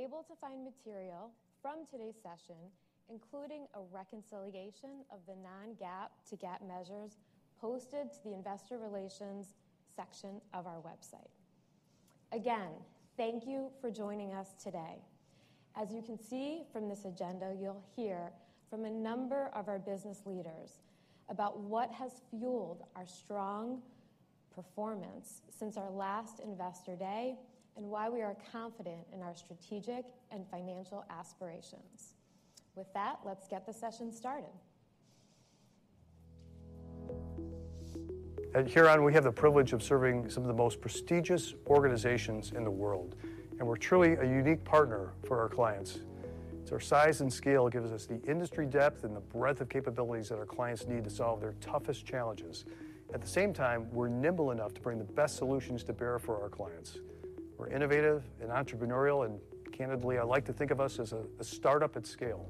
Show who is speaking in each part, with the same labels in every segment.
Speaker 1: Be able to find material from today's session, including a reconciliation of the non-GAAP to GAAP measures posted to the Investor Relations section of our website. Again, thank you for joining us today. As you can see from this agenda, you'll hear from a number of our business leaders about what has fueled our strong performance since our last Investor Day and why we are confident in our strategic and financial aspirations. With that, let's get the session started.
Speaker 2: At Huron, we have the privilege of serving some of the most prestigious organizations in the world, and we're truly a unique partner for our clients. It's our size and scale that gives us the industry depth and the breadth of capabilities that our clients need to solve their toughest challenges. At the same time, we're nimble enough to bring the best solutions to bear for our clients. We're innovative and entrepreneurial, and candidly, I like to think of us as a startup at scale.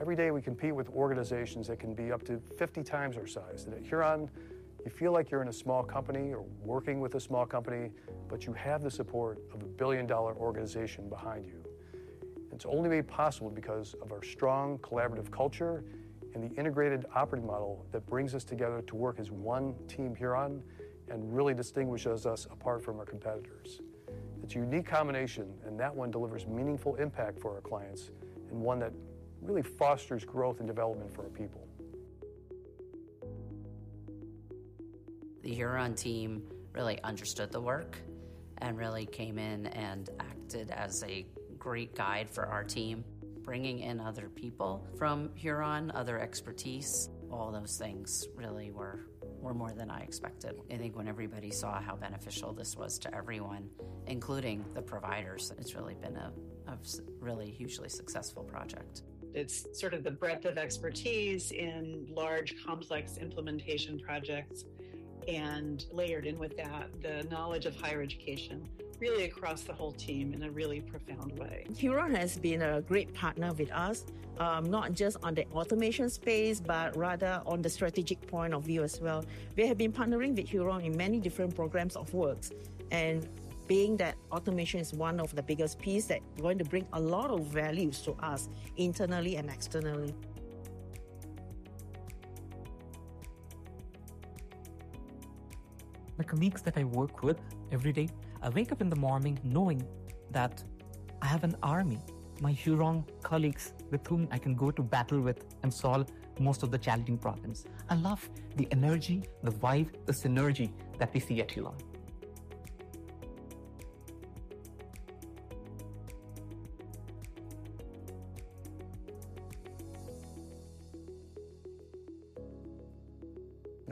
Speaker 2: Every day, we compete with organizations that can be up to 50 times our size. At Huron, you feel like you're in a small company or working with a small company, but you have the support of a billion-dollar organization behind you. It's only made possible because of our strong collaborative culture and the integrated operating model that brings us together to work as one team here at Huron and really distinguishes us apart from our competitors. It's a unique combination, and that one delivers meaningful impact for our clients and one that really fosters growth and development for our people.
Speaker 3: The Huron team really understood the work and really came in and acted as a great guide for our team, bringing in other people from Huron, other expertise. All those things really were more than I expected. I think when everybody saw how beneficial this was to everyone, including the providers, it's really been a really hugely successful project. It's sort of the breadth of expertise in large, complex implementation projects, and layered in with that, the knowledge of higher education really across the whole team in a really profound way. Huron has been a great partner with us, not just on the automation space, but rather on the strategic point of view as well. We have been partnering with Huron in many different programs of work, and being that automation is one of the biggest pieces that are going to bring a lot of value to us internally and externally. The colleagues that I work with every day, I wake up in the morning knowing that I have an army, my Huron colleagues with whom I can go to battle with and solve most of the challenging problems. I love the energy, the vibe, the synergy that we see at Huron.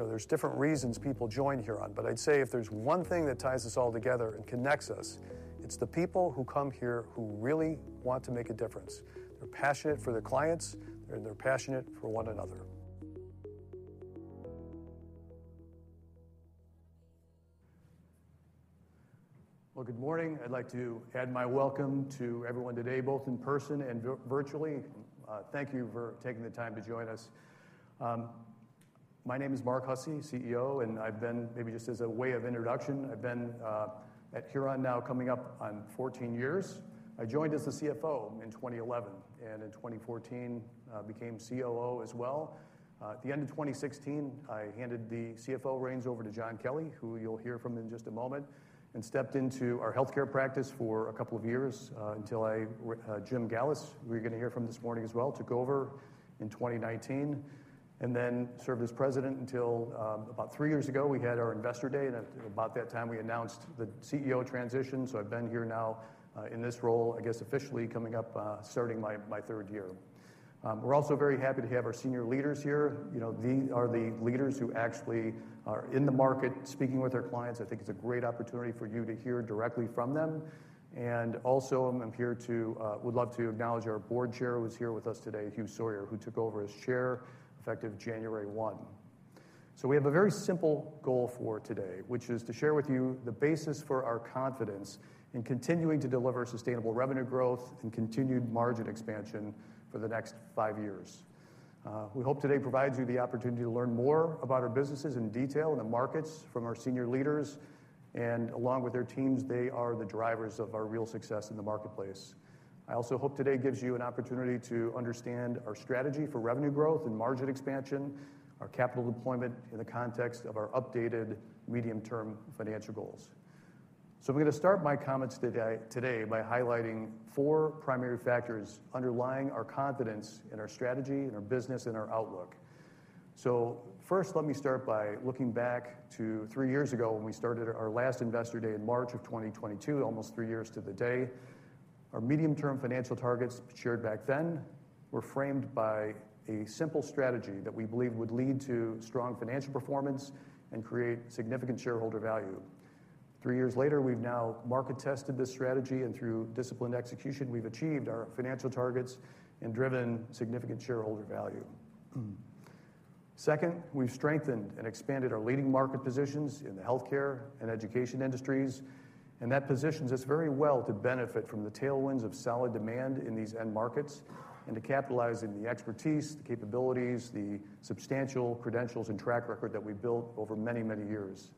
Speaker 2: are different reasons people join Huron, but I'd say if there's one thing that ties us all together and connects us, it's the people who come here who really want to make a difference. They're passionate for their clients, and they're passionate for one another. Good morning. I'd like to add my welcome to everyone today, both in person and virtually. Thank you for taking the time to join us. My name is Mark Hussey, CEO, and I've been, maybe just as a way of introduction, I've been at Huron now coming up on 14 years. I joined as the CFO in 2011, and in 2014, became COO as well. At the end of 2016, I handed the CFO reins over to John Kelly, who you'll hear from in just a moment, and stepped into our healthcare practice for a couple of years until I, Jim Gallus, who you're going to hear from this morning as well, took over in 2019, and then served as president until about three years ago. We had our Investor Day, and at about that time, we announced the CEO transition. I have been here now in this role, I guess officially coming up, starting my third year. We are also very happy to have our senior leaders here. These are the leaders who actually are in the market speaking with their clients. I think it's a great opportunity for you to hear directly from them. I am here to, would love to acknowledge our Board Chair who was here with us today, Hugh Sawyer, who took over as Chair effective January 1. We have a very simple goal for today, which is to share with you the basis for our confidence in continuing to deliver sustainable revenue growth and continued margin expansion for the next five years. We hope today provides you the opportunity to learn more about our businesses in detail and the markets from our senior leaders, and along with their teams, they are the drivers of our real success in the marketplace. I also hope today gives you an opportunity to understand our strategy for revenue growth and margin expansion, our capital deployment in the context of our updated medium-term financial goals. I'm going to start my comments today by highlighting four primary factors underlying our confidence in our strategy, in our business, and our outlook. First, let me start by looking back to three years ago when we started our last Investor Day in March of 2022, almost three years to the day. Our medium-term financial targets shared back then were framed by a simple strategy that we believed would lead to strong financial performance and create significant shareholder value. Three years later, we've now market-tested this strategy, and through disciplined execution, we've achieved our financial targets and driven significant shareholder value. Second, we've strengthened and expanded our leading market positions in the healthcare and education industries, and that positions us very well to benefit from the tailwinds of solid demand in these end markets and to capitalize on the expertise, the capabilities, the substantial credentials and track record that we built over many, many years.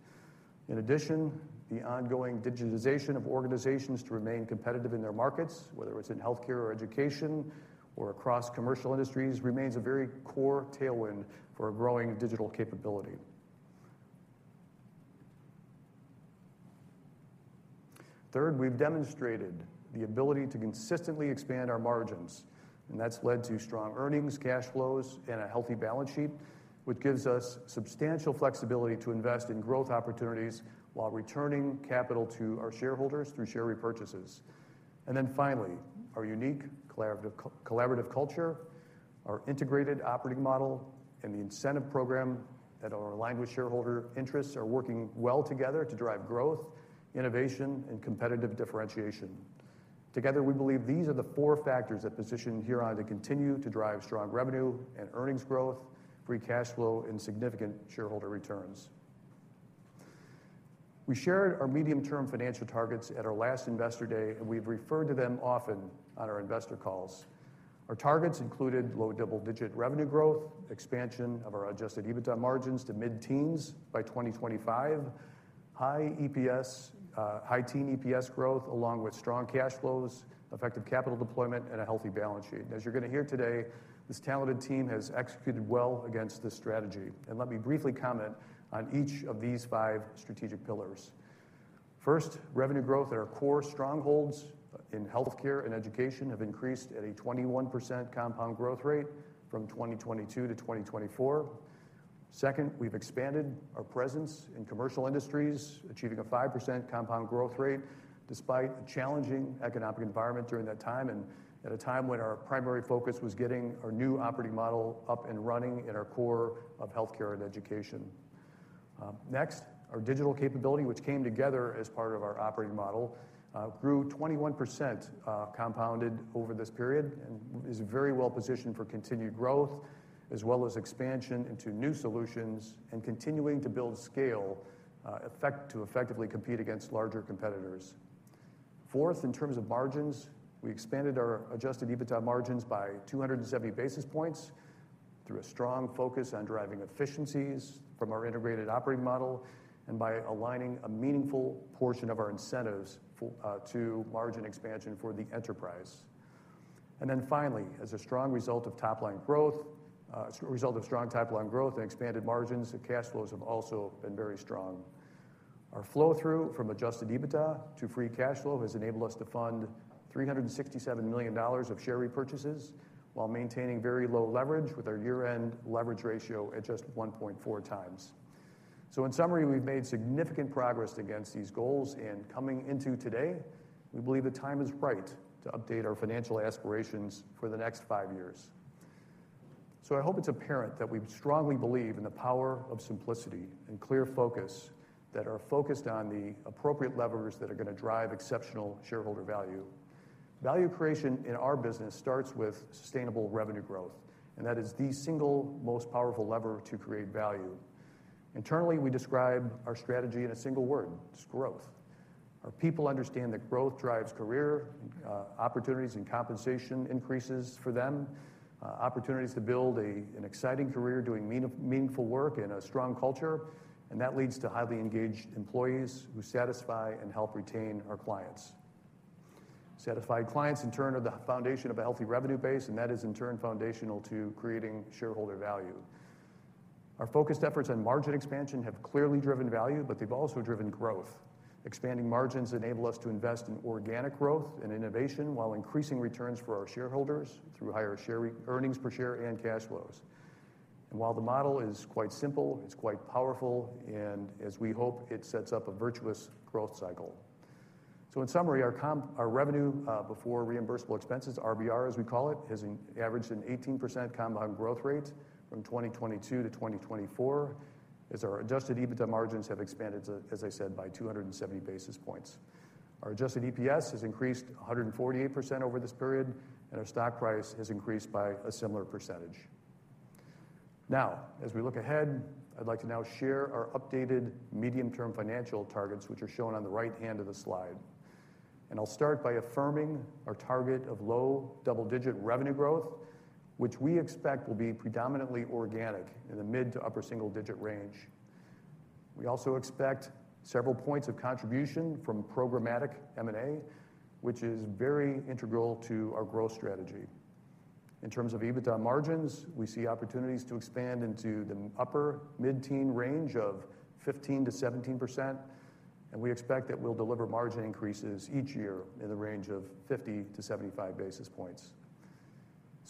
Speaker 2: In addition, the ongoing digitization of organizations to remain competitive in their markets, whether it's in healthcare or education or across commercial industries, remains a very core tailwind for a growing digital capability. Third, we've demonstrated the ability to consistently expand our margins, and that's led to strong earnings, cash flows, and a healthy balance sheet, which gives us substantial flexibility to invest in growth opportunities while returning capital to our shareholders through share repurchases. Finally, our unique collaborative culture, our integrated operating model, and the incentive program that are aligned with shareholder interests are working well together to drive growth, innovation, and competitive differentiation. Together, we believe these are the four factors that position Huron to continue to drive strong revenue and earnings growth, free cash flow, and significant shareholder returns. We shared our medium-term financial targets at our last Investor Day, and we've referred to them often on our investor calls. Our targets included low double-digit revenue growth, expansion of our adjusted EBITDA margins to mid-teens by 2025, high EPS, high-teens EPS growth, along with strong cash flows, effective capital deployment, and a healthy balance sheet. As you're going to hear today, this talented team has executed well against this strategy. Let me briefly comment on each of these five strategic pillars. First, revenue growth at our core strongholds in healthcare and education have increased at a 21% compound growth rate from 2022 to 2024. Second, we've expanded our presence in commercial industries, achieving a 5% compound growth rate despite a challenging economic environment during that time and at a time when our primary focus was getting our new operating model up and running in our core of healthcare and education. Next, our digital capability, which came together as part of our operating model, grew 21% compounded over this period and is very well positioned for continued growth as well as expansion into new solutions and continuing to build scale to effectively compete against larger competitors. Fourth, in terms of margins, we expanded our adjusted EBITDA margins by 270 basis points through a strong focus on driving efficiencies from our integrated operating model and by aligning a meaningful portion of our incentives to margin expansion for the enterprise. Finally, as a result of strong top-line growth and expanded margins, cash flows have also been very strong. Our flow-through from adjusted EBITDA to free cash flow has enabled us to fund $367 million of share repurchases while maintaining very low leverage with our year-end leverage ratio at just 1.4 times. In summary, we've made significant progress against these goals and coming into today, we believe the time is right to update our financial aspirations for the next five years. I hope it's apparent that we strongly believe in the power of simplicity and clear focus that are focused on the appropriate levers that are going to drive exceptional shareholder value. Value creation in our business starts with sustainable revenue growth, and that is the single most powerful lever to create value. Internally, we describe our strategy in a single word: it's growth. Our people understand that growth drives career opportunities and compensation increases for them, opportunities to build an exciting career doing meaningful work and a strong culture, and that leads to highly engaged employees who satisfy and help retain our clients. Satisfied clients, in turn, are the foundation of a healthy revenue base, and that is, in turn, foundational to creating shareholder value. Our focused efforts on margin expansion have clearly driven value, but they've also driven growth. Expanding margins enable us to invest in organic growth and innovation while increasing returns for our shareholders through higher earnings per share and cash flows. While the model is quite simple, it is quite powerful, and as we hope, it sets up a virtuous growth cycle. In summary, our revenue before reimbursable expenses, RBR, as we call it, has averaged an 18% compound growth rate from 2022 to 2024 as our adjusted EBITDA margins have expanded, as I said, by 270 basis points. Our adjusted EPS has increased 148% over this period, and our stock price has increased by a similar percentage. Now, as we look ahead, I would like to now share our updated medium-term financial targets, which are shown on the right hand of the slide. I will start by affirming our target of low double-digit revenue growth, which we expect will be predominantly organic in the mid- to upper single-digit range. We also expect several points of contribution from programmatic M&A, which is very integral to our growth strategy. In terms of EBITDA margins, we see opportunities to expand into the upper mid-teen range of 15%-17%, and we expect that we will deliver margin increases each year in the range of 50-75 basis points.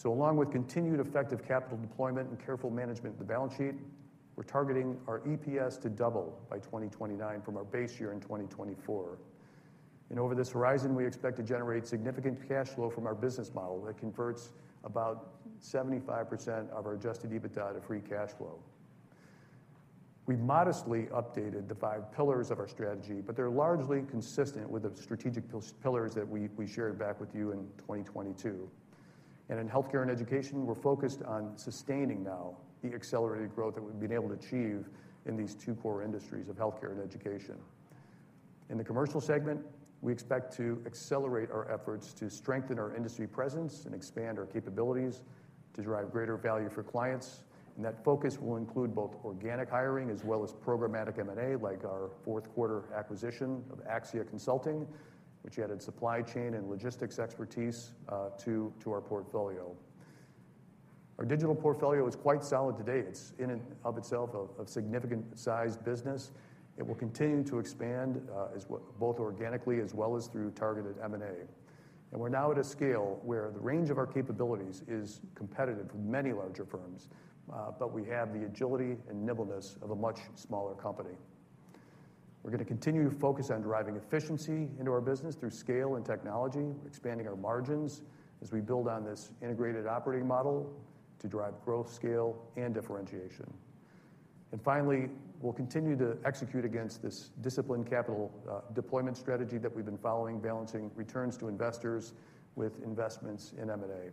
Speaker 2: Along with continued effective capital deployment and careful management of the balance sheet, we are targeting our EPS to double by 2029 from our base year in 2024. Over this horizon, we expect to generate significant cash flow from our business model that converts about 75% of our adjusted EBITDA to free cash flow. We've modestly updated the five pillars of our strategy, but they're largely consistent with the strategic pillars that we shared back with you in 2022. In healthcare and education, we're focused on sustaining now the accelerated growth that we've been able to achieve in these two core industries of healthcare and education. In the commercial segment, we expect to accelerate our efforts to strengthen our industry presence and expand our capabilities to drive greater value for clients. That focus will include both organic hiring as well as programmatic M&A, like our fourth-quarter acquisition of Axia Consulting, which added supply chain and logistics expertise to our portfolio. Our digital portfolio is quite solid today. It's in and of itself a significant-sized business. It will continue to expand both organically as well as through targeted M&A. We are now at a scale where the range of our capabilities is competitive with many larger firms, but we have the agility and nimbleness of a much smaller company. We are going to continue to focus on driving efficiency into our business through scale and technology, expanding our margins as we build on this integrated operating model to drive growth, scale, and differentiation. Finally, we will continue to execute against this disciplined capital deployment strategy that we have been following, balancing returns to investors with investments in M&A.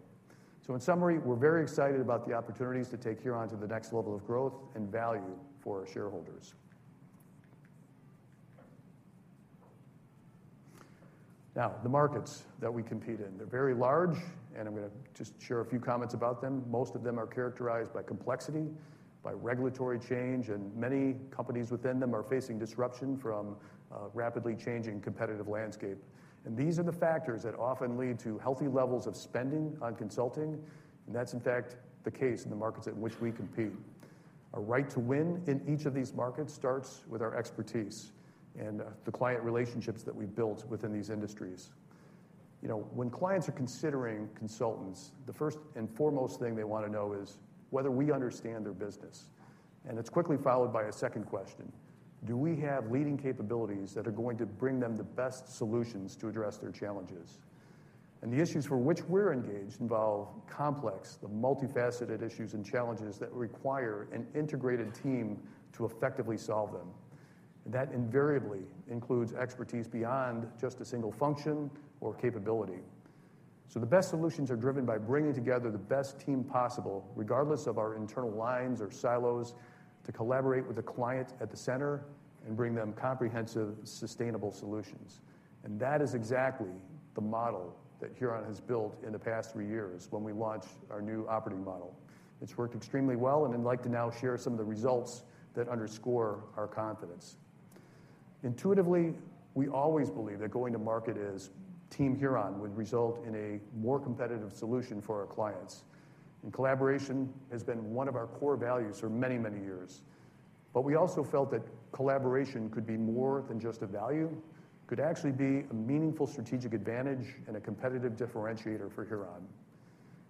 Speaker 2: In summary, we are very excited about the opportunities to take Huron to the next level of growth and value for our shareholders. The markets that we compete in are very large, and I am going to just share a few comments about them. Most of them are characterized by complexity, by regulatory change, and many companies within them are facing disruption from a rapidly changing competitive landscape. These are the factors that often lead to healthy levels of spending on consulting, and that's, in fact, the case in the markets in which we compete. Our right to win in each of these markets starts with our expertise and the client relationships that we've built within these industries. When clients are considering consultants, the first and foremost thing they want to know is whether we understand their business. It's quickly followed by a second question: do we have leading capabilities that are going to bring them the best solutions to address their challenges? The issues for which we're engaged involve complex, multifaceted issues and challenges that require an integrated team to effectively solve them. That invariably includes expertise beyond just a single function or capability. The best solutions are driven by bringing together the best team possible, regardless of our internal lines or silos, to collaborate with the client at the center and bring them comprehensive, sustainable solutions. That is exactly the model that Huron has built in the past three years when we launched our new operating model. It has worked extremely well, and I'd like to now share some of the results that underscore our confidence. Intuitively, we always believe that going to market as Team Huron would result in a more competitive solution for our clients. Collaboration has been one of our core values for many, many years. We also felt that collaboration could be more than just a value; it could actually be a meaningful strategic advantage and a competitive differentiator for Huron.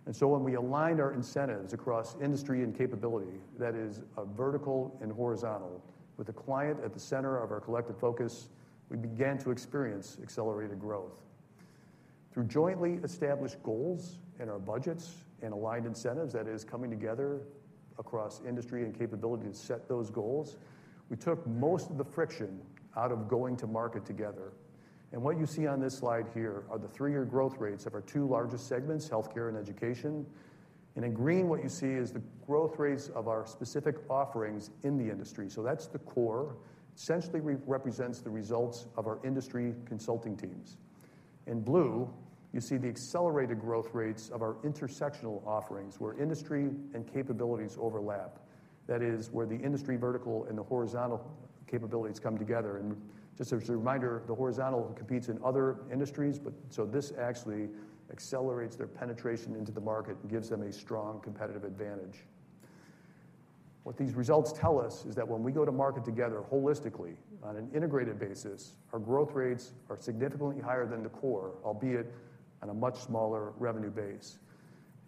Speaker 2: When we aligned our incentives across industry and capability, that is, vertical and horizontal, with the client at the center of our collective focus, we began to experience accelerated growth. Through jointly established goals and our budgets and aligned incentives, that is, coming together across industry and capability to set those goals, we took most of the friction out of going to market together. What you see on this slide here are the three-year growth rates of our two largest segments, healthcare and education. In green, what you see is the growth rates of our specific offerings in the industry. That is the core. Essentially, it represents the results of our industry consulting teams. In blue, you see the accelerated growth rates of our intersectional offerings, where industry and capabilities overlap. That is, where the industry vertical and the horizontal capabilities come together. Just as a reminder, the horizontal competes in other industries, so this actually accelerates their penetration into the market and gives them a strong competitive advantage. What these results tell us is that when we go to market together holistically on an integrated basis, our growth rates are significantly higher than the core, albeit on a much smaller revenue base.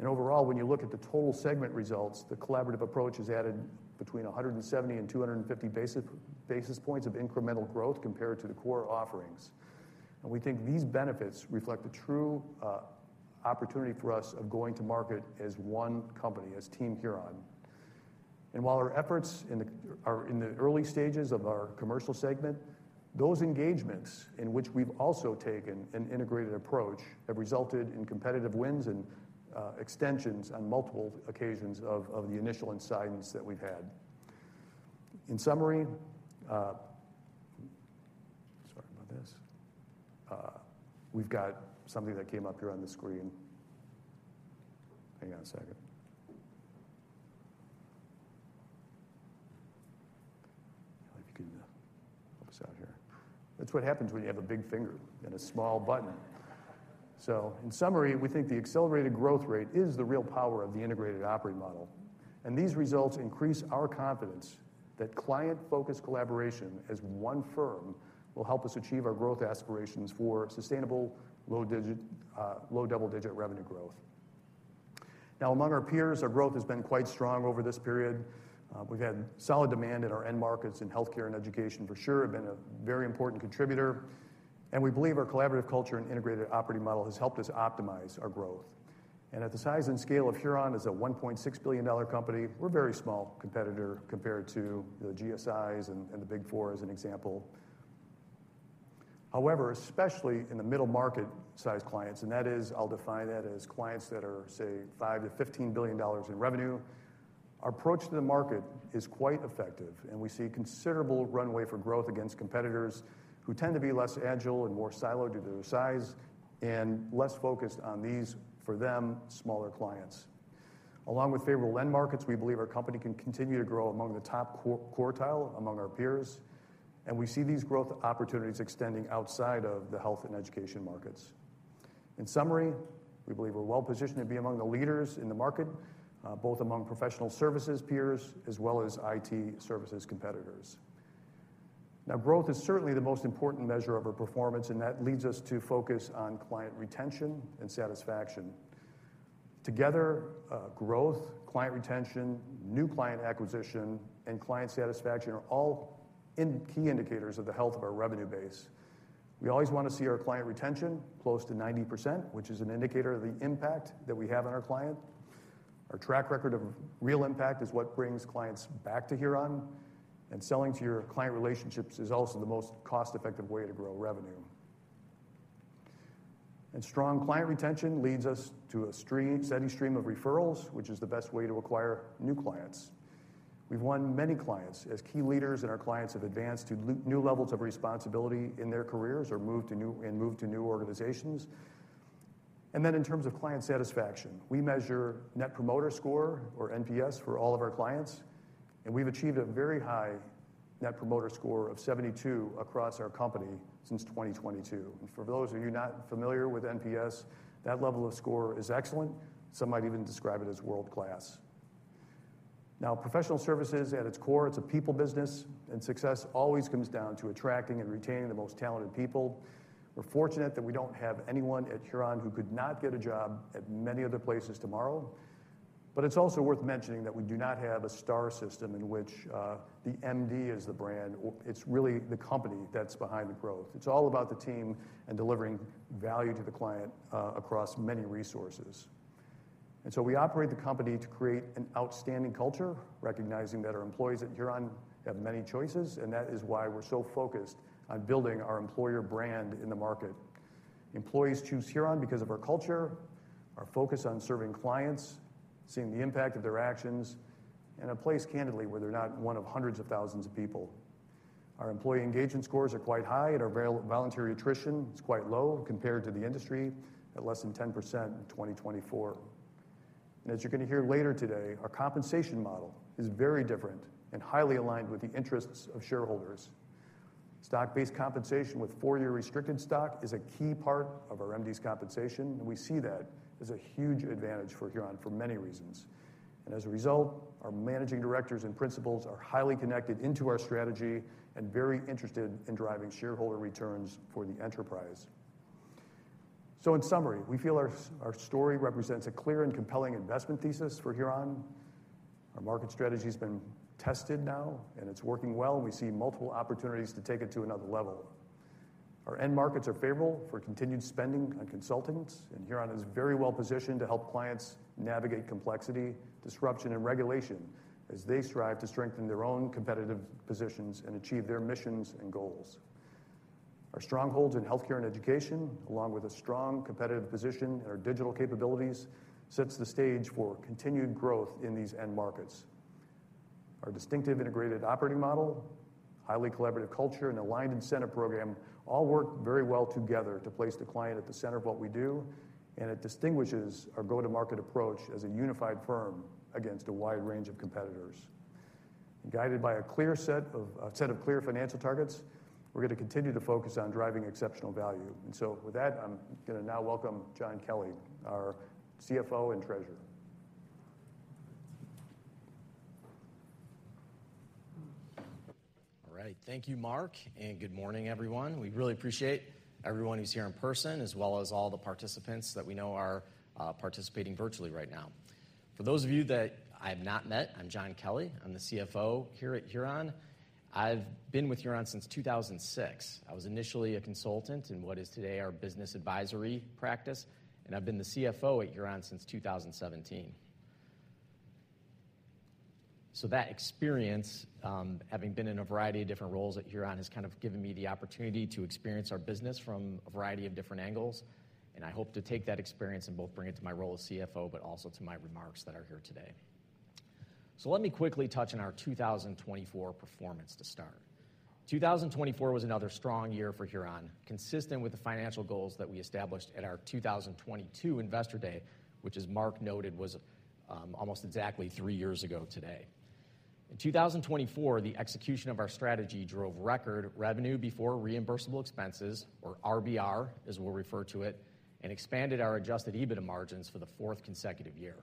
Speaker 2: Overall, when you look at the total segment results, the collaborative approach has added between 170 and 250 basis points of incremental growth compared to the core offerings. We think these benefits reflect the true opportunity for us of going to market as one company, as Team Huron. While our efforts are in the early stages of our commercial segment, those engagements in which we've also taken an integrated approach have resulted in competitive wins and extensions on multiple occasions of the initial incitements that we've had. In summary, sorry about this, we've got something that came up here on the screen. Hang on a second. If you can help us out here. That's what happens when you have a big finger and a small button. In summary, we think the accelerated growth rate is the real power of the integrated operating model. These results increase our confidence that client-focused collaboration as one firm will help us achieve our growth aspirations for sustainable low double-digit revenue growth. Now, among our peers, our growth has been quite strong over this period. We've had solid demand in our end markets in healthcare and education, for sure, have been a very important contributor. We believe our collaborative culture and integrated operating model has helped us optimize our growth. At the size and scale of Huron, as a $1.6 billion company, we're a very small competitor compared to the GSIs and the Big Four, as an example. However, especially in the middle-market size clients, and that is, I'll define that as clients that are, say, $5 billion-$15 billion in revenue, our approach to the market is quite effective, and we see considerable runway for growth against competitors who tend to be less agile and more siloed due to their size and less focused on these, for them, smaller clients. Along with favorable end markets, we believe our company can continue to grow among the top quartile among our peers, and we see these growth opportunities extending outside of the health and education markets. In summary, we believe we're well positioned to be among the leaders in the market, both among professional services peers as well as IT services competitors. Now, growth is certainly the most important measure of our performance, and that leads us to focus on client retention and satisfaction. Together, growth, client retention, new client acquisition, and client satisfaction are all key indicators of the health of our revenue base. We always want to see our client retention close to 90%, which is an indicator of the impact that we have on our client. Our track record of real impact is what brings clients back to Huron, and selling to your client relationships is also the most cost-effective way to grow revenue. Strong client retention leads us to a steady stream of referrals, which is the best way to acquire new clients. We've won many clients as key leaders in our clients have advanced to new levels of responsibility in their careers and moved to new organizations. In terms of client satisfaction, we measure net promoter score, or NPS, for all of our clients, and we've achieved a very high net promoter score of 72 across our company since 2022. For those of you not familiar with NPS, that level of score is excellent. Some might even describe it as world-class. Now, professional services, at its core, it's a people business, and success always comes down to attracting and retaining the most talented people. We're fortunate that we don't have anyone at Huron who could not get a job at many other places tomorrow. It's also worth mentioning that we do not have a star system in which the MD is the brand. It's really the company that's behind the growth. It's all about the team and delivering value to the client across many resources. We operate the company to create an outstanding culture, recognizing that our employees at Huron have many choices, and that is why we're so focused on building our employer brand in the market. Employees choose Huron because of our culture, our focus on serving clients, seeing the impact of their actions, and a place, candidly, where they're not one of hundreds of thousands of people. Our employee engagement scores are quite high, and our voluntary attrition is quite low compared to the industry at less than 10% in 2024. As you're going to hear later today, our compensation model is very different and highly aligned with the interests of shareholders. Stock-based compensation with four-year restricted stock is a key part of our MD's compensation, and we see that as a huge advantage for Huron for many reasons. As a result, our managing directors and principals are highly connected into our strategy and very interested in driving shareholder returns for the enterprise. In summary, we feel our story represents a clear and compelling investment thesis for Huron. Our market strategy has been tested now, and it's working well, and we see multiple opportunities to take it to another level. Our end markets are favorable for continued spending on consultants, and Huron is very well positioned to help clients navigate complexity, disruption, and regulation as they strive to strengthen their own competitive positions and achieve their missions and goals. Our strongholds in healthcare and education, along with a strong competitive position in our digital capabilities, set the stage for continued growth in these end markets. Our distinctive integrated operating model, highly collaborative culture, and aligned incentive program all work very well together to place the client at the center of what we do, and it distinguishes our go-to-market approach as a unified firm against a wide range of competitors. Guided by a set of clear financial targets, we're going to continue to focus on driving exceptional value. With that, I'm going to now welcome John Kelly, our CFO and Treasurer.
Speaker 4: All right. Thank you, Mark, and good morning, everyone. We really appreciate everyone who's here in person, as well as all the participants that we know are participating virtually right now. For those of you that I have not met, I'm John Kelly. I'm the CFO here at Huron. I've been with Huron since 2006. I was initially a consultant in what is today our business advisory practice, and I've been the CFO at Huron since 2017. That experience, having been in a variety of different roles at Huron, has kind of given me the opportunity to experience our business from a variety of different angles, and I hope to take that experience and both bring it to my role as CFO, but also to my remarks that are here today. Let me quickly touch on our 2024 performance to start. 2024 was another strong year for Huron, consistent with the financial goals that we established at our 2022 Investor Day, which, as Mark noted, was almost exactly three years ago today. In 2024, the execution of our strategy drove record revenue before reimbursable expenses, or RBR, as we'll refer to it, and expanded our adjusted EBITDA margins for the fourth consecutive year.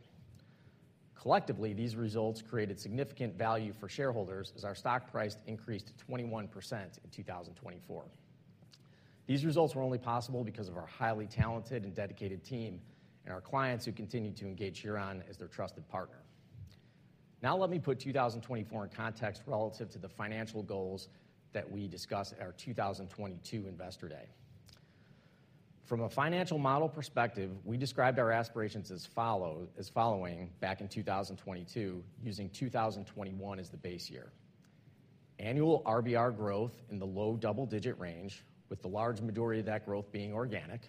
Speaker 4: Collectively, these results created significant value for shareholders as our stock price increased 21% in 2024. These results were only possible because of our highly talented and dedicated team and our clients who continue to engage Huron as their trusted partner. Now, let me put 2024 in context relative to the financial goals that we discuss at our 2022 Investor Day. From a financial model perspective, we described our aspirations as following back in 2022, using 2021 as the base year: annual RBR growth in the low double-digit range, with the large majority of that growth being organic,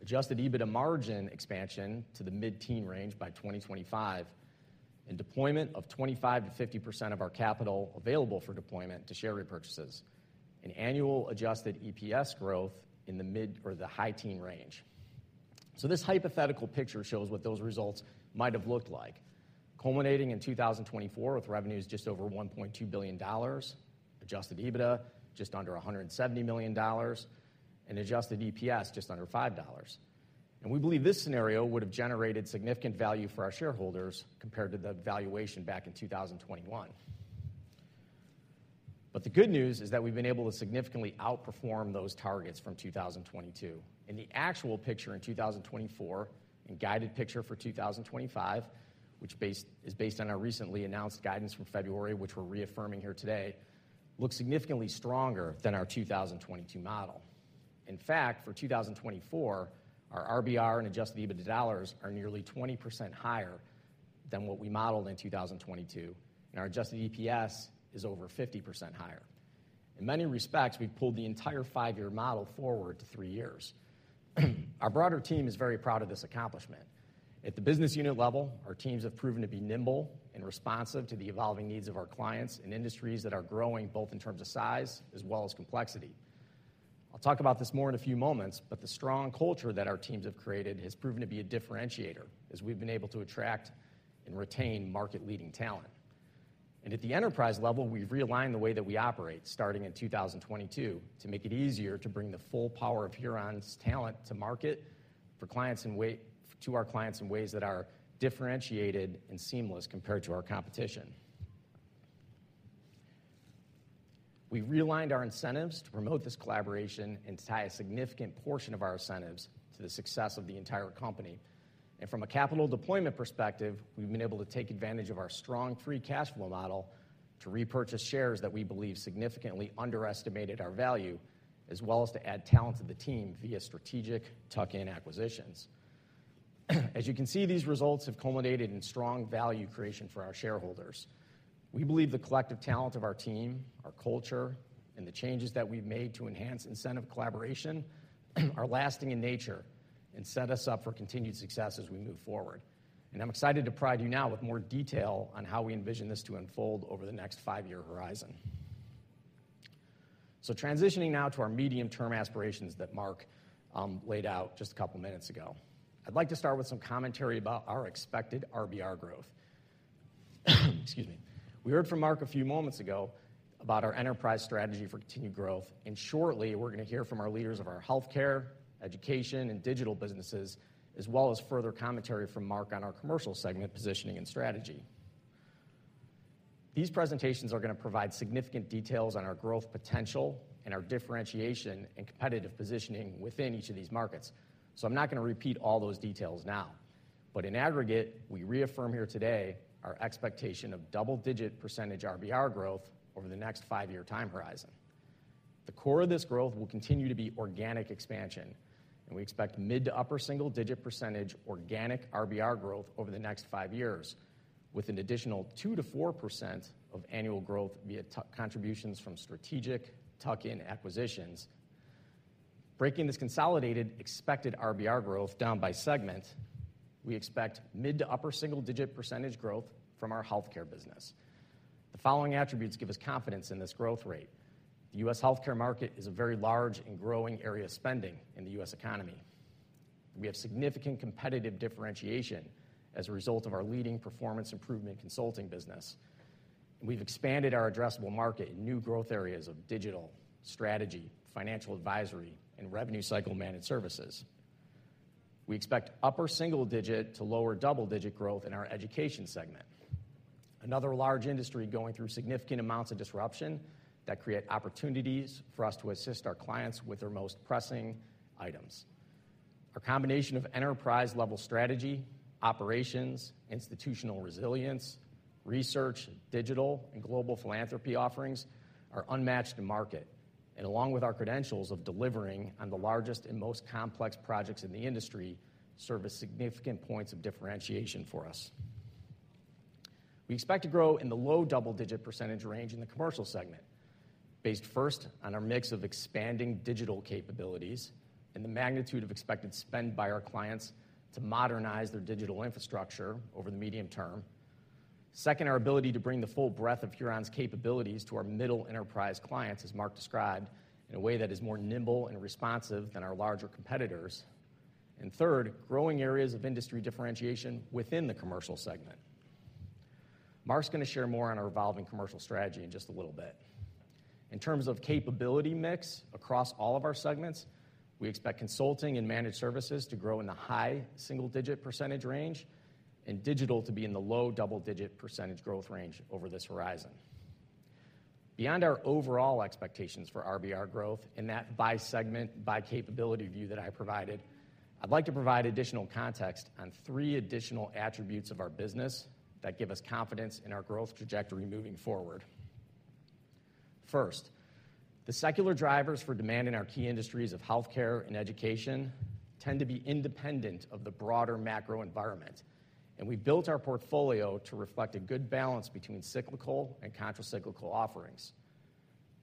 Speaker 4: adjusted EBITDA margin expansion to the mid-teen range by 2025, and deployment of 25-50% of our capital available for deployment to share repurchases, and annual adjusted EPS growth in the mid or the high-teen range. This hypothetical picture shows what those results might have looked like, culminating in 2024 with revenues just over $1.2 billion, adjusted EBITDA just under $170 million, and adjusted EPS just under $5. We believe this scenario would have generated significant value for our shareholders compared to the valuation back in 2021. The good news is that we've been able to significantly outperform those targets from 2022. The actual picture in 2024 and guided picture for 2025, which is based on our recently announced guidance from February, which we are reaffirming here today, looks significantly stronger than our 2022 model. In fact, for 2024, our RBR and adjusted EBITDA dollars are nearly 20% higher than what we modeled in 2022, and our adjusted EPS is over 50% higher. In many respects, we have pulled the entire five-year model forward to three years. Our broader team is very proud of this accomplishment. At the business unit level, our teams have proven to be nimble and responsive to the evolving needs of our clients in industries that are growing both in terms of size as well as complexity. I'll talk about this more in a few moments, but the strong culture that our teams have created has proven to be a differentiator, as we've been able to attract and retain market-leading talent. At the enterprise level, we've realigned the way that we operate starting in 2022 to make it easier to bring the full power of Huron's talent to market to our clients in ways that are differentiated and seamless compared to our competition. We've realigned our incentives to promote this collaboration and tie a significant portion of our incentives to the success of the entire company. From a capital deployment perspective, we've been able to take advantage of our strong free cash flow model to repurchase shares that we believe significantly underestimated our value, as well as to add talent to the team via strategic tuck-in acquisitions. As you can see, these results have culminated in strong value creation for our shareholders. We believe the collective talent of our team, our culture, and the changes that we've made to enhance incentive collaboration are lasting in nature and set us up for continued success as we move forward. I am excited to provide you now with more detail on how we envision this to unfold over the next five-year horizon. Transitioning now to our medium-term aspirations that Mark laid out just a couple of minutes ago, I would like to start with some commentary about our expected RBR growth. Excuse me. We heard from Mark a few moments ago about our enterprise strategy for continued growth, and shortly, we are going to hear from our leaders of our healthcare, education, and digital businesses, as well as further commentary from Mark on our commercial segment positioning and strategy. These presentations are going to provide significant details on our growth potential and our differentiation and competitive positioning within each of these markets. I am not going to repeat all those details now. In aggregate, we reaffirm here today our expectation of double-digit % RBR growth over the next five-year time horizon. The core of this growth will continue to be organic expansion, and we expect mid to upper single-digit % organic RBR growth over the next five years, with an additional 2-4% of annual growth via contributions from strategic tuck-in acquisitions. Breaking this consolidated expected RBR growth down by segment, we expect mid to upper single-digit % growth from our healthcare business. The following attributes give us confidence in this growth rate. The U.S. healthcare market is a very large and growing area of spending in the U.S. economy. We have significant competitive differentiation as a result of our leading performance improvement consulting business. We've expanded our addressable market in new growth areas of digital, strategy, financial advisory, and revenue-cycle managed services. We expect upper single-digit to lower double-digit growth in our education segment, another large industry going through significant amounts of disruption that create opportunities for us to assist our clients with their most pressing items. Our combination of enterprise-level strategy, operations, institutional resilience, research, digital, and global philanthropy offerings are unmatched in market, and along with our credentials of delivering on the largest and most complex projects in the industry, serve as significant points of differentiation for us. We expect to grow in the low double-digit % range in the commercial segment, based first on our mix of expanding digital capabilities and the magnitude of expected spend by our clients to modernize their digital infrastructure over the medium term. Second, our ability to bring the full breadth of Huron's capabilities to our middle enterprise clients, as Mark described, in a way that is more nimble and responsive than our larger competitors. Third, growing areas of industry differentiation within the commercial segment. Mark's going to share more on our evolving commercial strategy in just a little bit. In terms of capability mix across all of our segments, we expect consulting and managed services to grow in the high single-digit % range and digital to be in the low double-digit % growth range over this horizon. Beyond our overall expectations for RBR growth in that by-segment, by-capability view that I provided, I'd like to provide additional context on three additional attributes of our business that give us confidence in our growth trajectory moving forward. First, the secular drivers for demand in our key industries of healthcare and education tend to be independent of the broader macro environment, and we've built our portfolio to reflect a good balance between cyclical and contracyclical offerings.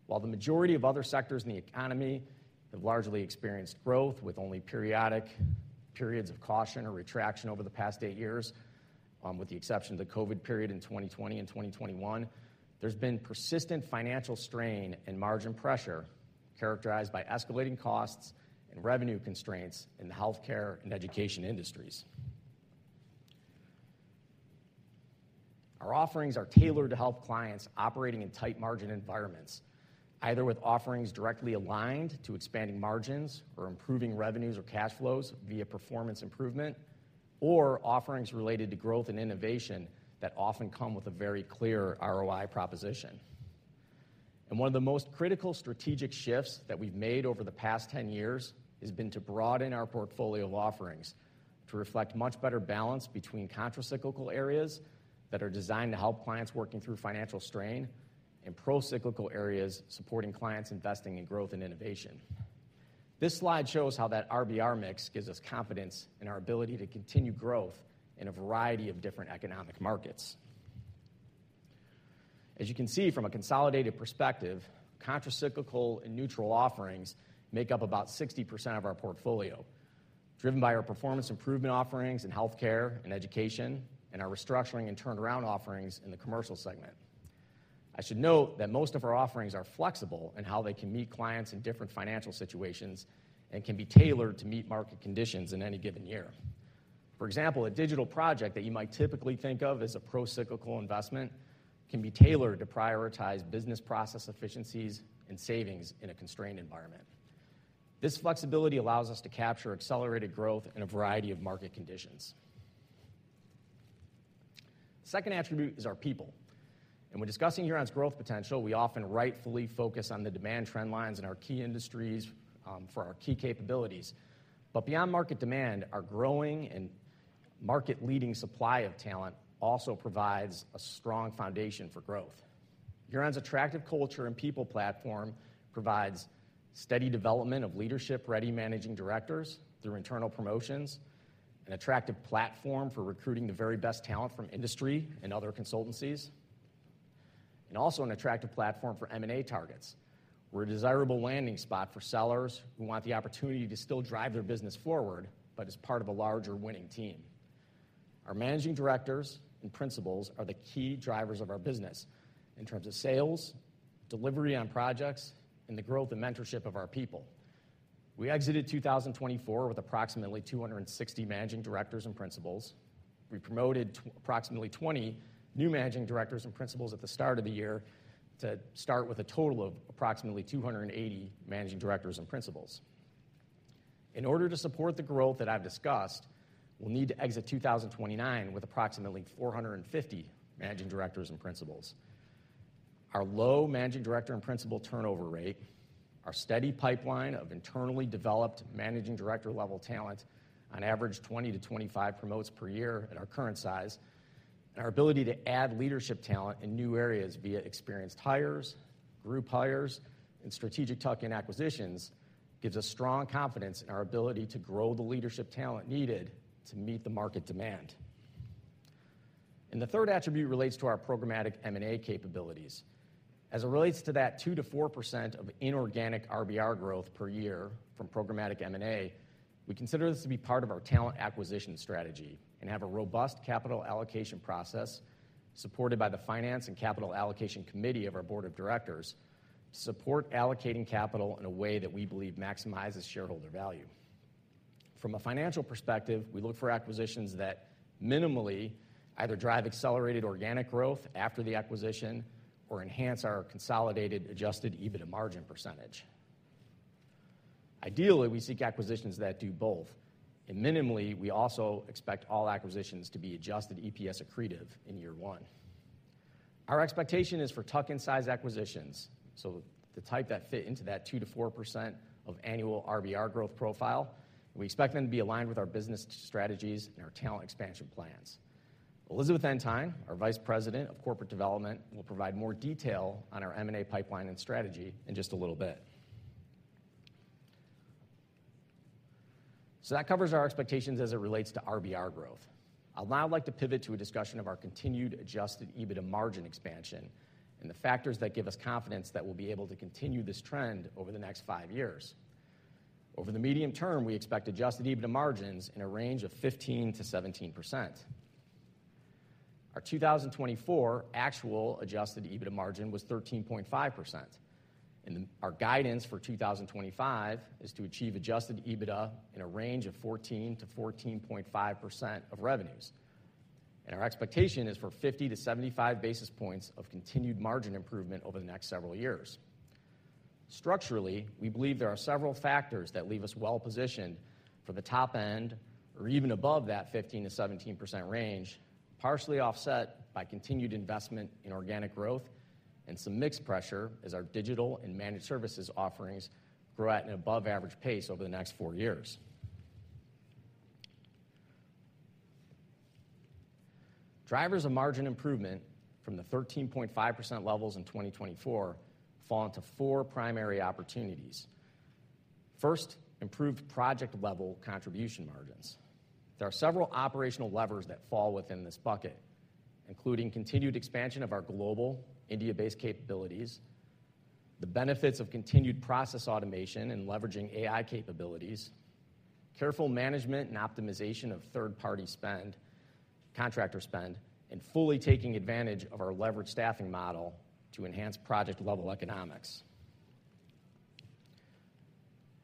Speaker 4: While the majority of other sectors in the economy have largely experienced growth with only periodic periods of caution or retraction over the past eight years, with the exception of the COVID period in 2020 and 2021, there's been persistent financial strain and margin pressure characterized by escalating costs and revenue constraints in the healthcare and education industries. Our offerings are tailored to help clients operating in tight margin environments, either with offerings directly aligned to expanding margins or improving revenues or cash flows via performance improvement, or offerings related to growth and innovation that often come with a very clear ROI proposition. One of the most critical strategic shifts that we've made over the past 10 years has been to broaden our portfolio of offerings to reflect much better balance between contracyclical areas that are designed to help clients working through financial strain and procyclical areas supporting clients investing in growth and innovation. This slide shows how that RBR mix gives us confidence in our ability to continue growth in a variety of different economic markets. As you can see from a consolidated perspective, contracyclical and neutral offerings make up about 60% of our portfolio, driven by our performance improvement offerings in healthcare and education and our restructuring and turnaround offerings in the commercial segment. I should note that most of our offerings are flexible in how they can meet clients in different financial situations and can be tailored to meet market conditions in any given year. For example, a digital project that you might typically think of as a procyclical investment can be tailored to prioritize business process efficiencies and savings in a constrained environment. This flexibility allows us to capture accelerated growth in a variety of market conditions. The second attribute is our people. When discussing Huron's growth potential, we often rightfully focus on the demand trend lines in our key industries for our key capabilities. Beyond market demand, our growing and market-leading supply of talent also provides a strong foundation for growth. Huron's attractive culture and people platform provides steady development of leadership-ready managing directors through internal promotions, an attractive platform for recruiting the very best talent from industry and other consultancies, and also an attractive platform for M&A targets, where a desirable landing spot for sellers who want the opportunity to still drive their business forward, but as part of a larger winning team. Our managing directors and principals are the key drivers of our business in terms of sales, delivery on projects, and the growth and mentorship of our people. We exited 2024 with approximately 260 managing directors and principals. We promoted approximately 20 new managing directors and principals at the start of the year to start with a total of approximately 280 managing directors and principals. In order to support the growth that I've discussed, we'll need to exit 2029 with approximately 450 managing directors and principals. Our low managing director and principal turnover rate, our steady pipeline of internally developed managing director-level talent on average 20-25 promotes per year at our current size, and our ability to add leadership talent in new areas via experienced hires, group hires, and strategic tuck-in acquisitions gives us strong confidence in our ability to grow the leadership talent needed to meet the market demand. The third attribute relates to our programmatic M&A capabilities. As it relates to that 2-4% of inorganic RBR growth per year from programmatic M&A, we consider this to be part of our talent acquisition strategy and have a robust capital allocation process supported by the Finance and Capital Allocation Committee of our Board of Directors to support allocating capital in a way that we believe maximizes shareholder value. From a financial perspective, we look for acquisitions that minimally either drive accelerated organic growth after the acquisition or enhance our consolidated adjusted EBITDA margin percentage. Ideally, we seek acquisitions that do both, and minimally, we also expect all acquisitions to be adjusted EPS accretive in year one. Our expectation is for tuck-in size acquisitions, so the type that fit into that 2-4% of annual RBR growth profile, we expect them to be aligned with our business strategies and our talent expansion plans. Elizabeth Entinghe, our Vice President of Corporate Development, will provide more detail on our M&A pipeline and strategy in just a little bit. That covers our expectations as it relates to RBR growth. I'd now like to pivot to a discussion of our continued adjusted EBITDA margin expansion and the factors that give us confidence that we'll be able to continue this trend over the next five years. Over the medium term, we expect adjusted EBITDA margins in a range of 15-17%. Our 2024 actual adjusted EBITDA margin was 13.5%, and our guidance for 2025 is to achieve adjusted EBITDA in a range of 14-14.5% of revenues. Our expectation is for 50 to 75 basis points of continued margin improvement over the next several years. Structurally, we believe there are several factors that leave us well positioned for the top end or even above that 15-17% range, partially offset by continued investment in organic growth and some mixed pressure as our digital and managed services offerings grow at an above-average pace over the next four years. Drivers of margin improvement from the 13.5% levels in 2024 fall into four primary opportunities. First, improved project-level contribution margins. There are several operational levers that fall within this bucket, including continued expansion of our global India-based capabilities, the benefits of continued process automation and leveraging AI capabilities, careful management and optimization of third-party spend, contractor spend, and fully taking advantage of our leveraged staffing model to enhance project-level economics.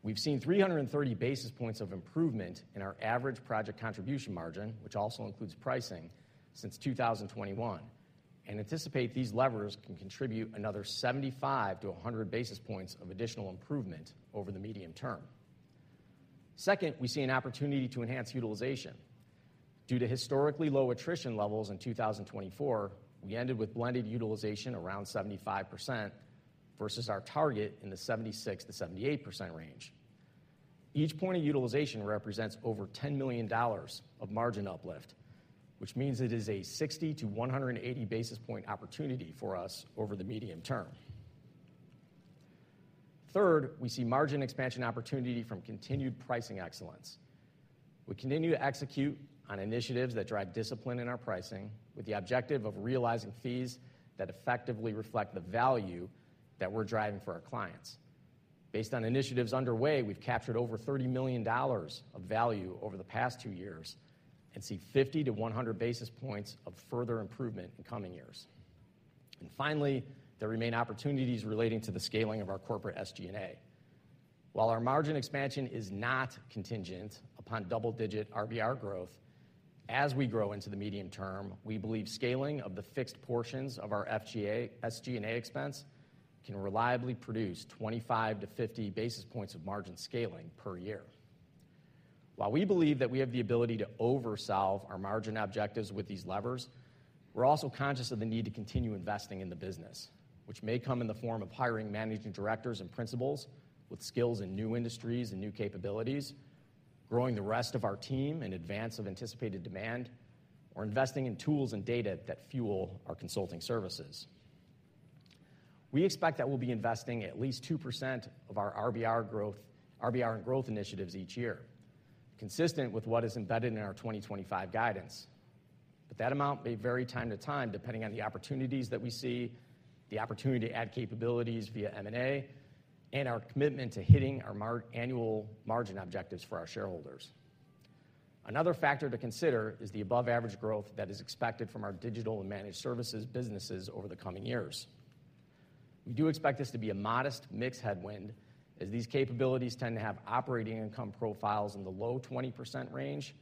Speaker 4: We've seen 330 basis points of improvement in our average project contribution margin, which also includes pricing, since 2021, and anticipate these levers can contribute another 75-100 basis points of additional improvement over the medium term. Second, we see an opportunity to enhance utilization. Due to historically low attrition levels in 2024, we ended with blended utilization around 75% versus our target in the 76-78% range. Each point of utilization represents over $10 million of margin uplift, which means it is a 60-180 basis point opportunity for us over the medium term. Third, we see margin expansion opportunity from continued pricing excellence. We continue to execute on initiatives that drive discipline in our pricing with the objective of realizing fees that effectively reflect the value that we're driving for our clients. Based on initiatives underway, we've captured over $30 million of value over the past two years and see 50-100 basis points of further improvement in coming years. Finally, there remain opportunities relating to the scaling of our corporate SG&A. While our margin expansion is not contingent upon double-digit RBR growth, as we grow into the medium term, we believe scaling of the fixed portions of our SG&A expense can reliably produce 25-50 basis points of margin scaling per year. While we believe that we have the ability to oversolve our margin objectives with these levers, we're also conscious of the need to continue investing in the business, which may come in the form of hiring managing directors and principals with skills in new industries and new capabilities, growing the rest of our team in advance of anticipated demand, or investing in tools and data that fuel our consulting services. We expect that we'll be investing at least 2% of our RBR and growth initiatives each year, consistent with what is embedded in our 2025 guidance. That amount may vary time to time depending on the opportunities that we see, the opportunity to add capabilities via M&A, and our commitment to hitting our annual margin objectives for our shareholders. Another factor to consider is the above-average growth that is expected from our digital and managed services businesses over the coming years. We do expect this to be a modest mixed headwind, as these capabilities tend to have operating income profiles in the low 20% range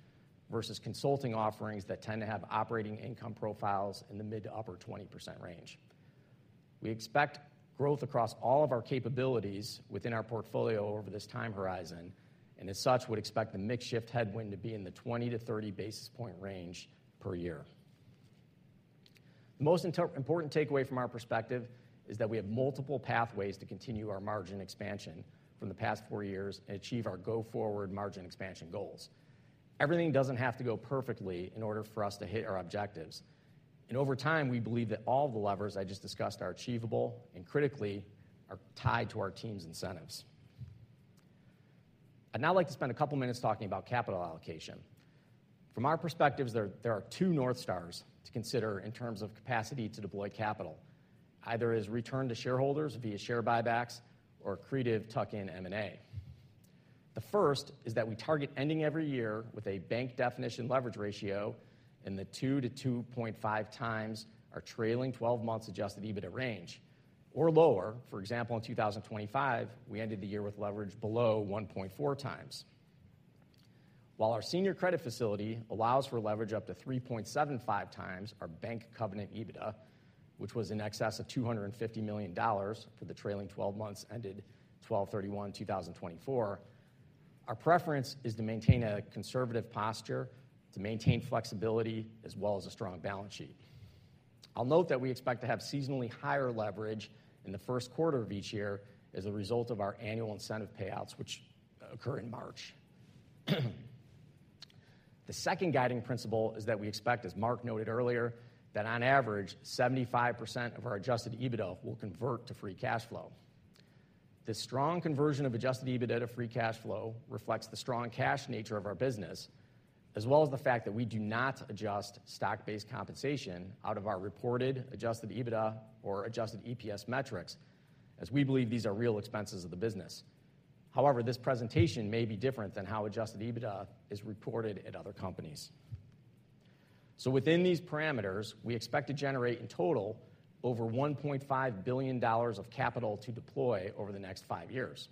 Speaker 4: versus consulting offerings that tend to have operating income profiles in the mid to upper 20% range. We expect growth across all of our capabilities within our portfolio over this time horizon, and as such, would expect the mixed shift headwind to be in the 20-30 basis point range per year. The most important takeaway from our perspective is that we have multiple pathways to continue our margin expansion from the past four years and achieve our go forward margin expansion goals. Everything doesn't have to go perfectly in order for us to hit our objectives. Over time, we believe that all of the levers I just discussed are achievable and critically are tied to our team's incentives. I'd now like to spend a couple of minutes talking about capital allocation. From our perspectives, there are two North Stars to consider in terms of capacity to deploy capital, either as return to shareholders via share buybacks or accretive tuck-in M&A. The first is that we target ending every year with a bank definition leverage ratio in the 2-2.5 times our trailing 12 months adjusted EBITDA range or lower. For example, in 2025, we ended the year with leverage below 1.4 times. While our senior credit facility allows for leverage up to 3.75 times our bank covenant EBITDA, which was in excess of $250 million for the trailing 12 months ended 12/31/2024, our preference is to maintain a conservative posture to maintain flexibility as well as a strong balance sheet. I'll note that we expect to have seasonally higher leverage in the first quarter of each year as a result of our annual incentive payouts, which occur in March. The second guiding principle is that we expect, as Mark noted earlier, that on average, 75% of our adjusted EBITDA will convert to free cash flow. This strong conversion of adjusted EBITDA to free cash flow reflects the strong cash nature of our business, as well as the fact that we do not adjust stock-based compensation out of our reported adjusted EBITDA or adjusted EPS metrics, as we believe these are real expenses of the business. However, this presentation may be different than how adjusted EBITDA is reported at other companies. Within these parameters, we expect to generate in total over $1.5 billion of capital to deploy over the next five years.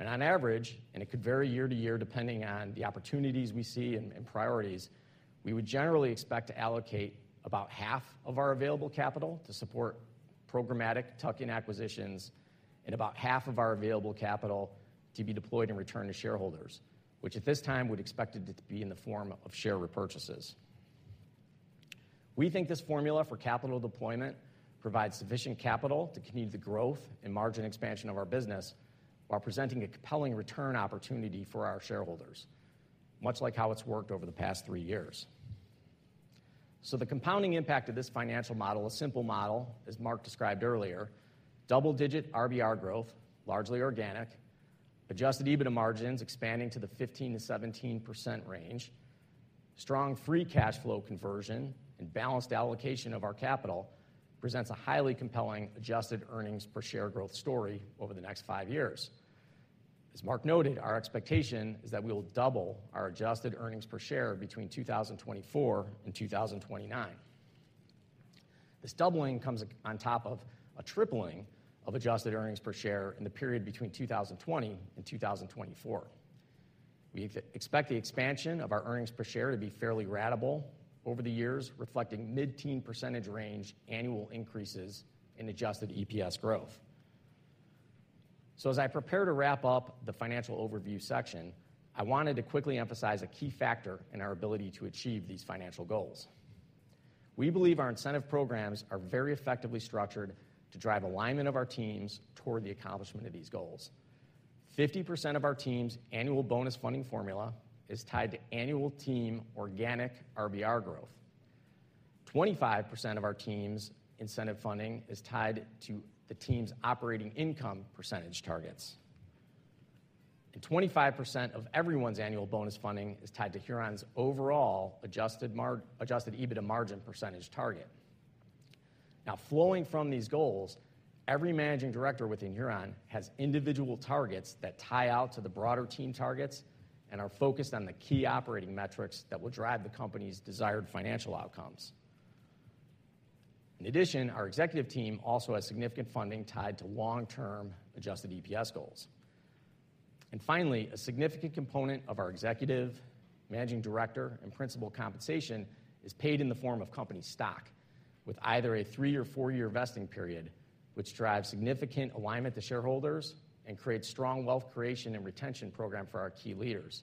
Speaker 4: On average, and it could vary year to year depending on the opportunities we see and priorities, we would generally expect to allocate about half of our available capital to support programmatic tuck-in acquisitions and about half of our available capital to be deployed in return to shareholders, which at this time we'd expect it to be in the form of share repurchases. We think this formula for capital deployment provides sufficient capital to continue the growth and margin expansion of our business while presenting a compelling return opportunity for our shareholders, much like how it's worked over the past three years. The compounding impact of this financial model, a simple model, as Mark described earlier, double-digit RBR growth, largely organic, adjusted EBITDA margins expanding to the 15-17% range, strong free cash flow conversion, and balanced allocation of our capital presents a highly compelling adjusted earnings per share growth story over the next five years. As Mark noted, our expectation is that we will double our adjusted earnings per share between 2024 and 2029. This doubling comes on top of a tripling of adjusted earnings per share in the period between 2020 and 2024. We expect the expansion of our earnings per share to be fairly ratable over the years, reflecting mid-teen percentage range annual increases in adjusted EPS growth. As I prepare to wrap up the financial overview section, I wanted to quickly emphasize a key factor in our ability to achieve these financial goals. We believe our incentive programs are very effectively structured to drive alignment of our teams toward the accomplishment of these goals. 50% of our team's annual bonus funding formula is tied to annual team organic RBR growth. 25% of our team's incentive funding is tied to the team's operating income percentage targets. 25% of everyone's annual bonus funding is tied to Huron's overall adjusted EBITDA margin percentage target. Now, flowing from these goals, every managing director within Huron has individual targets that tie out to the broader team targets and are focused on the key operating metrics that will drive the company's desired financial outcomes. In addition, our executive team also has significant funding tied to long-term adjusted EPS goals. A significant component of our executive, Managing Director, and Principal compensation is paid in the form of company stock with either a three or four-year vesting period, which drives significant alignment to shareholders and creates strong wealth creation and retention programs for our key leaders.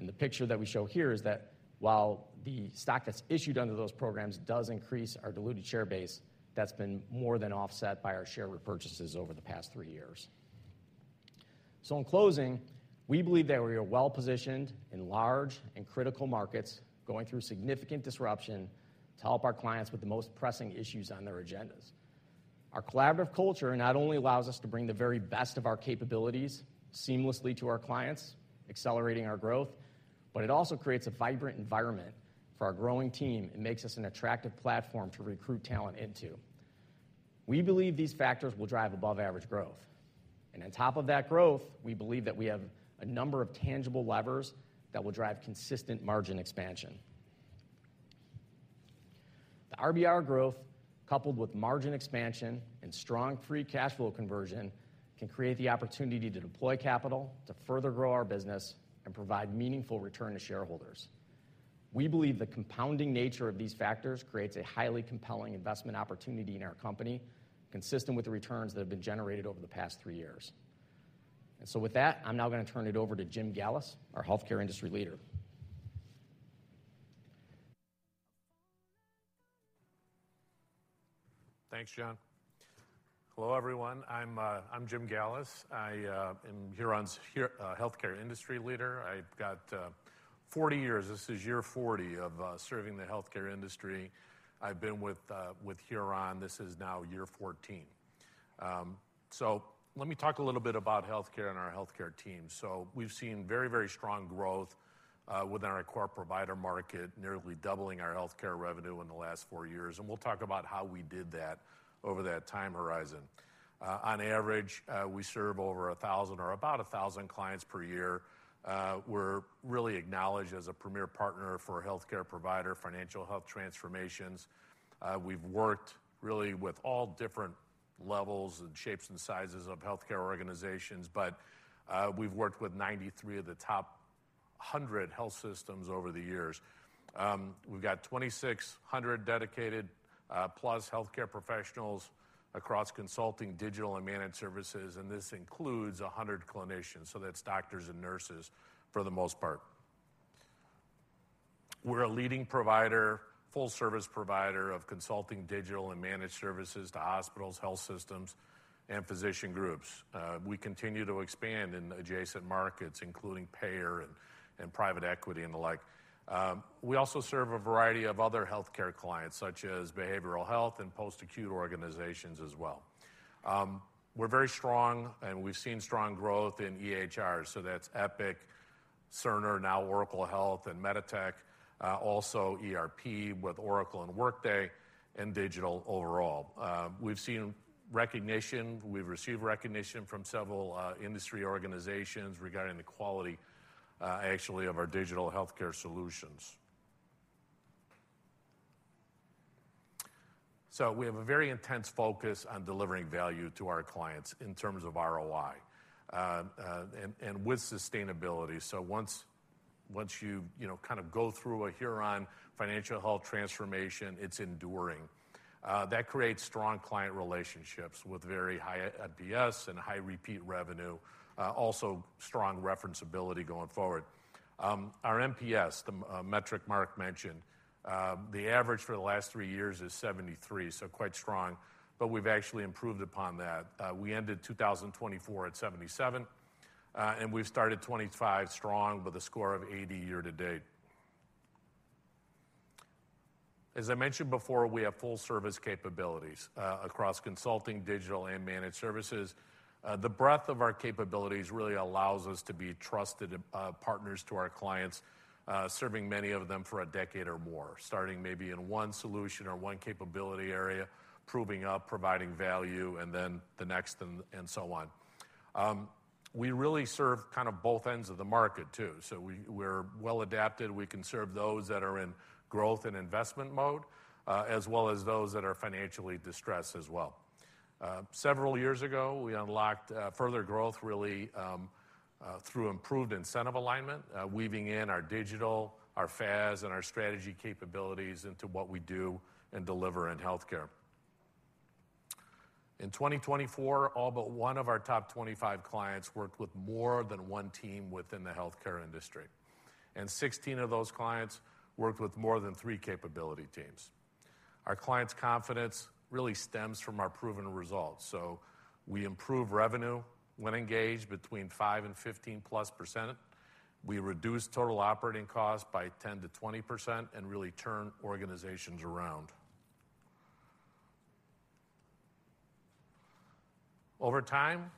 Speaker 4: The picture that we show here is that while the stock that's issued under those programs does increase our diluted share base, that's been more than offset by our share repurchases over the past three years. In closing, we believe that we are well positioned in large and critical markets going through significant disruption to help our clients with the most pressing issues on their agendas. Our collaborative culture not only allows us to bring the very best of our capabilities seamlessly to our clients, accelerating our growth, but it also creates a vibrant environment for our growing team and makes us an attractive platform to recruit talent into. We believe these factors will drive above-average growth. On top of that growth, we believe that we have a number of tangible levers that will drive consistent margin expansion. The RBR growth, coupled with margin expansion and strong free cash flow conversion, can create the opportunity to deploy capital to further grow our business and provide meaningful return to shareholders. We believe the compounding nature of these factors creates a highly compelling investment opportunity in our company, consistent with the returns that have been generated over the past three years. With that, I'm now going to turn it over to Jim Gallas, our Healthcare Industry Leader.
Speaker 5: Thanks, John. Hello everyone. I'm Jim Gallas. I am Huron's Healthcare Industry Leader. I've got 40 years. This is year 40 of serving the healthcare industry. I've been with Huron. This is now year 14. Let me talk a little bit about healthcare and our healthcare team. We've seen very, very strong growth within our core provider market, nearly doubling our healthcare revenue in the last four years. We'll talk about how we did that over that time horizon. On average, we serve over 1,000 or about 1,000 clients per year. We're really acknowledged as a premier partner for a healthcare provider, financial health transformations. We've worked really with all different levels and shapes and sizes of healthcare organizations, but we've worked with 93 of the top 100 health systems over the years. We've got 2,600 dedicated plus healthcare professionals across consulting, digital, and managed services, and this includes 100 clinicians. So that's doctors and nurses for the most part. We're a leading provider, full-service provider of consulting, digital, and managed services to hospitals, health systems, and physician groups. We continue to expand in adjacent markets, including payer and private equity and the like. We also serve a variety of other healthcare clients, such as behavioral health and post-acute organizations as well. We're very strong, and we've seen strong growth in EHR. So that's Epic, Cerner, now Oracle Health and Meditech, also ERP with Oracle and Workday and digital overall. We've seen recognition. We've received recognition from several industry organizations regarding the quality, actually, of our digital healthcare solutions. We have a very intense focus on delivering value to our clients in terms of ROI and with sustainability. Once you kind of go through a Huron financial health transformation, it's enduring. That creates strong client relationships with very high NPS and high repeat revenue, also strong referenceability going forward. Our NPS, the metric Mark mentioned, the average for the last three years is 73, so quite strong, but we've actually improved upon that. We ended 2024 at 77, and we've started 2025 strong with a score of 80 year to date. As I mentioned before, we have full-service capabilities across consulting, digital, and managed services. The breadth of our capabilities really allows us to be trusted partners to our clients, serving many of them for a decade or more, starting maybe in one solution or one capability area, proving up, providing value, and then the next, and so on. We really serve kind of both ends of the market too. We are well adapted. We can serve those that are in growth and investment mode, as well as those that are financially distressed as well. Several years ago, we unlocked further growth really through improved incentive alignment, weaving in our digital, our FAS, and our strategy capabilities into what we do and deliver in healthcare. In 2024, all but one of our top 25 clients worked with more than one team within the healthcare industry, and 16 of those clients worked with more than three capability teams. Our clients' confidence really stems from our proven results. We improve revenue when engaged between 5% and 15% plus. We reduce total operating costs by 10%-20% and really turn organizations around. Over time,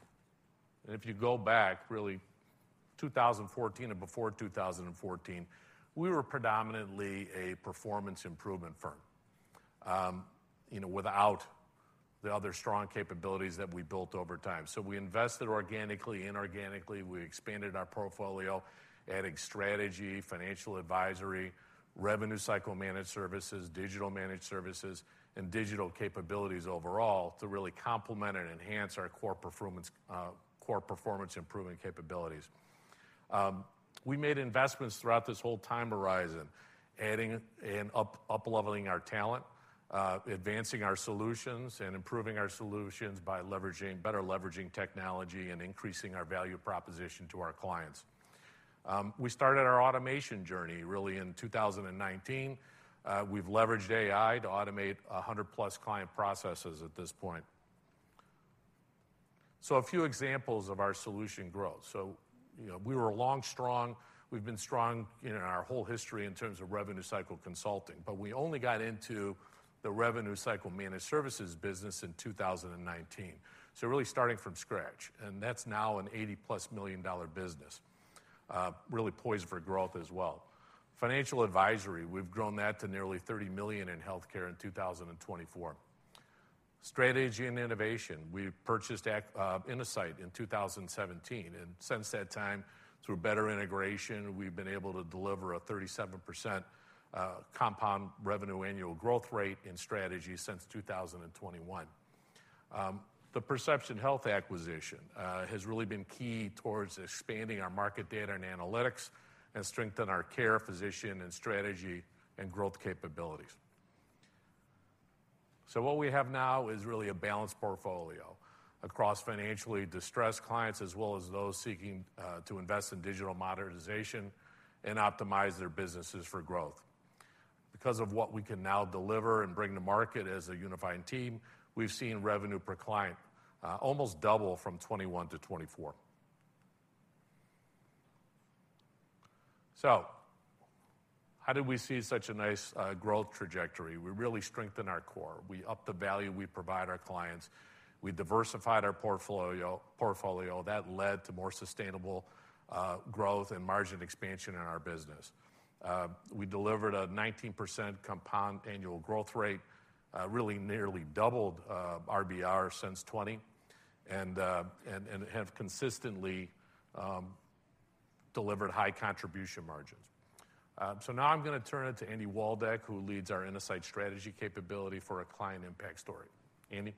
Speaker 5: and if you go back, really 2014 and before 2014, we were predominantly a performance improvement firm without the other strong capabilities that we built over time. We invested organically, inorganically. We expanded our portfolio, adding strategy, financial advisory, revenue cycle managed services, digital managed services, and digital capabilities overall to really complement and enhance our core performance improvement capabilities. We made investments throughout this whole time horizon, adding and upleveling our talent, advancing our solutions, and improving our solutions by better leveraging technology and increasing our value proposition to our clients. We started our automation journey really in 2019. We've leveraged AI to automate 100 plus client processes at this point. A few examples of our solution growth. We were strong. We've been strong in our whole history in terms of revenue cycle consulting, but we only got into the revenue cycle managed services business in 2019. Really starting from scratch, and that's now an $80 million plus business, really poised for growth as well. Financial advisory, we've grown that to nearly $30 million in healthcare in 2024. Strategy and innovation, we purchased Innosight in 2017, and since that time, through better integration, we've been able to deliver a 37% compound revenue annual growth rate in strategy since 2021. The Perception Health acquisition has really been key towards expanding our market data and analytics and strengthened our care, physician, and strategy and growth capabilities. What we have now is really a balanced portfolio across financially distressed clients as well as those seeking to invest in digital modernization and optimize their businesses for growth. Because of what we can now deliver and bring to market as a unified team, we've seen revenue per client almost double from 2021 to 2024. How did we see such a nice growth trajectory? We really strengthened our core. We upped the value we provide our clients. We diversified our portfolio. That led to more sustainable growth and margin expansion in our business. We delivered a 19% compound annual growth rate, really nearly doubled RBR since 2020, and have consistently delivered high contribution margins. Now I'm going to turn it to Andy Waldeck, who leads our Innosight strategy capability for a client impact story. Andy.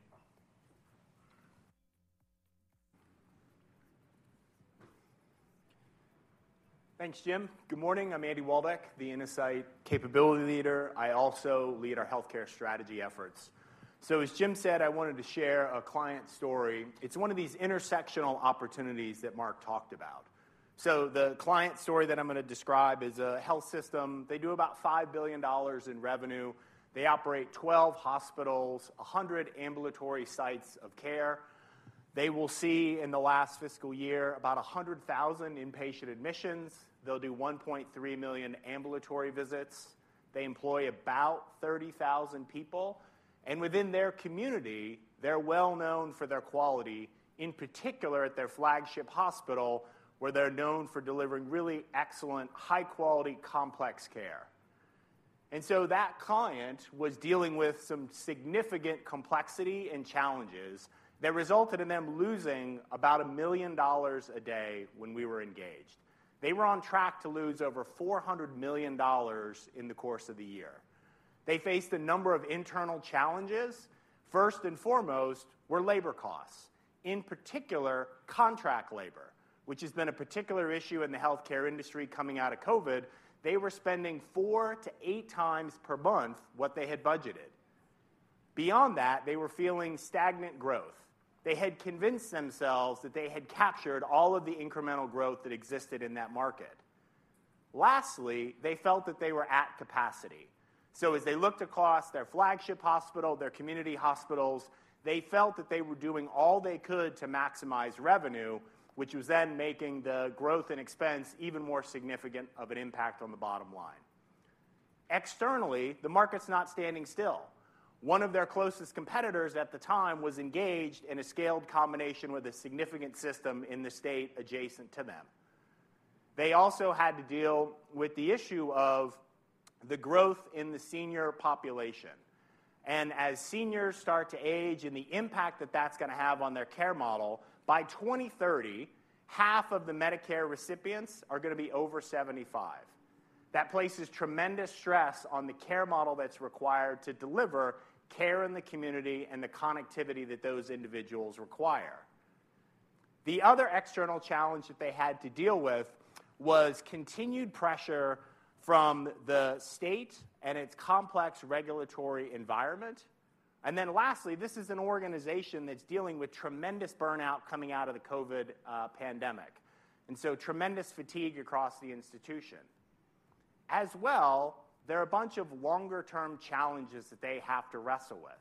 Speaker 6: Thanks, Jim. Good morning. I'm Andy Waldek, the Innosight capability leader. I also lead our healthcare strategy efforts. As Jim said, I wanted to share a client story. It's one of these intersectional opportunities that Mark talked about. The client story that I'm going to describe is a health system. They do about $5 billion in revenue. They operate 12 hospitals, 100 ambulatory sites of care. They will see in the last fiscal year about 100,000 inpatient admissions. They'll do 1.3 million ambulatory visits. They employ about 30,000 people. Within their community, they're well known for their quality, in particular at their flagship hospital, where they're known for delivering really excellent, high-quality, complex care. That client was dealing with some significant complexity and challenges that resulted in them losing about $1 million a day when we were engaged. They were on track to lose over $400 million in the course of the year. They faced a number of internal challenges. First and foremost were labor costs, in particular contract labor, which has been a particular issue in the healthcare industry coming out of COVID. They were spending four to eight times per month what they had budgeted. Beyond that, they were feeling stagnant growth. They had convinced themselves that they had captured all of the incremental growth that existed in that market. Lastly, they felt that they were at capacity. As they looked across their flagship hospital, their community hospitals, they felt that they were doing all they could to maximize revenue, which was then making the growth and expense even more significant of an impact on the bottom line. Externally, the market's not standing still. One of their closest competitors at the time was engaged in a scaled combination with a significant system in the state adjacent to them. They also had to deal with the issue of the growth in the senior population. As seniors start to age and the impact that that's going to have on their care model, by 2030, half of the Medicare recipients are going to be over 75. That places tremendous stress on the care model that's required to deliver care in the community and the connectivity that those individuals require. The other external challenge that they had to deal with was continued pressure from the state and its complex regulatory environment. Lastly, this is an organization that's dealing with tremendous burnout coming out of the COVID pandemic, and so tremendous fatigue across the institution. As well, there are a bunch of longer-term challenges that they have to wrestle with.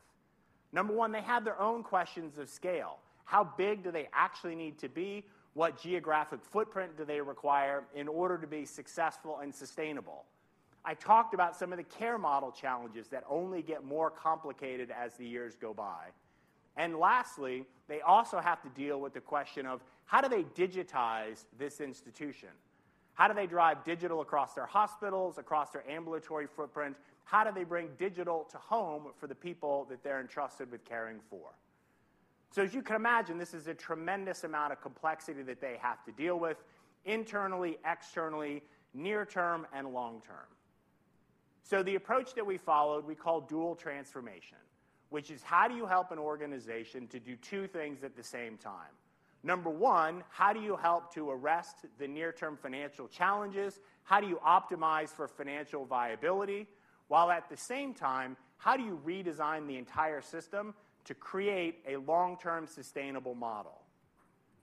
Speaker 6: Number one, they have their own questions of scale. How big do they actually need to be? What geographic footprint do they require in order to be successful and sustainable? I talked about some of the care model challenges that only get more complicated as the years go by. Lastly, they also have to deal with the question of how do they digitize this institution? How do they drive digital across their hospitals, across their ambulatory footprint? How do they bring digital to home for the people that they're entrusted with caring for? You can imagine, this is a tremendous amount of complexity that they have to deal with internally, externally, near-term, and long-term. The approach that we followed, we called dual transformation, which is how do you help an organization to do two things at the same time? Number one, how do you help to arrest the near-term financial challenges? How do you optimize for financial viability? While at the same time, how do you redesign the entire system to create a long-term sustainable model?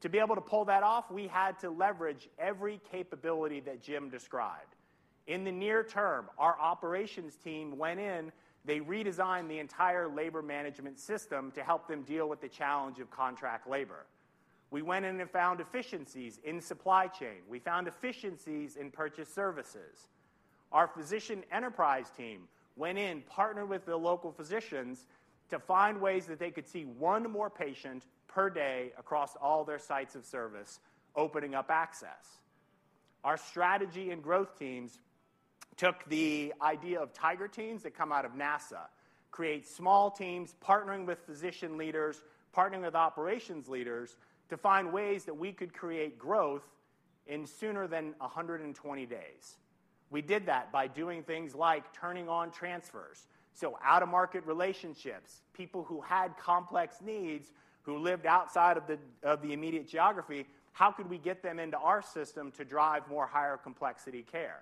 Speaker 6: To be able to pull that off, we had to leverage every capability that Jim described. In the near term, our operations team went in. They redesigned the entire labor management system to help them deal with the challenge of contract labor. We went in and found efficiencies in supply chain. We found efficiencies in purchase services. Our physician enterprise team went in, partnered with the local physicians to find ways that they could see one more patient per day across all their sites of service, opening up access. Our strategy and growth teams took the idea of Tiger Teams that come out of NASA, create small teams partnering with physician leaders, partnering with operations leaders to find ways that we could create growth in sooner than 120 days. We did that by doing things like turning on transfers. Out-of-market relationships, people who had complex needs, who lived outside of the immediate geography, how could we get them into our system to drive more higher complexity care?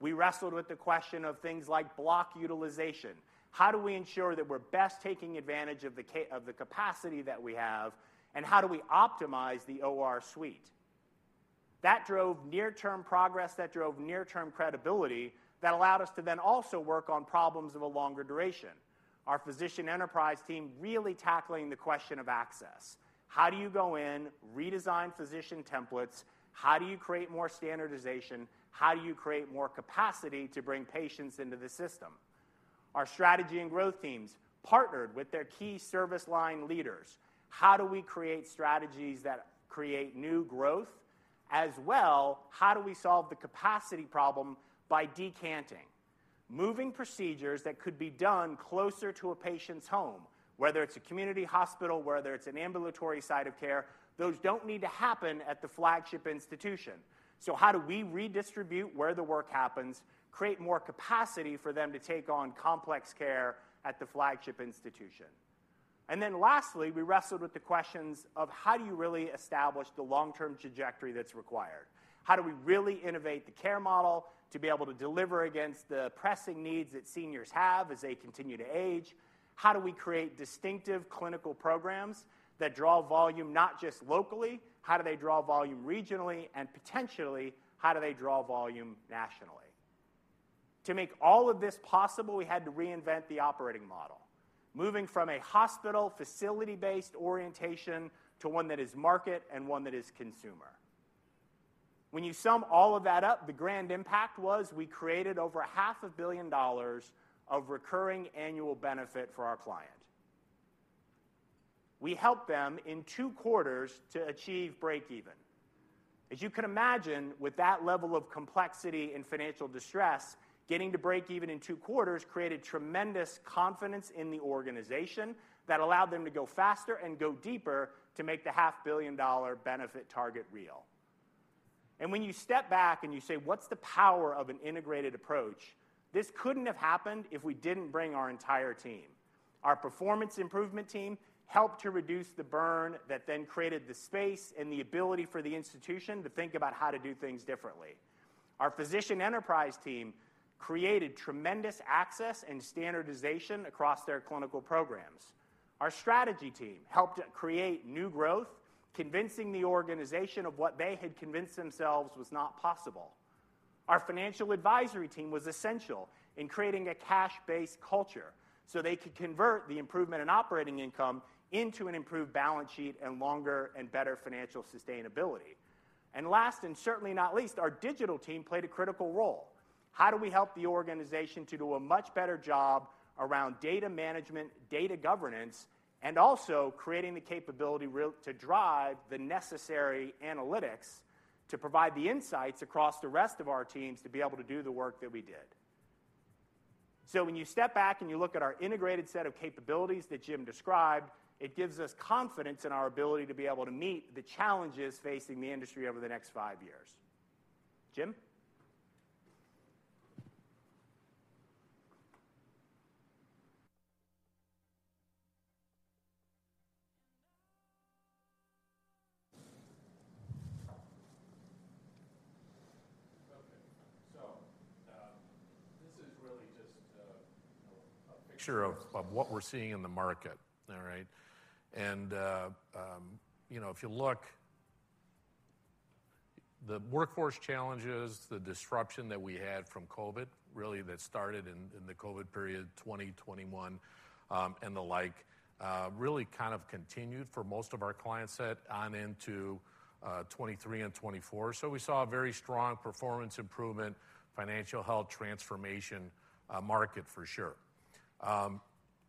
Speaker 6: We wrestled with the question of things like block utilization. How do we ensure that we're best taking advantage of the capacity that we have, and how do we optimize the OR suite? That drove near-term progress. That drove near-term credibility. That allowed us to then also work on problems of a longer duration. Our physician enterprise team really tackling the question of access. How do you go in, redesign physician templates? How do you create more standardization? How do you create more capacity to bring patients into the system? Our strategy and growth teams partnered with their key service line leaders. How do we create strategies that create new growth? As well, how do we solve the capacity problem by decanting? Moving procedures that could be done closer to a patient's home, whether it's a community hospital, whether it's an ambulatory side of care, those don't need to happen at the flagship institution. How do we redistribute where the work happens, create more capacity for them to take on complex care at the flagship institution? Lastly, we wrestled with the questions of how do you really establish the long-term trajectory that's required? How do we really innovate the care model to be able to deliver against the pressing needs that seniors have as they continue to age? How do we create distinctive clinical programs that draw volume not just locally? How do they draw volume regionally? Potentially, how do they draw volume nationally? To make all of this possible, we had to reinvent the operating model, moving from a hospital facility-based orientation to one that is market and one that is consumer. When you sum all of that up, the grand impact was we created over $500,000,000 of recurring annual benefit for our client. We helped them in two quarters to achieve break-even. As you can imagine, with that level of complexity and financial distress, getting to break-even in two quarters created tremendous confidence in the organization that allowed them to go faster and go deeper to make the $500,000,000 benefit target real. When you step back and you say, "What's the power of an integrated approach?" This couldn't have happened if we didn't bring our entire team. Our performance improvement team helped to reduce the burn that then created the space and the ability for the institution to think about how to do things differently. Our physician enterprise team created tremendous access and standardization across their clinical programs. Our strategy team helped create new growth, convincing the organization of what they had convinced themselves was not possible. Our financial advisory team was essential in creating a cash-based culture so they could convert the improvement in operating income into an improved balance sheet and longer and better financial sustainability. Last, and certainly not least, our digital team played a critical role. How do we help the organization to do a much better job around data management, data governance, and also creating the capability to drive the necessary analytics to provide the insights across the rest of our teams to be able to do the work that we did? When you step back and you look at our integrated set of capabilities that Jim described, it gives us confidence in our ability to be able to meet the challenges facing the industry over the next five years. Jim?
Speaker 5: Okay. This is really just a picture of what we're seeing in the market, all right? If you look, the workforce challenges, the disruption that we had from COVID, really that started in the COVID period, 2021 and the like, really kind of continued for most of our clients on into 2023 and 2024. We saw a very strong performance improvement, financial health transformation market for sure.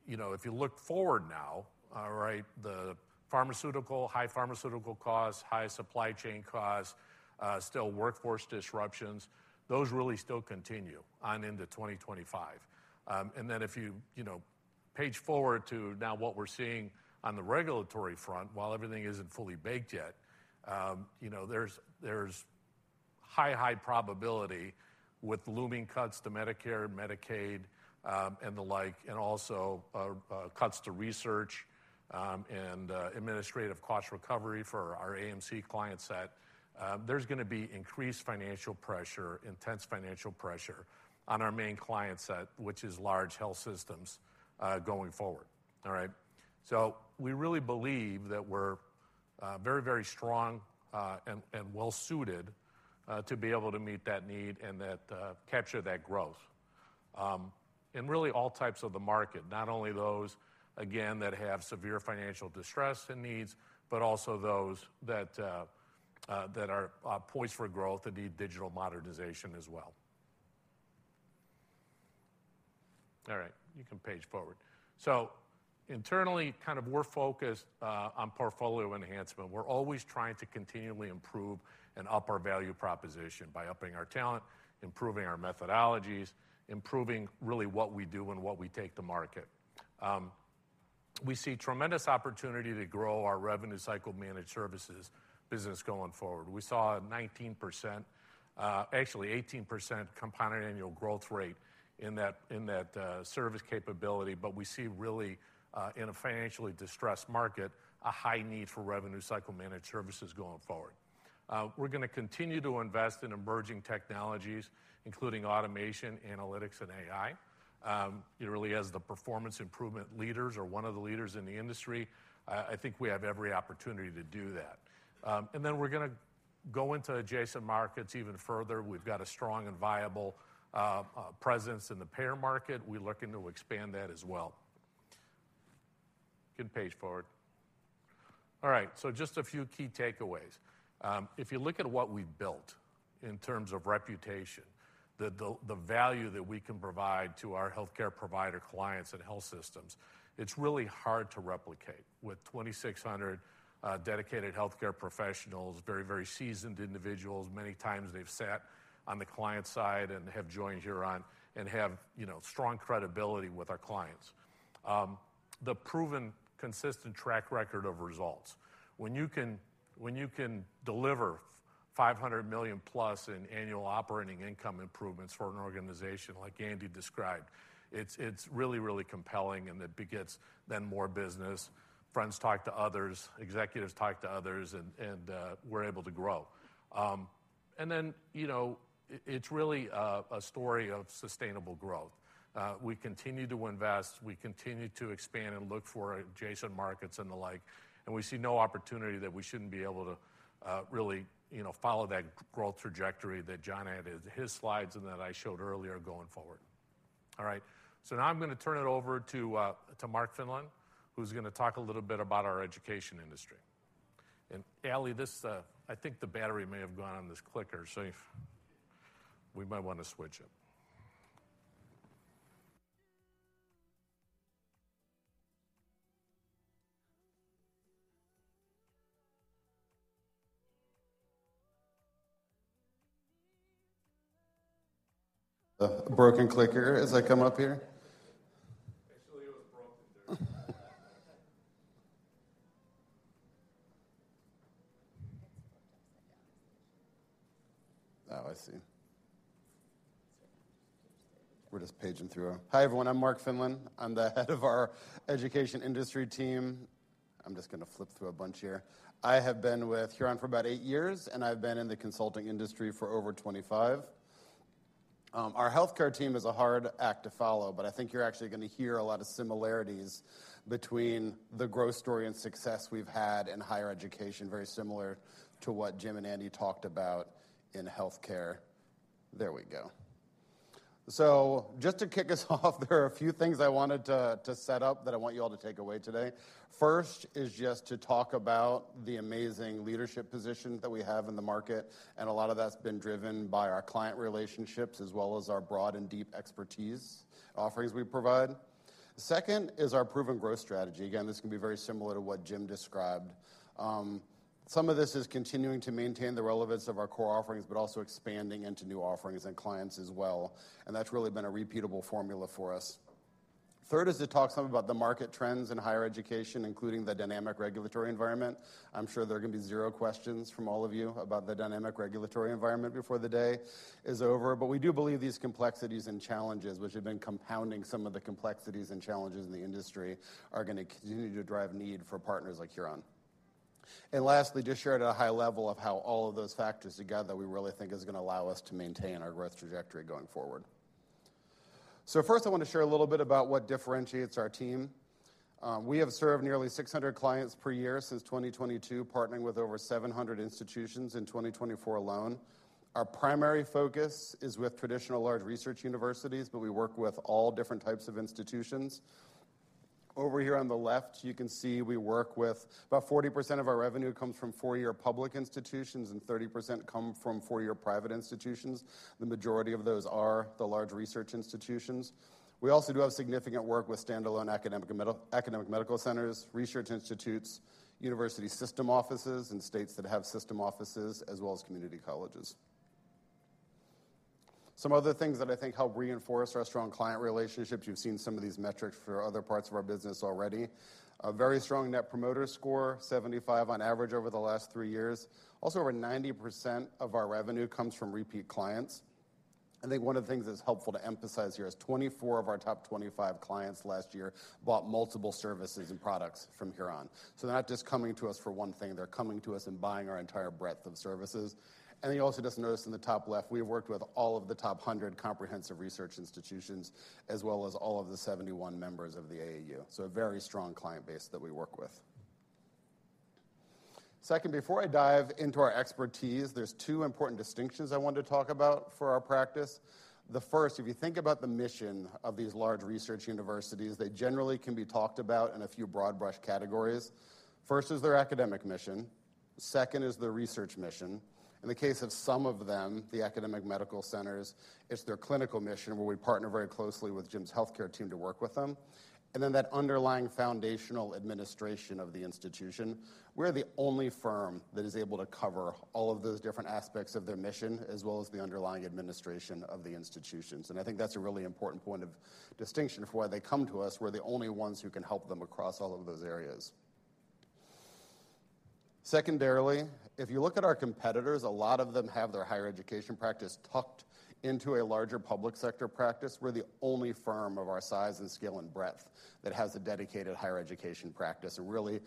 Speaker 5: If you look forward now, all right, the pharmaceutical, high pharmaceutical costs, high supply chain costs, still workforce disruptions, those really still continue on into 2025. If you page forward to now what we're seeing on the regulatory front, while everything isn't fully baked yet, there's high, high probability with looming cuts to Medicare, Medicaid, and the like, and also cuts to research and administrative cost recovery for our AMC client set. There's going to be increased financial pressure, intense financial pressure on our main client set, which is large health systems going forward, all right? We really believe that we're very, very strong and well-suited to be able to meet that need and capture that growth in really all types of the market, not only those, again, that have severe financial distress and needs, but also those that are poised for growth and need digital modernization as well. All right. You can page forward. Internally, kind of we're focused on portfolio enhancement. We're always trying to continually improve and up our value proposition by upping our talent, improving our methodologies, improving really what we do and what we take to market. We see tremendous opportunity to grow our revenue cycle managed services business going forward. We saw a 19%, actually 18% compounded annual growth rate in that service capability, but we see really, in a financially distressed market, a high need for revenue cycle managed services going forward. We're going to continue to invest in emerging technologies, including automation, analytics, and AI. It really has the performance improvement leaders or one of the leaders in the industry. I think we have every opportunity to do that. We're going to go into adjacent markets even further. We've got a strong and viable presence in the payer market. We're looking to expand that as well. You can page forward. All right. Just a few key takeaways. If you look at what we've built in terms of reputation, the value that we can provide to our healthcare provider clients and health systems, it's really hard to replicate with 2,600 dedicated healthcare professionals, very, very seasoned individuals. Many times they've sat on the client side and have joined Huron and have strong credibility with our clients. The proven, consistent track record of results. When you can deliver $500 million plus in annual operating income improvements for an organization like Andy described, it's really, really compelling and it begets then more business. Friends talk to others, executives talk to others, and we're able to grow. It is really a story of sustainable growth. We continue to invest. We continue to expand and look for adjacent markets and the like. We see no opportunity that we shouldn't be able to really follow that growth trajectory that John added to his slides and that I showed earlier going forward. All right. Now I'm going to turn it over to Mark Finlan, who's going to talk a little bit about our education industry. Ally, I think the battery may have gone on this clicker, so we might want to switch it. A broken clicker as I come up here.
Speaker 7: Hi, everyone. I'm Mark Finlan. I'm the head of our education industry team. I'm just going to flip through a bunch here. I have been with Huron for about eight years, and I've been in the consulting industry for over 25. Our healthcare team is a hard act to follow, but I think you're actually going to hear a lot of similarities between the growth story and success we've had in higher education, very similar to what Jim and Andy talked about in healthcare. There we go. Just to kick us off, there are a few things I wanted to set up that I want you all to take away today. First is just to talk about the amazing leadership positions that we have in the market, and a lot of that's been driven by our client relationships as well as our broad and deep expertise offerings we provide. Second is our proven growth strategy. Again, this can be very similar to what Jim described. Some of this is continuing to maintain the relevance of our core offerings, but also expanding into new offerings and clients as well. That's really been a repeatable formula for us. Third is to talk some about the market trends in higher education, including the dynamic regulatory environment. I'm sure there are going to be zero questions from all of you about the dynamic regulatory environment before the day is over. We do believe these complexities and challenges, which have been compounding some of the complexities and challenges in the industry, are going to continue to drive need for partners like Huron. Lastly, just shared at a high level of how all of those factors together we really think is going to allow us to maintain our growth trajectory going forward. First, I want to share a little bit about what differentiates our team. We have served nearly 600 clients per year since 2022, partnering with over 700 institutions in 2024 alone. Our primary focus is with traditional large research universities, but we work with all different types of institutions. Over here on the left, you can see we work with about 40% of our revenue comes from four-year public institutions and 30% come from four-year private institutions. The majority of those are the large research institutions. We also do have significant work with standalone academic medical centers, research institutes, university system offices in states that have system offices, as well as community colleges. Some other things that I think help reinforce our strong client relationships, you've seen some of these metrics for other parts of our business already. A very strong net promoter score, 75 on average over the last three years. Also, over 90% of our revenue comes from repeat clients. I think one of the things that's helpful to emphasize here is 24 of our top 25 clients last year bought multiple services and products from Huron. So they're not just coming to us for one thing. They're coming to us and buying our entire breadth of services. You also just noticed in the top left, we've worked with all of the top 100 comprehensive research institutions, as well as all of the 71 members of the AAU. A very strong client base that we work with. Second, before I dive into our expertise, there are two important distinctions I wanted to talk about for our practice. The first, if you think about the mission of these large research universities, they generally can be talked about in a few broad brush categories. First is their academic mission. Second is their research mission. In the case of some of them, the academic medical centers, it's their clinical mission where we partner very closely with Jim's healthcare team to work with them. Then that underlying foundational administration of the institution. We're the only firm that is able to cover all of those different aspects of their mission, as well as the underlying administration of the institutions. I think that's a really important point of distinction for why they come to us. We're the only ones who can help them across all of those areas. Secondarily, if you look at our competitors, a lot of them have their higher education practice tucked into a larger public sector practice. We're the only firm of our size and scale and breadth that has a dedicated higher education practice and really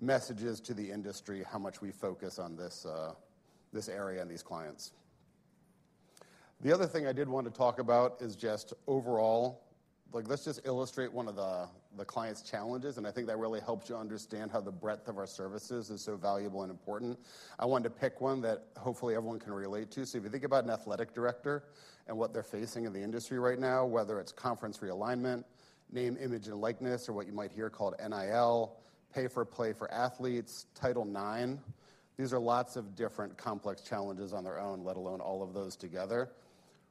Speaker 7: messages to the industry how much we focus on this area and these clients. The other thing I did want to talk about is just overall, let's just illustrate one of the clients' challenges. I think that really helps you understand how the breadth of our services is so valuable and important. I wanted to pick one that hopefully everyone can relate to. If you think about an athletic director and what they're facing in the industry right now, whether it's conference realignment, name, image, and likeness, or what you might hear called NIL, pay for play for athletes, Title IX, these are lots of different complex challenges on their own, let alone all of those together.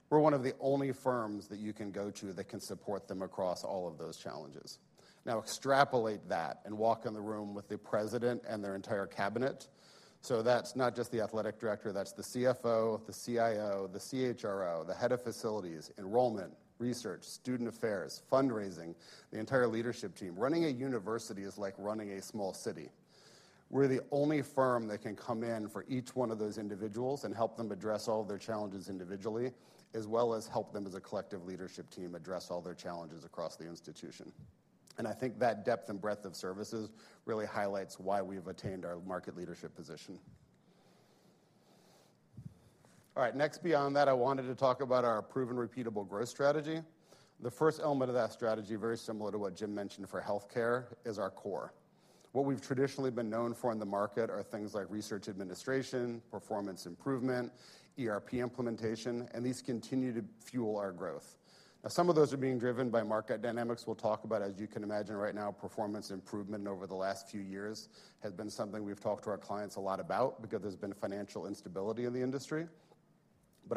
Speaker 7: We're one of the only firms that you can go to that can support them across all of those challenges. Now, extrapolate that and walk in the room with the president and their entire cabinet. That's not just the athletic director, that's the CFO, the CIO, the CHRO, the head of facilities, enrollment, research, student affairs, fundraising, the entire leadership team. Running a university is like running a small city. We're the only firm that can come in for each one of those individuals and help them address all of their challenges individually, as well as help them as a collective leadership team address all their challenges across the institution. I think that depth and breadth of services really highlights why we've attained our market leadership position. All right. Next beyond that, I wanted to talk about our proven repeatable growth strategy. The first element of that strategy, very similar to what Jim mentioned for healthcare, is our core. What we've traditionally been known for in the market are things like research administration, performance improvement, ERP implementation, and these continue to fuel our growth. Now, some of those are being driven by market dynamics. We'll talk about, as you can imagine right now, performance improvement over the last few years has been something we've talked to our clients a lot about because there's been financial instability in the industry.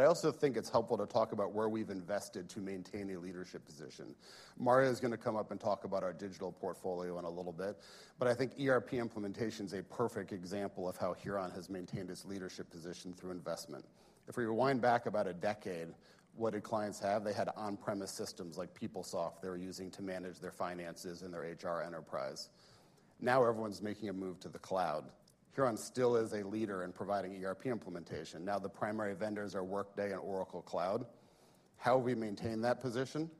Speaker 7: I also think it's helpful to talk about where we've invested to maintain a leadership position. Maria is going to come up and talk about our digital portfolio in a little bit. I think ERP implementation is a perfect example of how Huron has maintained its leadership position through investment. If we rewind back about a decade, what did clients have? They had on-premise systems like PeopleSoft they were using to manage their finances and their HR enterprise. Now everyone's making a move to the cloud. Huron still is a leader in providing ERP implementation. Now the primary vendors are Workday and Oracle Cloud. How have we maintained that position?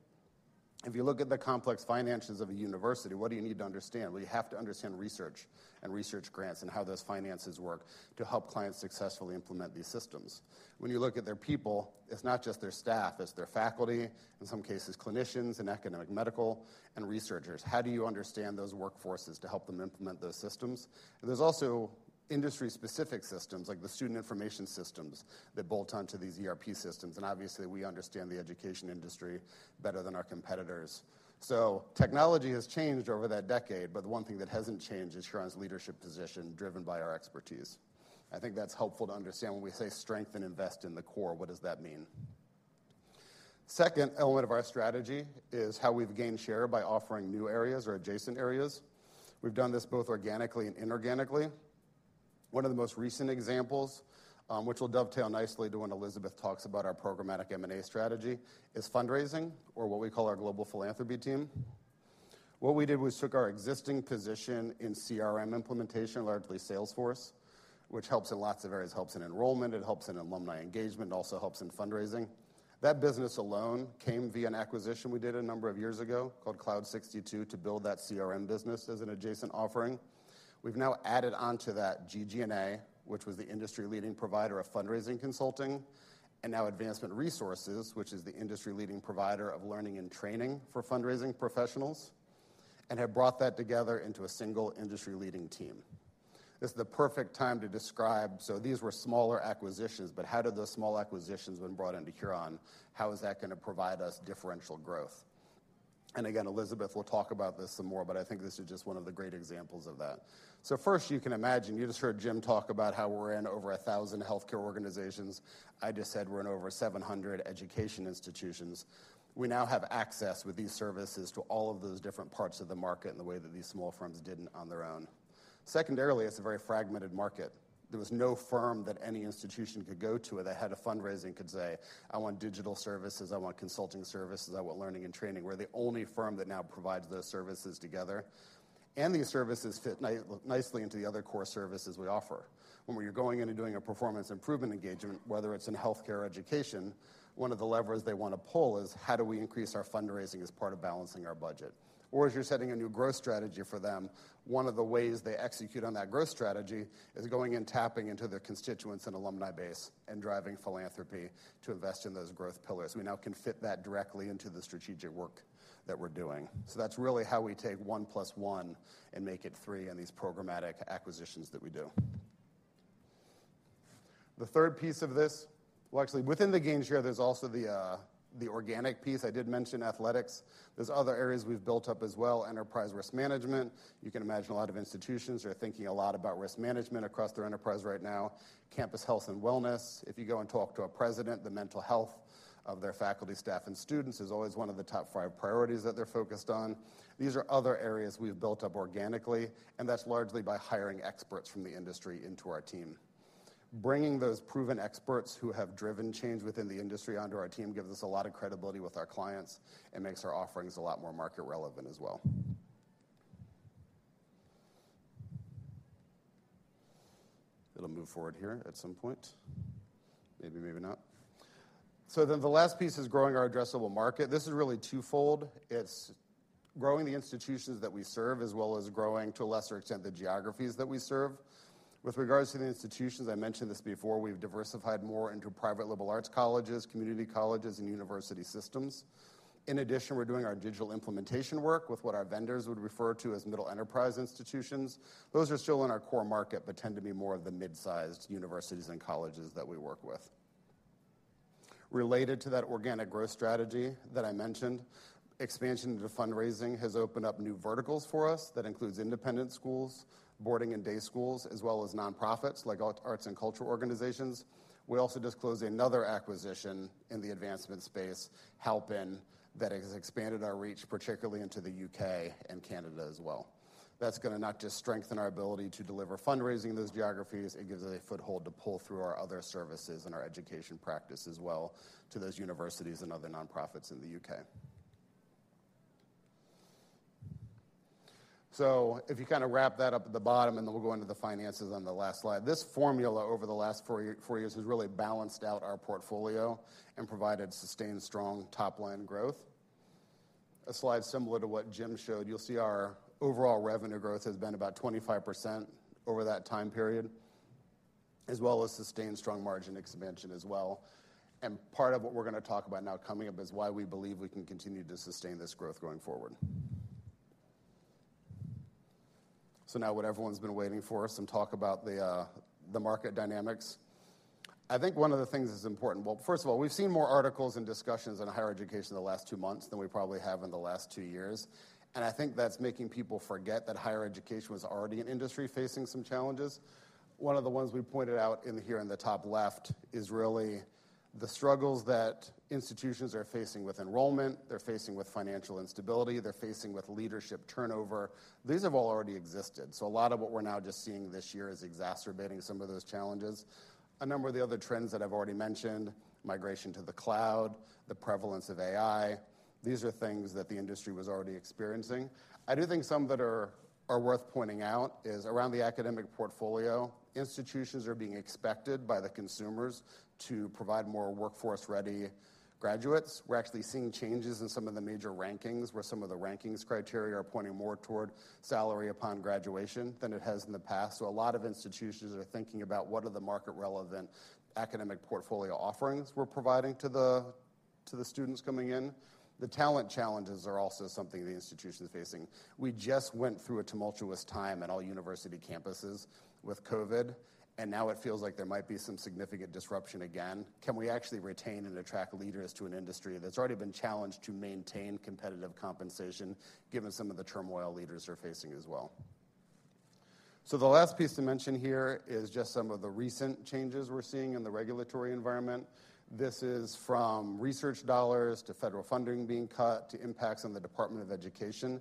Speaker 7: If you look at the complex finances of a university, what do you need to understand? You have to understand research and research grants and how those finances work to help clients successfully implement these systems. When you look at their people, it's not just their staff, it's their faculty, in some cases clinicians and academic medical and researchers. How do you understand those workforces to help them implement those systems? There are also industry-specific systems like the student information systems that bolt onto these ERP systems. Obviously, we understand the education industry better than our competitors. Technology has changed over that decade, but the one thing that hasn't changed is Huron's leadership position driven by our expertise. I think that's helpful to understand when we say strengthen and invest in the core. What does that mean? Second element of our strategy is how we've gained share by offering new areas or adjacent areas. We've done this both organically and inorganically. One of the most recent examples, which will dovetail nicely to when Elizabeth talks about our programmatic M&A strategy, is fundraising or what we call our global philanthropy team. What we did was took our existing position in CRM implementation, largely Salesforce, which helps in lots of areas. It helps in enrollment. It helps in alumni engagement. It also helps in fundraising. That business alone came via an acquisition we did a number of years ago called Cloud62 to build that CRM business as an adjacent offering. We've now added onto that GG&A, which was the industry-leading provider of fundraising consulting, and now Advancement Resources, which is the industry-leading provider of learning and training for fundraising professionals, and have brought that together into a single industry-leading team. This is the perfect time to describe. These were smaller acquisitions, but how did those small acquisitions when brought into Huron? How is that going to provide us differential growth? Elizabeth will talk about this some more, but I think this is just one of the great examples of that. First, you can imagine you just heard Jim talk about how we're in over 1,000 healthcare organizations. I just said we're in over 700 education institutions. We now have access with these services to all of those different parts of the market in the way that these small firms didn't on their own. Secondarily, it's a very fragmented market. There was no firm that any institution could go to that had a fundraising could say, "I want digital services. I want consulting services. I want learning and training." We're the only firm that now provides those services together. These services fit nicely into the other core services we offer. When you're going into doing a performance improvement engagement, whether it's in healthcare or education, one of the levers they want to pull is how do we increase our fundraising as part of balancing our budget? As you're setting a new growth strategy for them, one of the ways they execute on that growth strategy is going and tapping into their constituents and alumni base and driving philanthropy to invest in those growth pillars. We now can fit that directly into the strategic work that we're doing. That's really how we take one plus one and make it three in these programmatic acquisitions that we do. The third piece of this, actually, within the gains here, there's also the organic piece. I did mention athletics. There's other areas we've built up as well, enterprise risk management. You can imagine a lot of institutions are thinking a lot about risk management across their enterprise right now. Campus health and wellness. If you go and talk to a president, the mental health of their faculty, staff, and students is always one of the top five priorities that they're focused on. These are other areas we've built up organically, and that's largely by hiring experts from the industry into our team. Bringing those proven experts who have driven change within the industry onto our team gives us a lot of credibility with our clients and makes our offerings a lot more market relevant as well. It will move forward here at some point. Maybe, maybe not. The last piece is growing our addressable market. This is really twofold. It is growing the institutions that we serve, as well as growing, to a lesser extent, the geographies that we serve. With regards to the institutions, I mentioned this before, we have diversified more into private liberal arts colleges, community colleges, and university systems. In addition, we are doing our digital implementation work with what our vendors would refer to as middle enterprise institutions. Those are still in our core market, but tend to be more of the mid-sized universities and colleges that we work with. Related to that organic growth strategy that I mentioned, expansion into fundraising has opened up new verticals for us. That includes independent schools, boarding and day schools, as well as nonprofits like arts and culture organizations. We also disclose another acquisition in the advancement space, Helpin, that has expanded our reach, particularly into the U.K. and Canada as well. That is going to not just strengthen our ability to deliver fundraising in those geographies, it gives us a foothold to pull through our other services and our education practice as well to those universities and other nonprofits in the U.K. If you kind of wrap that up at the bottom, and then we will go into the finances on the last slide. This formula over the last four years has really balanced out our portfolio and provided sustained strong top-line growth. A slide similar to what Jim showed, you'll see our overall revenue growth has been about 25% over that time period, as well as sustained strong margin expansion as well. Part of what we're going to talk about now coming up is why we believe we can continue to sustain this growth going forward. Now what everyone's been waiting for is some talk about the market dynamics. I think one of the things that's important, first of all, we've seen more articles and discussions in higher education in the last two months than we probably have in the last two years. I think that's making people forget that higher education was already an industry facing some challenges. One of the ones we pointed out here in the top left is really the struggles that institutions are facing with enrollment. They're facing with financial instability. They're facing with leadership turnover. These have all already existed. A lot of what we're now just seeing this year is exacerbating some of those challenges. A number of the other trends that I've already mentioned, migration to the cloud, the prevalence of AI, these are things that the industry was already experiencing. I do think some that are worth pointing out is around the academic portfolio. Institutions are being expected by the consumers to provide more workforce-ready graduates. We're actually seeing changes in some of the major rankings where some of the rankings criteria are pointing more toward salary upon graduation than it has in the past. A lot of institutions are thinking about what are the market-relevant academic portfolio offerings we're providing to the students coming in. The talent challenges are also something the institution's facing. We just went through a tumultuous time at all university campuses with COVID, and now it feels like there might be some significant disruption again. Can we actually retain and attract leaders to an industry that's already been challenged to maintain competitive compensation, given some of the turmoil leaders are facing as well? The last piece to mention here is just some of the recent changes we're seeing in the regulatory environment. This is from research dollars to federal funding being cut to impacts on the Department of Education.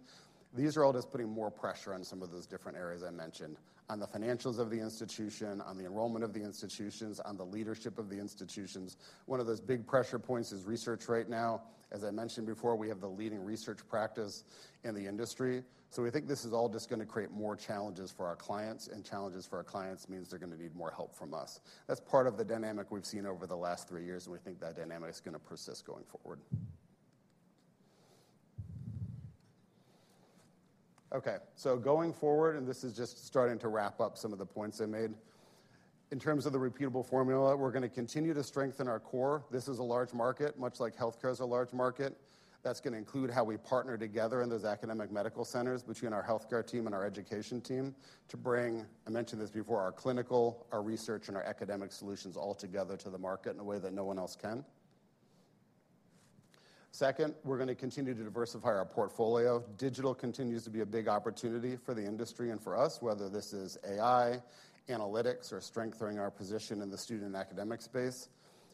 Speaker 7: These are all just putting more pressure on some of those different areas I mentioned, on the financials of the institution, on the enrollment of the institutions, on the leadership of the institutions. One of those big pressure points is research right now. As I mentioned before, we have the leading research practice in the industry. We think this is all just going to create more challenges for our clients, and challenges for our clients means they're going to need more help from us. That's part of the dynamic we've seen over the last three years, and we think that dynamic is going to persist going forward. Okay. Going forward, and this is just starting to wrap up some of the points I made. In terms of the repeatable formula, we're going to continue to strengthen our core. This is a large market, much like healthcare is a large market. That's going to include how we partner together in those academic medical centers between our healthcare team and our education team to bring, I mentioned this before, our clinical, our research, and our academic solutions all together to the market in a way that no one else can. Second, we're going to continue to diversify our portfolio. Digital continues to be a big opportunity for the industry and for us, whether this is AI, analytics, or strengthening our position in the student academic space.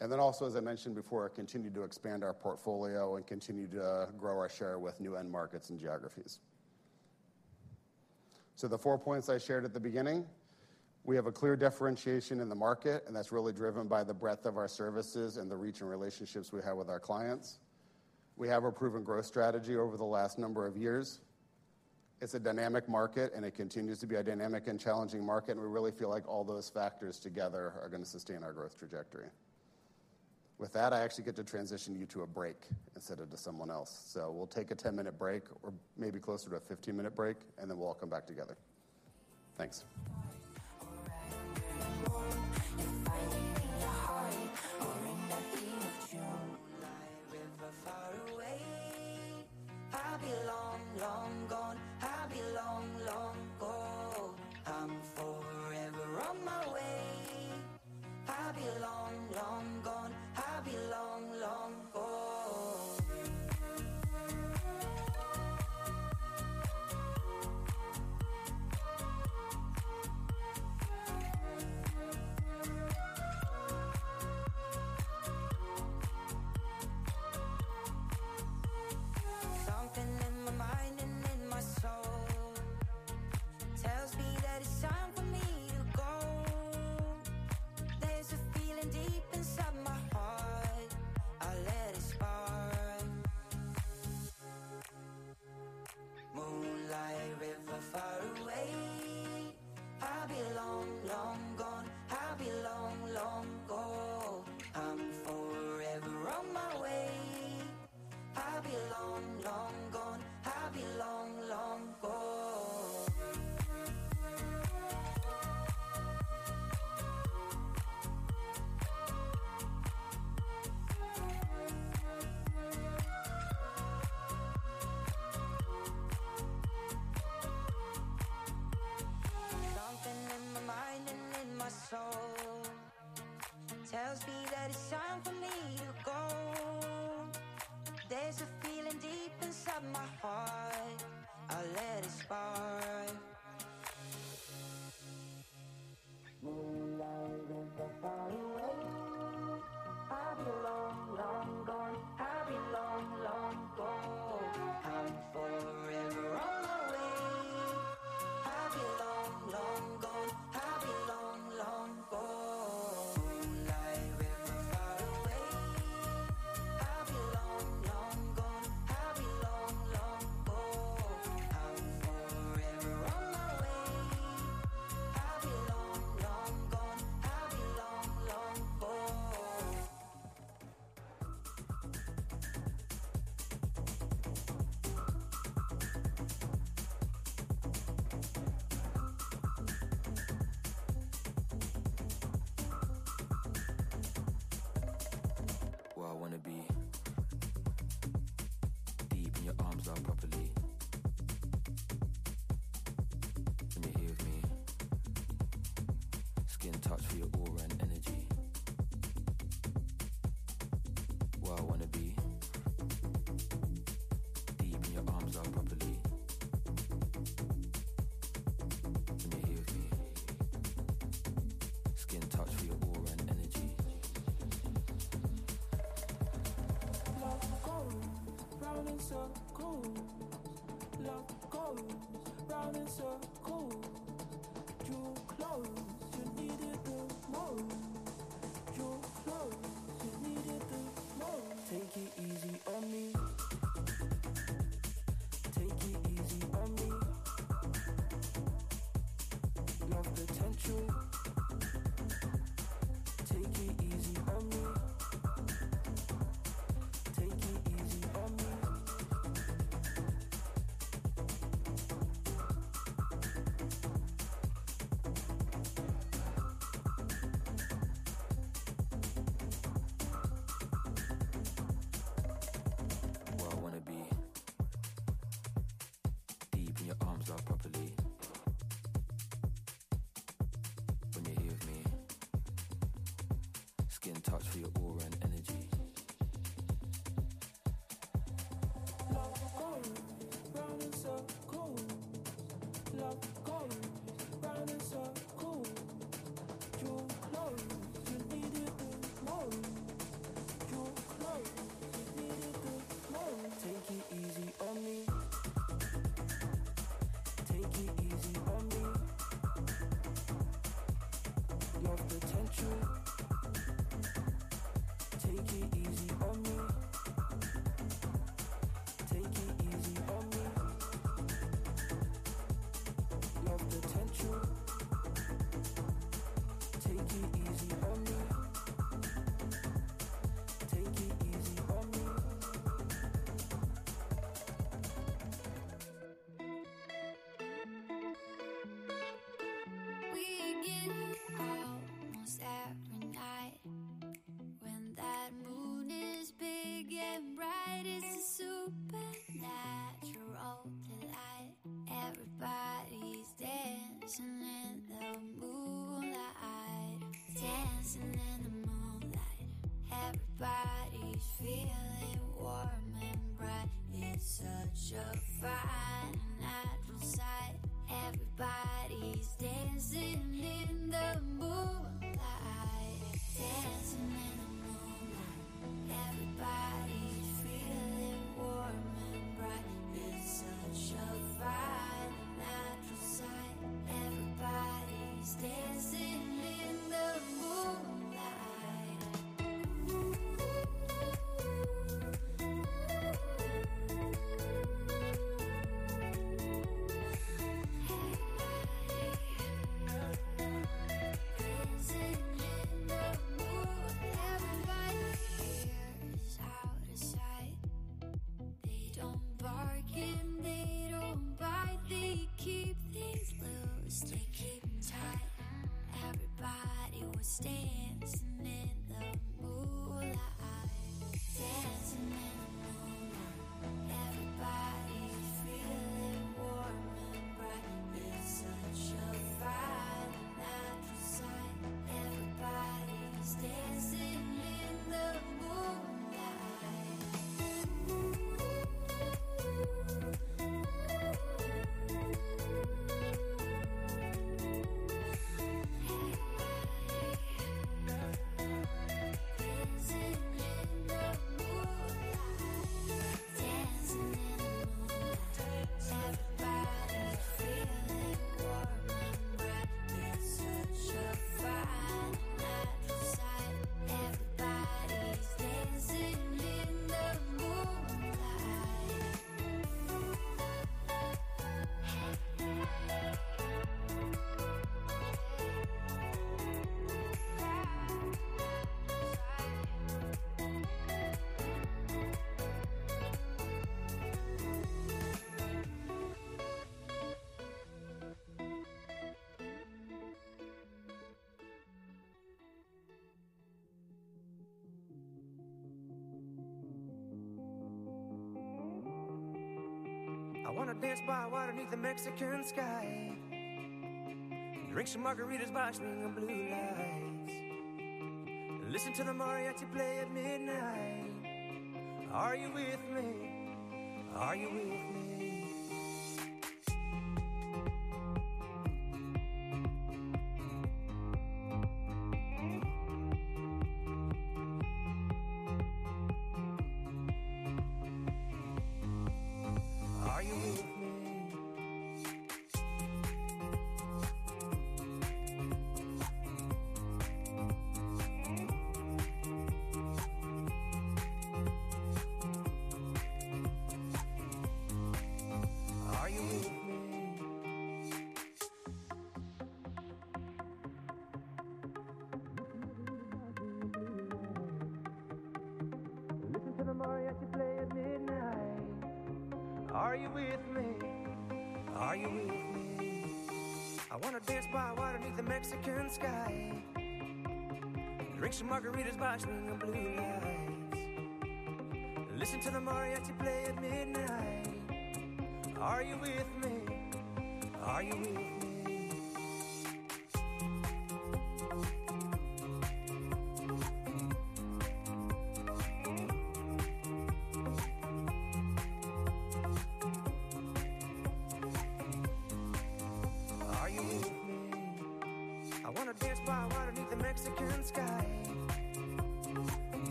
Speaker 7: Also, as I mentioned before, continue to expand our portfolio and continue to grow our share with new end markets and geographies. The four points I shared at the beginning, we have a clear differentiation in the market, and that's really driven by the breadth of our services and the reach and relationships we have with our clients. We have a proven growth strategy over the last number of years. It's a dynamic market, and it continues to be a dynamic and challenging market. We really feel like all those factors together are going to sustain our growth trajectory. With that, I actually get to transition you to a break instead of to someone else. We will take a 10-minute break or maybe closer to a 15-minute break, and then we will all come back together. Thanks.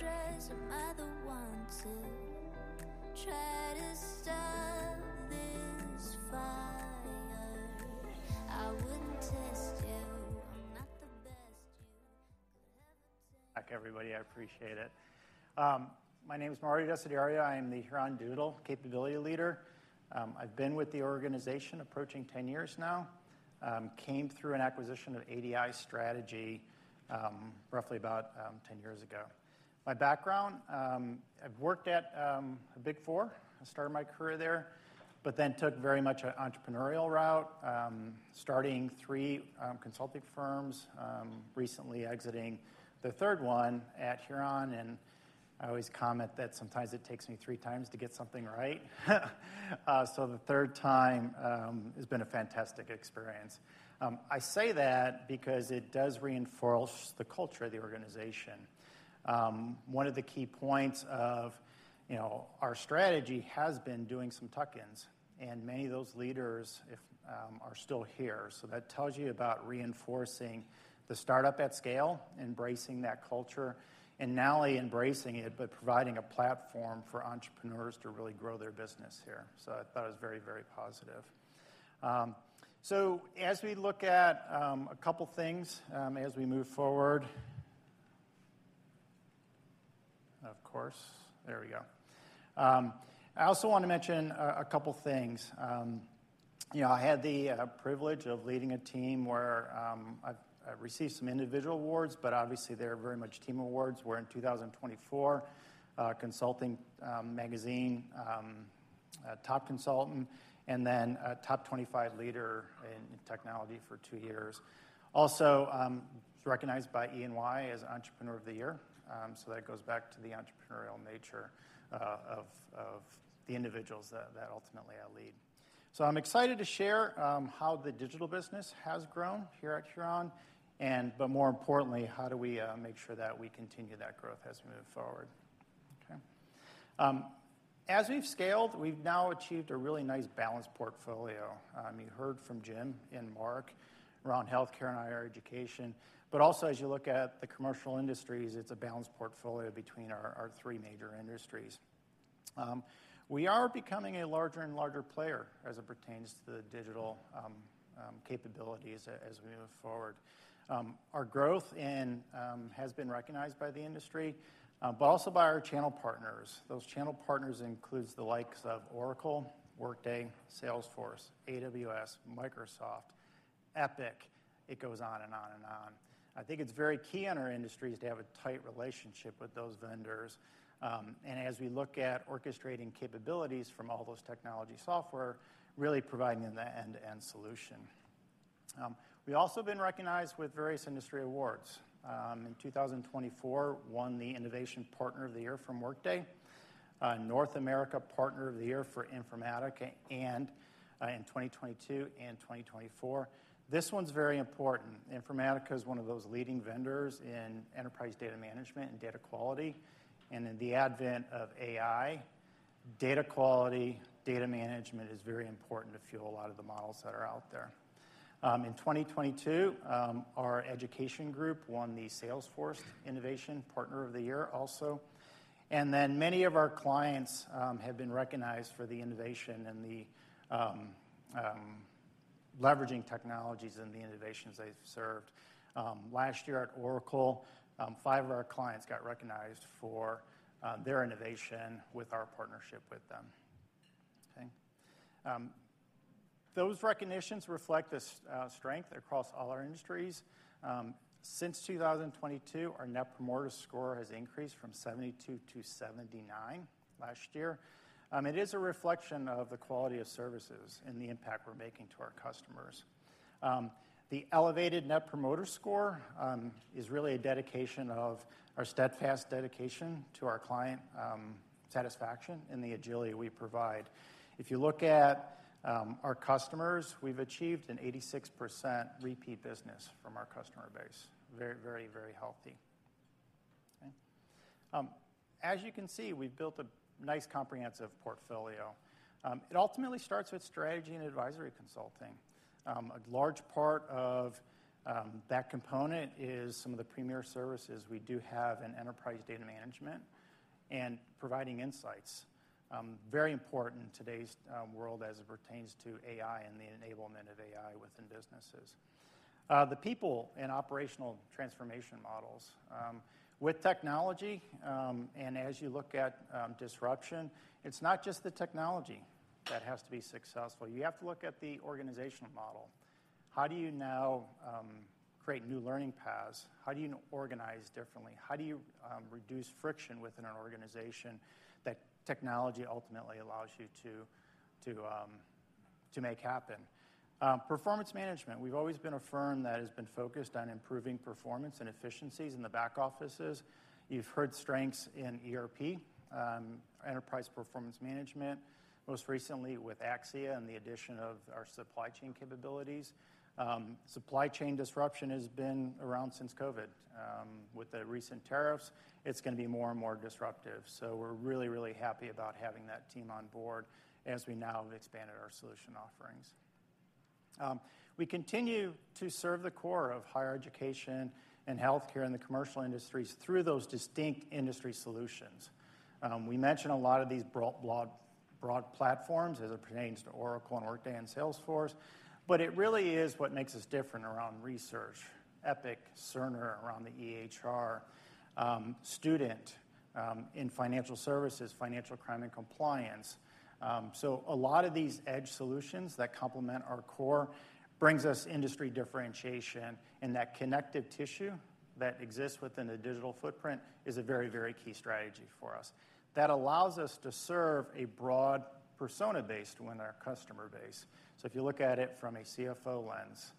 Speaker 8: Back, everybody. I appreciate it. My name is Mario Desidario. I am the Huron Digital Capability Leader. I've been with the organization approaching 10 years now. Came through an acquisition of ADI Strategy roughly about 10 years ago. My background, I've worked at a Big Four. I started my career there, but then took very much an entrepreneurial route, starting three consulting firms, recently exiting the third one at Huron. I always comment that sometimes it takes me three times to get something right. The third time has been a fantastic experience. I say that because it does reinforce the culture of the organization. One of the key points of our strategy has been doing some tuck-ins, and many of those leaders are still here. That tells you about reinforcing the startup at scale, embracing that culture, and not only embracing it, but providing a platform for entrepreneurs to really grow their business here. I thought it was very, very positive. As we look at a couple of things as we move forward, there we go. I also want to mention a couple of things. I had the privilege of leading a team where I received some individual awards, but obviously they are very much team awards where in 2024, Consulting Magazine Top Consultant and then Top 25 Leader in Technology for two years. Also recognized by E&Y as Entrepreneur of the Year. That goes back to the entrepreneurial nature of the individuals that ultimately I lead. I'm excited to share how the digital business has grown here at Huron, but more importantly, how do we make sure that we continue that growth as we move forward? As we've scaled, we've now achieved a really nice balanced portfolio. You heard from Jim and Mark around healthcare and higher education, but also as you look at the commercial industries, it's a balanced portfolio between our three major industries. We are becoming a larger and larger player as it pertains to the digital capabilities as we move forward. Our growth has been recognized by the industry, but also by our channel partners. Those channel partners include the likes of Oracle, Workday, Salesforce, AWS, Microsoft, Epic. It goes on and on and on. I think it's very key in our industries to have a tight relationship with those vendors. As we look at orchestrating capabilities from all those technology software, really providing them the end-to-end solution. We have also been recognized with various industry awards. In 2024, we won the Innovation Partner of the Year from Workday, North America Partner of the Year for Informatica in 2022 and 2024. This one is very important. Informatica is one of those leading vendors in enterprise data management and data quality. In the advent of AI, data quality and data management is very important to fuel a lot of the models that are out there. In 2022, our education group won the Salesforce Innovation Partner of the Year also. Many of our clients have been recognized for the innovation and the leveraging technologies and the innovations they have served. Last year at Oracle, five of our clients got recognized for their innovation with our partnership with them. Those recognitions reflect this strength across all our industries. Since 2022, our Net Promoter Score has increased from 72 to 79 last year. It is a reflection of the quality of services and the impact we're making to our customers. The elevated Net Promoter Score is really a dedication of our steadfast dedication to our client satisfaction and the agility we provide. If you look at our customers, we've achieved an 86% repeat business from our customer base. Very, very healthy. As you can see, we've built a nice comprehensive portfolio. It ultimately starts with strategy and advisory consulting. A large part of that component is some of the premier services we do have in enterprise data management and providing insights. Very important in today's world as it pertains to AI and the enablement of AI within businesses. The people and operational transformation models. With technology and as you look at disruption, it's not just the technology that has to be successful. You have to look at the organizational model. How do you now create new learning paths? How do you organize differently? How do you reduce friction within an organization that technology ultimately allows you to make happen? Performance management. We've always been a firm that has been focused on improving performance and efficiencies in the back offices. You've heard strengths in ERP, Enterprise Performance Management, most recently with Axia and the addition of our supply chain capabilities. Supply chain disruption has been around since COVID. With the recent tariffs, it's going to be more and more disruptive. We are really, really happy about having that team on board as we now have expanded our solution offerings. We continue to serve the core of higher education and healthcare and the commercial industries through those distinct industry solutions. We mentioned a lot of these broad platforms as it pertains to Oracle and Workday and Salesforce, but it really is what makes us different around research, Epic, Cerner, around the EHR, student in financial services, financial crime and compliance. A lot of these edge solutions that complement our core brings us industry differentiation, and that connective tissue that exists within the digital footprint is a very, very key strategy for us. That allows us to serve a broad persona-based customer base. If you look at it from a CFO lens,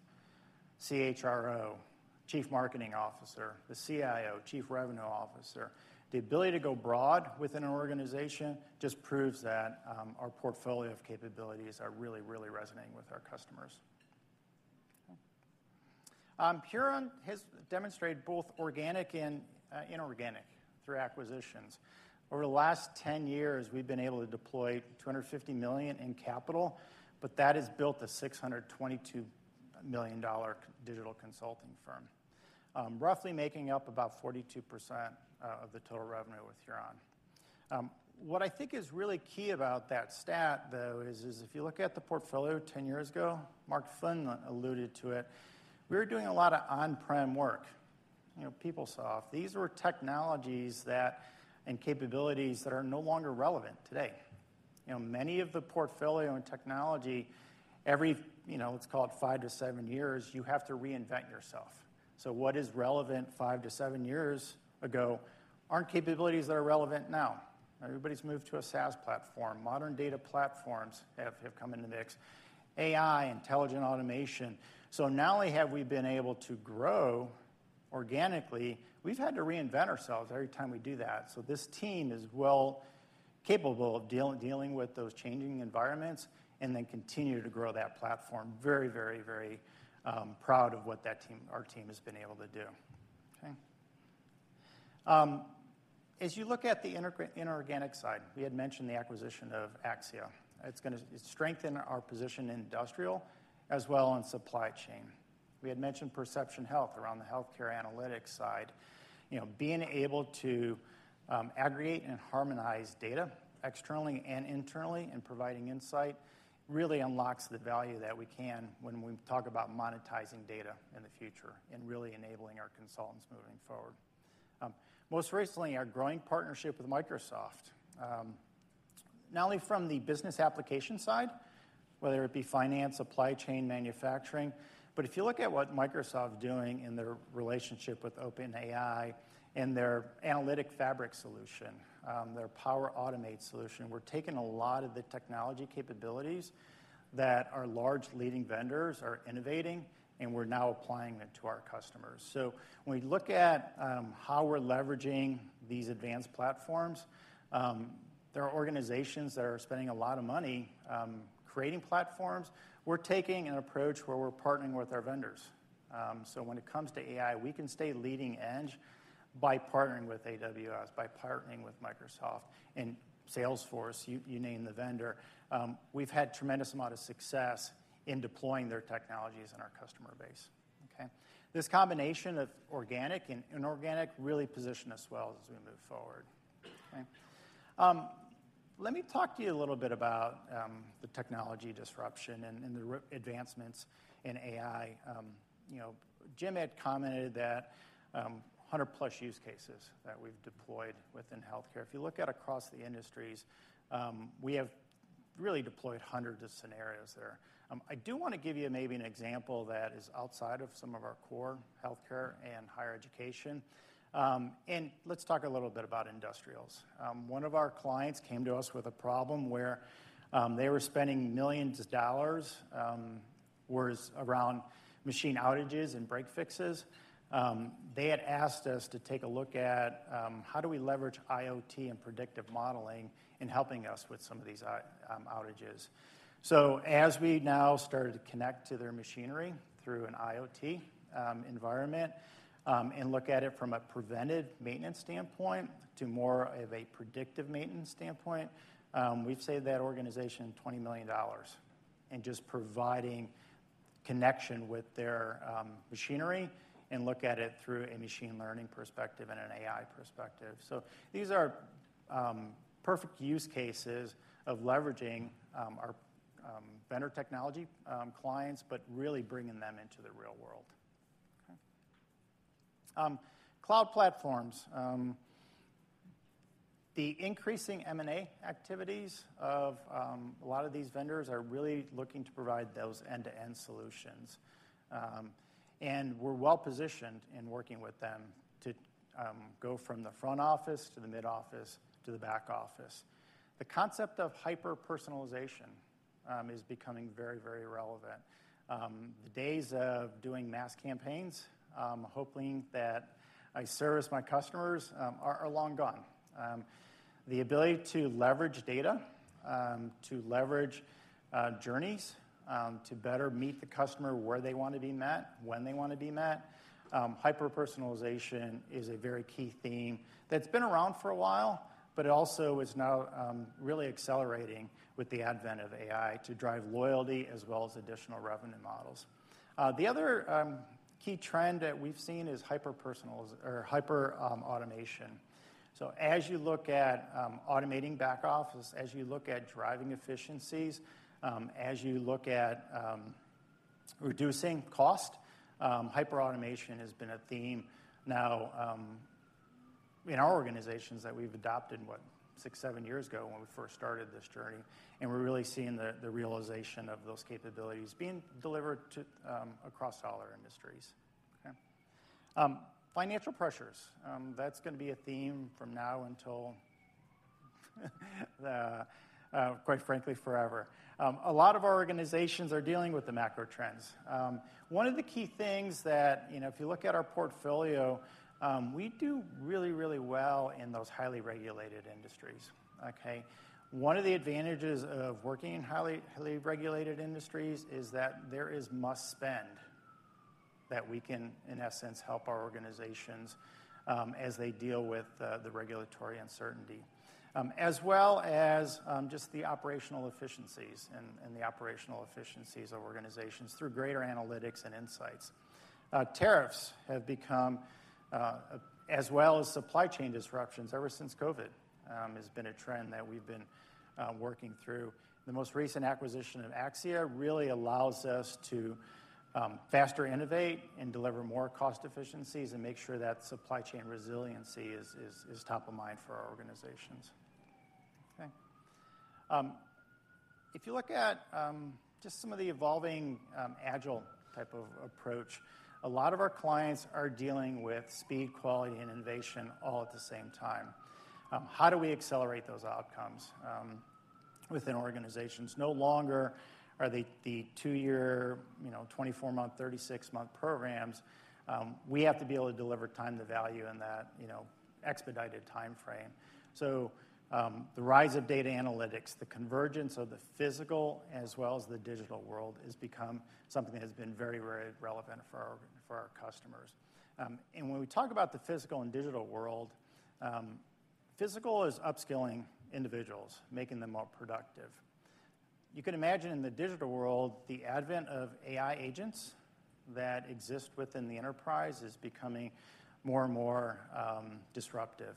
Speaker 8: CHRO, Chief Marketing Officer, the CIO, Chief Revenue Officer, the ability to go broad within an organization just proves that our portfolio of capabilities are really, really resonating with our customers. Huron has demonstrated both organic and inorganic through acquisitions. Over the last 10 years, we've been able to deploy $250 million in capital, but that has built a $622 million digital consulting firm, roughly making up about 42% of the total revenue with Huron. What I think is really key about that stat, though, is if you look at the portfolio 10 years ago, Mark Finlan alluded to it, we were doing a lot of on-prem work. PeopleSoft, these were technologies and capabilities that are no longer relevant today. Many of the portfolio and technology, every let's call it five to seven years, you have to reinvent yourself. What is relevant five to seven years ago aren't capabilities that are relevant now. Everybody's moved to a SaaS platform. Modern data platforms have come into the mix. AI, intelligent automation. Not only have we been able to grow organically, we've had to reinvent ourselves every time we do that. This team is well capable of dealing with those changing environments and then continue to grow that platform. Very, very, very proud of what our team has been able to do. As you look at the inorganic side, we had mentioned the acquisition of Axia. It's going to strengthen our position in industrial as well as supply chain. We had mentioned Perception Health around the healthcare analytics side. Being able to aggregate and harmonize data externally and internally and providing insight really unlocks the value that we can when we talk about monetizing data in the future and really enabling our consultants moving forward. Most recently, our growing partnership with Microsoft, not only from the business application side, whether it be finance, supply chain, manufacturing, but if you look at what Microsoft is doing in their relationship with OpenAI and their analytic fabric solution, their Power Automate solution, we're taking a lot of the technology capabilities that our large leading vendors are innovating, and we're now applying them to our customers. When we look at how we're leveraging these advanced platforms, there are organizations that are spending a lot of money creating platforms. We're taking an approach where we're partnering with our vendors. When it comes to AI, we can stay leading edge by partnering with AWS, by partnering with Microsoft, and Salesforce, you name the vendor. We've had a tremendous amount of success in deploying their technologies in our customer base. This combination of organic and inorganic really positions us well as we move forward. Let me talk to you a little bit about the technology disruption and the advancements in AI. Jim had commented that 100-plus use cases that we've deployed within healthcare. If you look at across the industries, we have really deployed hundreds of scenarios there. I do want to give you maybe an example that is outside of some of our core healthcare and higher education. Let's talk a little bit about industrials. One of our clients came to us with a problem where they were spending millions of dollars around machine outages and break fixes. They had asked us to take a look at how do we leverage IoT and predictive modeling in helping us with some of these outages. As we now started to connect to their machinery through an IoT environment and look at it from a preventive maintenance standpoint to more of a predictive maintenance standpoint, we've saved that organization $20 million in just providing connection with their machinery and look at it through a machine learning perspective and an AI perspective. These are perfect use cases of leveraging our vendor technology clients, but really bringing them into the real world. Cloud platforms. The increasing M&A activities of a lot of these vendors are really looking to provide those end-to-end solutions. We're well positioned in working with them to go from the front office to the mid-office to the back office. The concept of hyper-personalization is becoming very, very relevant. The days of doing mass campaigns, hoping that I service my customers, are long gone. The ability to leverage data, to leverage journeys to better meet the customer where they want to be met, when they want to be met. Hyper-personalization is a very key theme that's been around for a while, but it also is now really accelerating with the advent of AI to drive loyalty as well as additional revenue models. The other key trend that we've seen is hyper-personalization or hyper-automation. As you look at automating back office, as you look at driving efficiencies, as you look at reducing cost, hyper-automation has been a theme now in our organizations that we've adopted, what, six, seven years ago when we first started this journey. We're really seeing the realization of those capabilities being delivered across all our industries. Financial pressures. That's going to be a theme from now until, quite frankly, forever. A lot of our organizations are dealing with the macro trends. One of the key things that if you look at our portfolio, we do really, really well in those highly regulated industries. One of the advantages of working in highly regulated industries is that there is must spend that we can, in essence, help our organizations as they deal with the regulatory uncertainty, as well as just the operational efficiencies and the operational efficiencies of organizations through greater analytics and insights. Tariffs have become, as well as supply chain disruptions, ever since COVID has been a trend that we've been working through. The most recent acquisition of Axia really allows us to faster innovate and deliver more cost efficiencies and make sure that supply chain resiliency is top of mind for our organizations. If you look at just some of the evolving agile type of approach, a lot of our clients are dealing with speed, quality, and innovation all at the same time. How do we accelerate those outcomes within organizations? No longer are they the two-year, 24-month, 36-month programs. We have to be able to deliver time to value in that expedited timeframe. The rise of data analytics, the convergence of the physical as well as the digital world has become something that has been very, very relevant for our customers. When we talk about the physical and digital world, physical is upskilling individuals, making them more productive. You can imagine in the digital world, the advent of AI agents that exist within the enterprise is becoming more and more disruptive.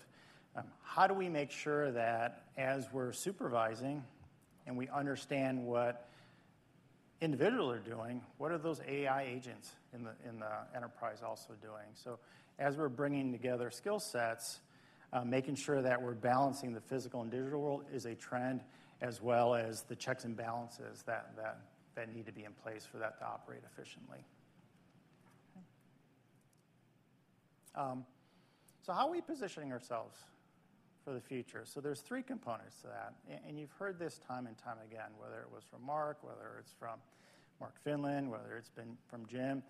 Speaker 8: How do we make sure that as we're supervising and we understand what individuals are doing, what are those AI agents in the enterprise also doing? As we're bringing together skill sets, making sure that we're balancing the physical and digital world is a trend as well as the checks and balances that need to be in place for that to operate efficiently. How are we positioning ourselves for the future? There are three components to that. You've heard this time and time again, whether it was from Mark, whether it's from Mark Finlan, whether it's been from Jim.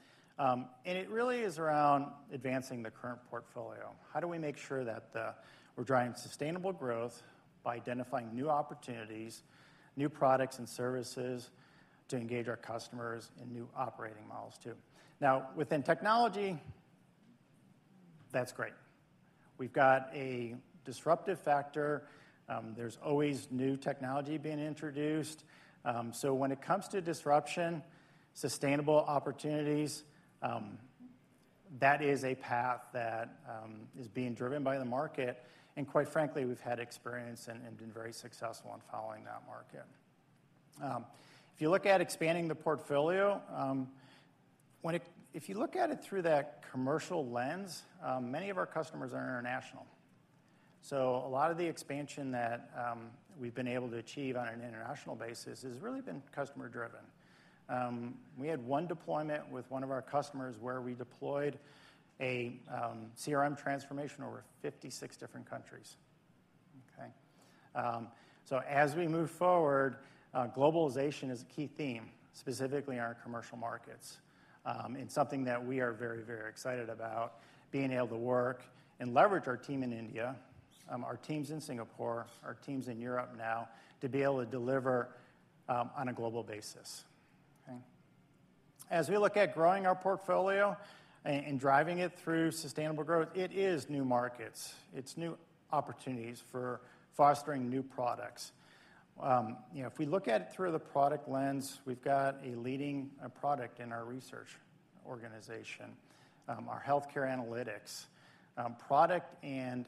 Speaker 8: It really is around advancing the current portfolio. How do we make sure that we're driving sustainable growth by identifying new opportunities, new products and services to engage our customers in new operating models too? Within technology, that's great. We've got a disruptive factor. There is always new technology being introduced. When it comes to disruption, sustainable opportunities, that is a path that is being driven by the market. Quite frankly, we have had experience and been very successful in following that market. If you look at expanding the portfolio, if you look at it through that commercial lens, many of our customers are international. A lot of the expansion that we have been able to achieve on an international basis has really been customer-driven. We had one deployment with one of our customers where we deployed a CRM transformation over 56 different countries. As we move forward, globalization is a key theme, specifically in our commercial markets, and something that we are very, very excited about being able to work and leverage our team in India, our teams in Singapore, our teams in Europe now to be able to deliver on a global basis. As we look at growing our portfolio and driving it through sustainable growth, it is new markets. It's new opportunities for fostering new products. If we look at it through the product lens, we've got a leading product in our research organization, our healthcare analytics. Product and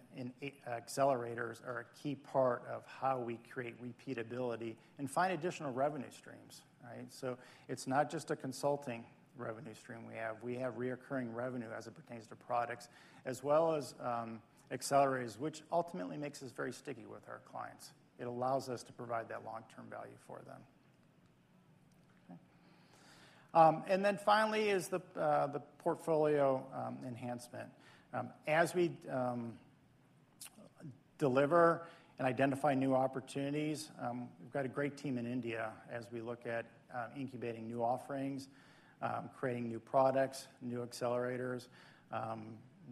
Speaker 8: accelerators are a key part of how we create repeatability and find additional revenue streams. It's not just a consulting revenue stream we have. We have recurring revenue as it pertains to products as well as accelerators, which ultimately makes us very sticky with our clients. It allows us to provide that long-term value for them. Finally, the portfolio enhancement. As we deliver and identify new opportunities, we have a great team in India as we look at incubating new offerings, creating new products, new accelerators.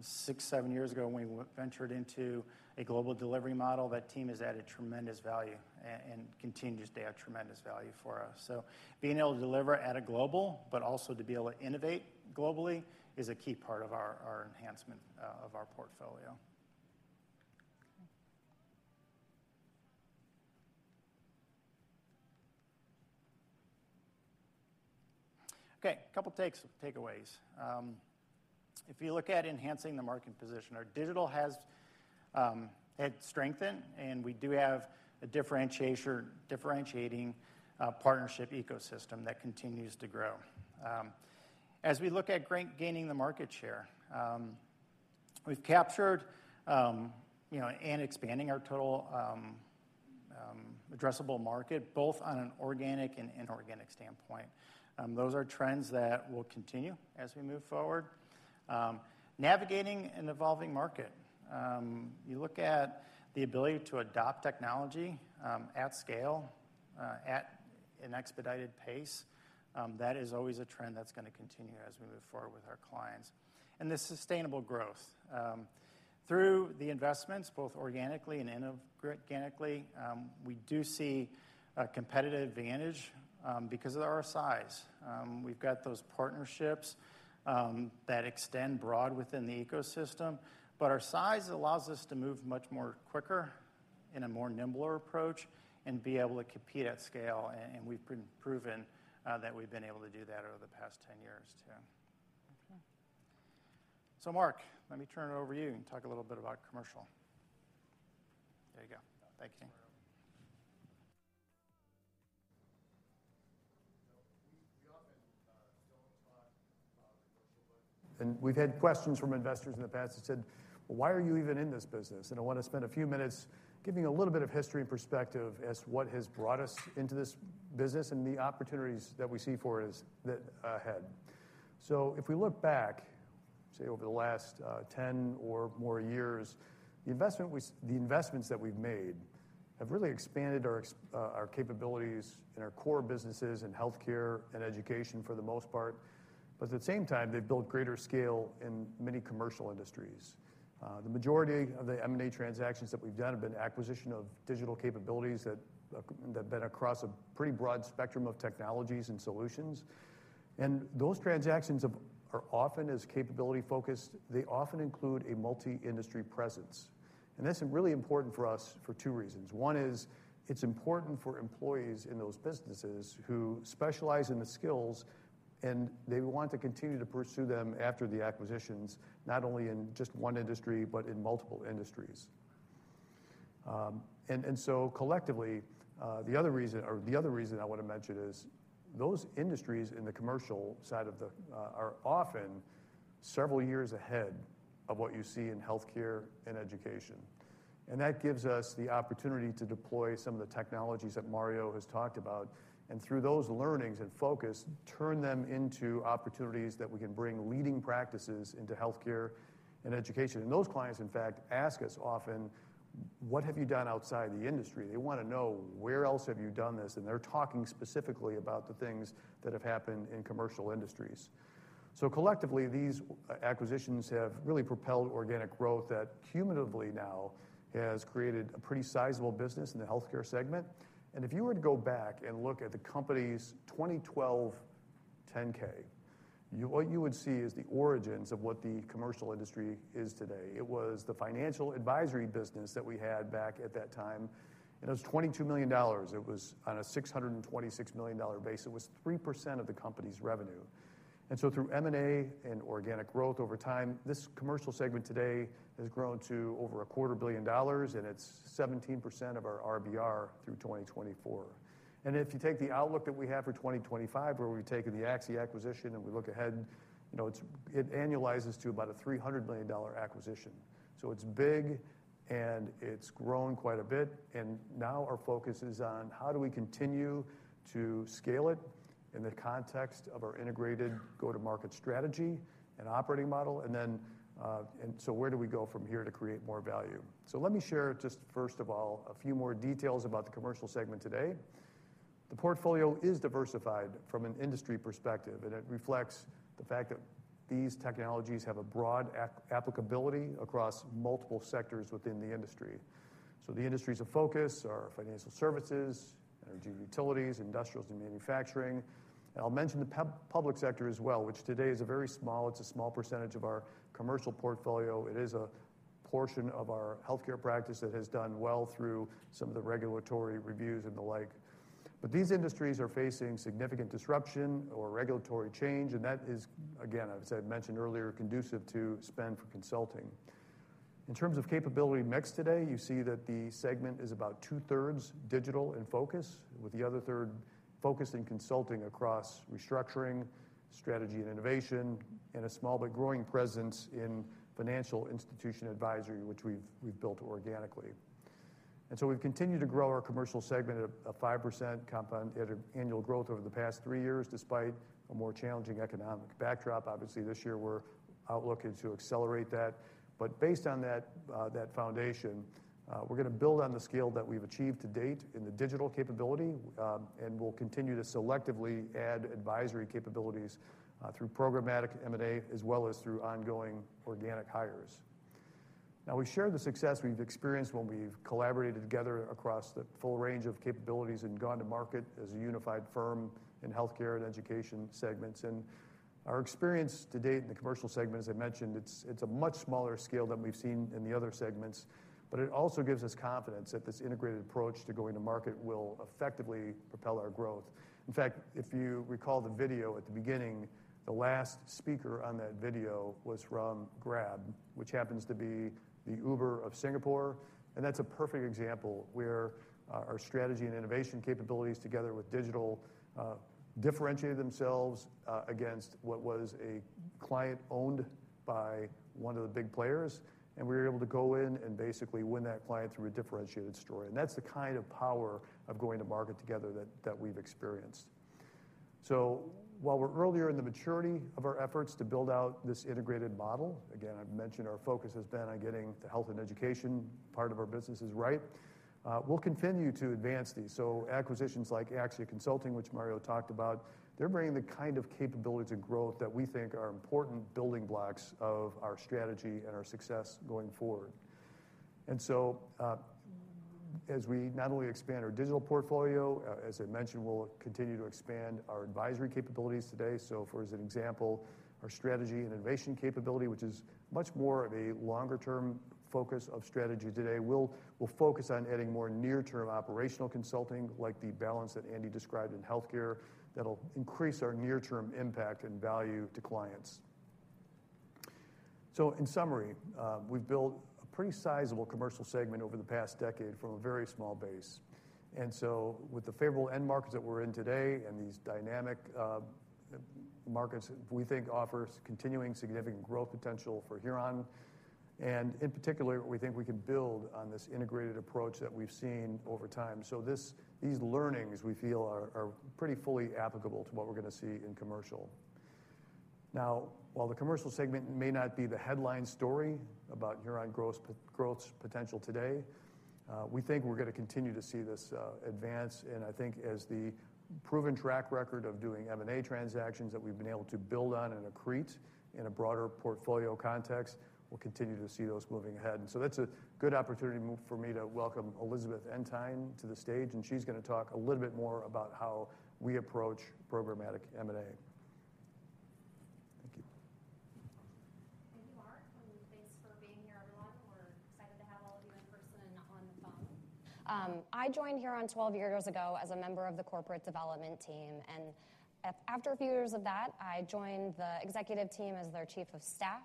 Speaker 8: Six, seven years ago, when we ventured into a global delivery model, that team has added tremendous value and continues to add tremendous value for us. Being able to deliver at a global, but also to be able to innovate globally is a key part of our enhancement of our portfolio. Okay, a couple of takeaways. If you look at enhancing the market position, our digital has strengthened, and we do have a differentiating partnership ecosystem that continues to grow. As we look at gaining the market share, we have captured and expanding our total addressable market, both on an organic and inorganic standpoint. Those are trends that will continue as we move forward. Navigating an evolving market. You look at the ability to adopt technology at scale, at an expedited pace. That is always a trend that's going to continue as we move forward with our clients. And the sustainable growth. Through the investments, both organically and inorganically, we do see a competitive advantage because of our size. We've got those partnerships that extend broad within the ecosystem, but our size allows us to move much more quickly in a more nimble approach and be able to compete at scale. We've proven that we've been able to do that over the past 10 years too. Mark, let me turn it over to you and talk a little bit about commercial.
Speaker 2: There you go. Thank you. We often do not talk about commercial, but we have had questions from investors in the past that said, "Why are you even in this business?" I want to spend a few minutes giving a little bit of history and perspective as to what has brought us into this business and the opportunities that we see for us ahead. If we look back, say over the last 10 or more years, the investments that we have made have really expanded our capabilities in our core businesses in healthcare and education for the most part. At the same time, they have built greater scale in many commercial industries. The majority of the M&A transactions that we have done have been acquisitions of digital capabilities that have been across a pretty broad spectrum of technologies and solutions. Those transactions are often as capability-focused. They often include a multi-industry presence. That is really important for us for two reasons. One is it's important for employees in those businesses who specialize in the skills, and they want to continue to pursue them after the acquisitions, not only in just one industry, but in multiple industries. Collectively, the other reason I want to mention is those industries in the commercial side of the market are often several years ahead of what you see in healthcare and education. That gives us the opportunity to deploy some of the technologies that Mario has talked about. Through those learnings and focus, we can turn them into opportunities that we can bring leading practices into healthcare and education. Those clients, in fact, ask us often, "What have you done outside the industry?" They want to know, "Where else have you done this?" They are talking specifically about the things that have happened in commercial industries. Collectively, these acquisitions have really propelled organic growth that cumulatively now has created a pretty sizable business in the healthcare segment. If you were to go back and look at the company's 2012 10-K, what you would see is the origins of what the commercial industry is today. It was the financial advisory business that we had back at that time. It was $22 million. It was on a $626 million base. It was 3% of the company's revenue. Through M&A and organic growth over time, this commercial segment today has grown to over a quarter billion dollars, and it is 17% of our RBR through 2024. If you take the outlook that we have for 2025, where we've taken the Axia acquisition and we look ahead, it annualizes to about a $300 million acquisition. It is big, and it has grown quite a bit. Now our focus is on how do we continue to scale it in the context of our integrated go-to-market strategy and operating model. Where do we go from here to create more value? Let me share just, first of all, a few more details about the commercial segment today. The portfolio is diversified from an industry perspective, and it reflects the fact that these technologies have a broad applicability across multiple sectors within the industry. The industries of focus are financial services, energy utilities, industrials, and manufacturing. I'll mention the public sector as well, which today is a very small, it's a small percentage of our commercial portfolio. It is a portion of our healthcare practice that has done well through some of the regulatory reviews and the like. These industries are facing significant disruption or regulatory change, and that is, again, as I mentioned earlier, conducive to spend for consulting. In terms of capability mix today, you see that the segment is about two-thirds digital in focus, with the other third focused in consulting across restructuring, strategy and innovation, and a small but growing presence in financial institution advisory, which we've built organically. We've continued to grow our commercial segment at a 5% compound annual growth over the past three years, despite a more challenging economic backdrop. Obviously, this year, we're outlooking to accelerate that. Based on that foundation, we're going to build on the scale that we've achieved to date in the digital capability, and we'll continue to selectively add advisory capabilities through programmatic M&A as well as through ongoing organic hires. Now, we share the success we've experienced when we've collaborated together across the full range of capabilities and gone to market as a unified firm in healthcare and education segments. Our experience to date in the commercial segment, as I mentioned, it's a much smaller scale than we've seen in the other segments, but it also gives us confidence that this integrated approach to going to market will effectively propel our growth. In fact, if you recall the video at the beginning, the last speaker on that video was from Grab, which happens to be the Uber of Singapore. That's a perfect example where our strategy and innovation capabilities together with digital differentiated themselves against what was a client owned by one of the big players. We were able to go in and basically win that client through a differentiated story. That is the kind of power of going to market together that we've experienced. While we're earlier in the maturity of our efforts to build out this integrated model, again, I've mentioned our focus has been on getting the health and education part of our businesses right. We'll continue to advance these. Acquisitions like Axia Consulting, which Mario talked about, are bringing the kind of capabilities and growth that we think are important building blocks of our strategy and our success going forward. As we not only expand our digital portfolio, as I mentioned, we'll continue to expand our advisory capabilities today. For as an example, our strategy and innovation capability, which is much more of a longer-term focus of strategy today, will focus on adding more near-term operational consulting like the balance that Andy described in healthcare. That will increase our near-term impact and value to clients. In summary, we have built a pretty sizable commercial segment over the past decade from a very small base. With the favorable end markets that we are in today and these dynamic markets, we think offers continuing significant growth potential for Huron. In particular, we think we can build on this integrated approach that we have seen over time. These learnings we feel are pretty fully applicable to what we are going to see in commercial. Now, while the commercial segment may not be the headline story about Huron Growth's potential today, we think we are going to continue to see this advance. I think as the proven track record of doing M&A transactions that we've been able to build on and accrete in a broader portfolio context, we'll continue to see those moving ahead. That is a good opportunity for me to welcome Elizabeth Entein to the stage, and she's going to talk a little bit more about how we approach programmatic M&A. Thank you.
Speaker 9: Thank you, Mark. Thanks for being here, everyone. We're excited to have all of you in person and on the phone. I joined Huron 12 years ago as a member of the corporate development team. After a few years of that, I joined the executive team as their Chief of Staff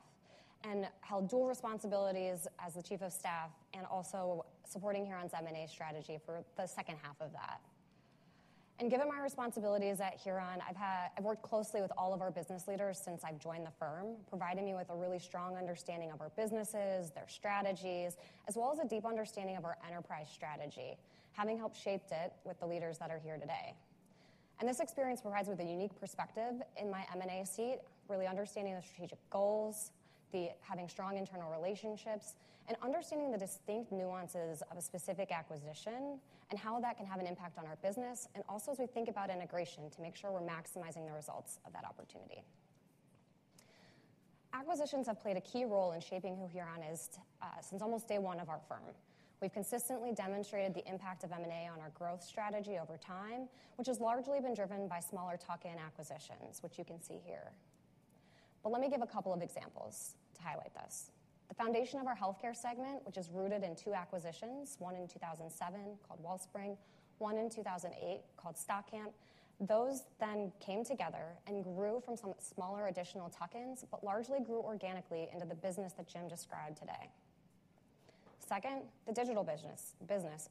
Speaker 9: and held dual responsibilities as the Chief of Staff and also supporting Huron's M&A strategy for the second half of that. Given my responsibilities at Huron, I've worked closely with all of our business leaders since I've joined the firm, providing me with a really strong understanding of our businesses, their strategies, as well as a deep understanding of our enterprise strategy, having helped shape it with the leaders that are here today. This experience provides me with a unique perspective in my M&A seat, really understanding the strategic goals, having strong internal relationships, and understanding the distinct nuances of a specific acquisition and how that can have an impact on our business, and also as we think about integration to make sure we're maximizing the results of that opportunity. Acquisitions have played a key role in shaping who Huron is since almost day one of our firm. We've consistently demonstrated the impact of M&A on our growth strategy over time, which has largely been driven by smaller tuck-in acquisitions, which you can see here. Let me give a couple of examples to highlight this. The foundation of our healthcare segment, which is rooted in two acquisitions, one in 2007 called Wellspring, one in 2008 called Stockamp, those then came together and grew from some smaller additional tuck-ins, but largely grew organically into the business that Jim described today. Second, the digital business,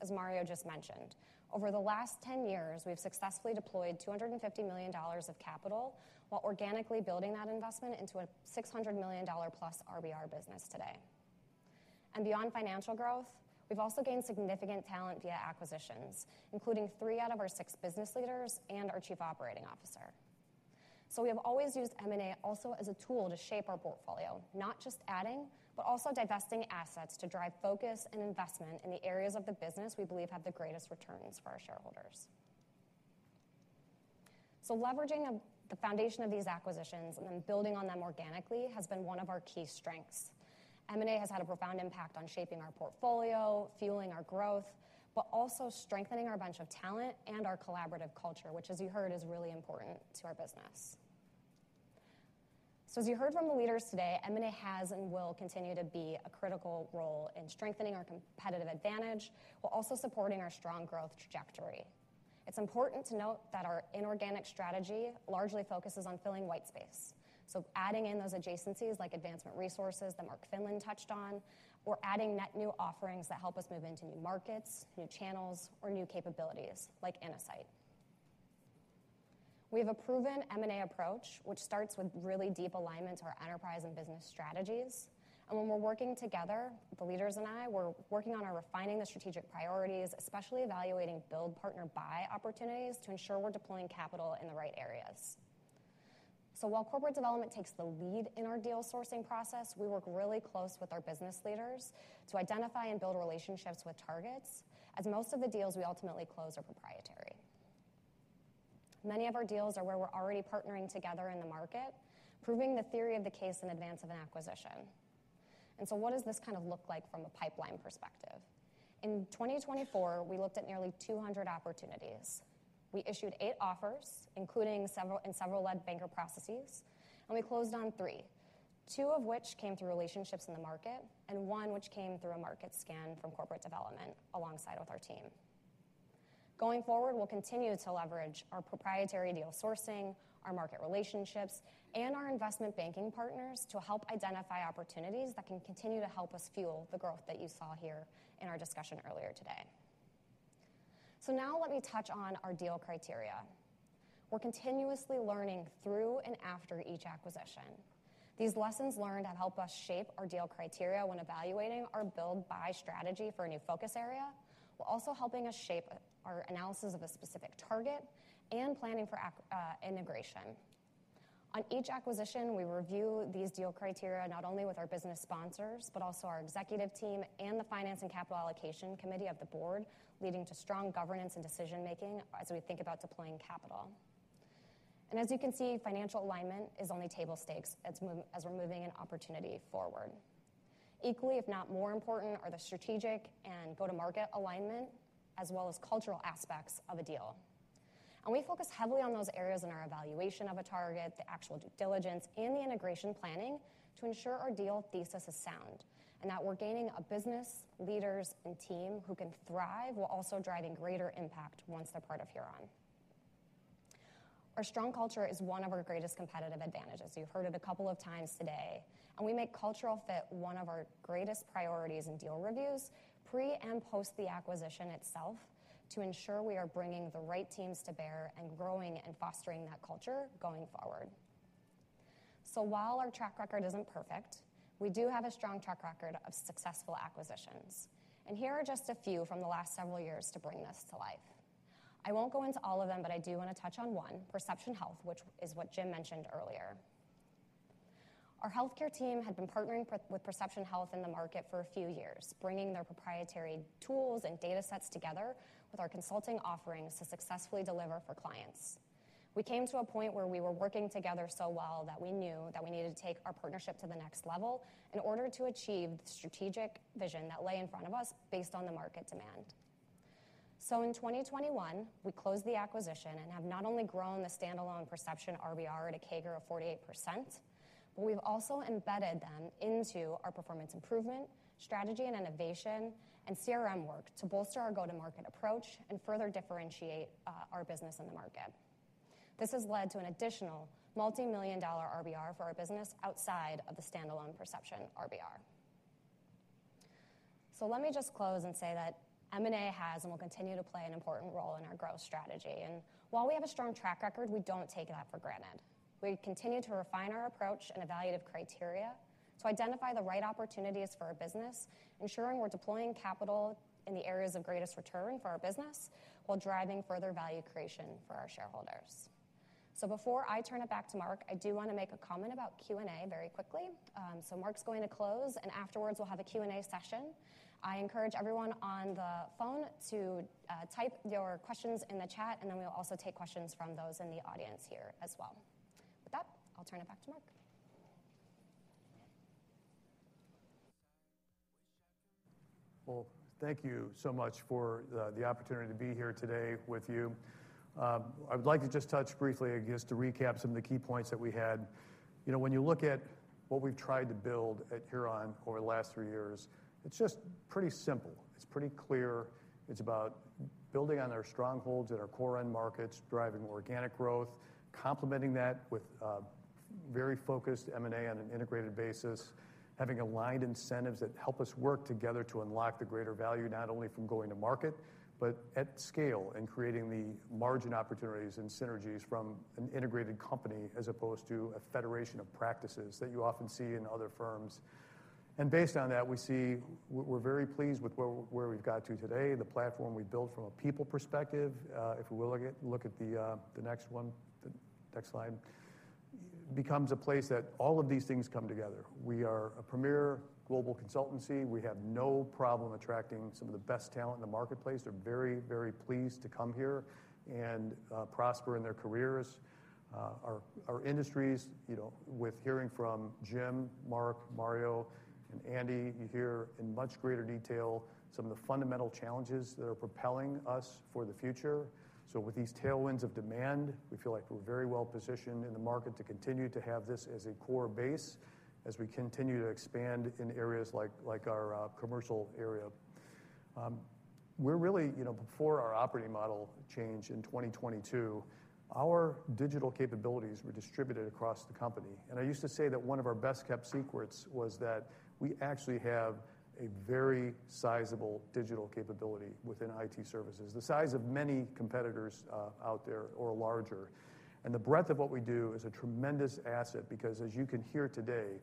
Speaker 9: as Mario just mentioned. Over the last 10 years, we've successfully deployed $250 million of capital while organically building that investment into a $600 million plus RBR business today. Beyond financial growth, we've also gained significant talent via acquisitions, including three out of our six business leaders and our Chief Operating Officer. We have always used M&A also as a tool to shape our portfolio, not just adding, but also divesting assets to drive focus and investment in the areas of the business we believe have the greatest returns for our shareholders. Leveraging the foundation of these acquisitions and then building on them organically has been one of our key strengths. M&A has had a profound impact on shaping our portfolio, fueling our growth, but also strengthening our bunch of talent and our collaborative culture, which, as you heard, is really important to our business. As you heard from the leaders today, M&A has and will continue to be a critical role in strengthening our competitive advantage while also supporting our strong growth trajectory. It's important to note that our inorganic strategy largely focuses on filling white space. Adding in those adjacencies like Advancement Resources that Mark Finlan touched on, or adding net new offerings that help us move into new markets, new channels, or new capabilities like Innosight. We have a proven M&A approach, which starts with really deep alignment to our enterprise and business strategies. When we're working together, the leaders and I, we're working on refining the strategic priorities, especially evaluating build partner buy opportunities to ensure we're deploying capital in the right areas. While corporate development takes the lead in our deal sourcing process, we work really close with our business leaders to identify and build relationships with targets, as most of the deals we ultimately close are proprietary. Many of our deals are where we're already partnering together in the market, proving the theory of the case in advance of an acquisition. What does this kind of look like from a pipeline perspective? In 2024, we looked at nearly 200 opportunities. We issued eight offers, including several in several-led banker processes, and we closed on three, two of which came through relationships in the market and one which came through a market scan from corporate development alongside with our team. Going forward, we will continue to leverage our proprietary deal sourcing, our market relationships, and our investment banking partners to help identify opportunities that can continue to help us fuel the growth that you saw here in our discussion earlier today. Let me touch on our deal criteria. We are continuously learning through and after each acquisition. These lessons learned have helped us shape our deal criteria when evaluating our build buy strategy for a new focus area, while also helping us shape our analysis of a specific target and planning for integration. On each acquisition, we review these deal criteria not only with our business sponsors, but also our executive team and the Finance and Capital Allocation Committee of the board, leading to strong governance and decision-making as we think about deploying capital. As you can see, financial alignment is only table stakes as we're moving an opportunity forward. Equally, if not more important, are the strategic and go-to-market alignment, as well as cultural aspects of a deal. We focus heavily on those areas in our evaluation of a target, the actual due diligence, and the integration planning to ensure our deal thesis is sound and that we're gaining a business leaders and team who can thrive while also driving greater impact once they're part of Huron. Our strong culture is one of our greatest competitive advantages. You've heard it a couple of times today. We make cultural fit one of our greatest priorities in deal reviews pre and post the acquisition itself to ensure we are bringing the right teams to bear and growing and fostering that culture going forward. While our track record isn't perfect, we do have a strong track record of successful acquisitions. Here are just a few from the last several years to bring this to life. I won't go into all of them, but I do want to touch on one, Perception Health, which is what Jim mentioned earlier. Our healthcare team had been partnering with Perception Health in the market for a few years, bringing their proprietary tools and data sets together with our consulting offerings to successfully deliver for clients. We came to a point where we were working together so well that we knew that we needed to take our partnership to the next level in order to achieve the strategic vision that lay in front of us based on the market demand. In 2021, we closed the acquisition and have not only grown the standalone Perception RBR at a CAGR of 48%, but we've also embedded them into our performance improvement, strategy and innovation, and CRM work to bolster our go-to-market approach and further differentiate our business in the market. This has led to an additional multi-million dollar RBR for our business outside of the standalone Perception RBR. Let me just close and say that M&A has and will continue to play an important role in our growth strategy. While we have a strong track record, we do not take that for granted. We continue to refine our approach and evaluative criteria to identify the right opportunities for our business, ensuring we're deploying capital in the areas of greatest return for our business while driving further value creation for our shareholders. Before I turn it back to Mark, I do want to make a comment about Q&A very quickly. Mark's going to close, and afterwards we'll have a Q&A session. I encourage everyone on the phone to type your questions in the chat, and then we'll also take questions from those in the audience here as well. With that, I'll turn it back to Mark.
Speaker 2: Thank you so much for the opportunity to be here today with you. I would like to just touch briefly, I guess, to recap some of the key points that we had. You know, when you look at what we've tried to build at Huron over the last three years, it's just pretty simple. It's pretty clear. It's about building on our strongholds at our core end markets, driving organic growth, complementing that with very focused M&A on an integrated basis, having aligned incentives that help us work together to unlock the greater value, not only from going to market, but at scale and creating the margin opportunities and synergies from an integrated company as opposed to a federation of practices that you often see in other firms. Based on that, we see we're very pleased with where we've got to today. The platform we built from a people perspective, if we look at the next one, next slide, becomes a place that all of these things come together. We are a premier global consultancy. We have no problem attracting some of the best talent in the marketplace. They're very, very pleased to come here and prosper in their careers. Our industries, you know, with hearing from Jim, Mark, Mario, and Andy, you hear in much greater detail some of the fundamental challenges that are propelling us for the future. With these tailwinds of demand, we feel like we're very well positioned in the market to continue to have this as a core base as we continue to expand in areas like our commercial area. We're really, you know, before our operating model change in 2022, our digital capabilities were distributed across the company. I used to say that one of our best kept secrets was that we actually have a very sizable digital capability within IT services, the size of many competitors out there or larger. The breadth of what we do is a tremendous asset because, as you can hear today,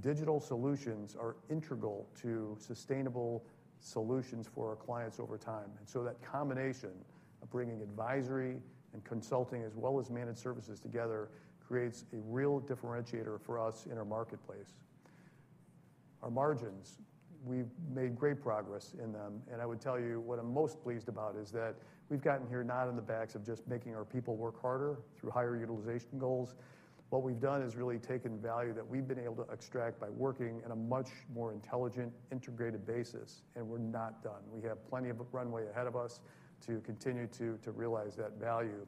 Speaker 2: digital solutions are integral to sustainable solutions for our clients over time. That combination of bringing advisory and consulting as well as managed services together creates a real differentiator for us in our marketplace. Our margins, we've made great progress in them. I would tell you what I'm most pleased about is that we've gotten here not on the backs of just making our people work harder through higher utilization goals. What we've done is really taken value that we've been able to extract by working in a much more intelligent, integrated basis. We're not done. We have plenty of runway ahead of us to continue to realize that value.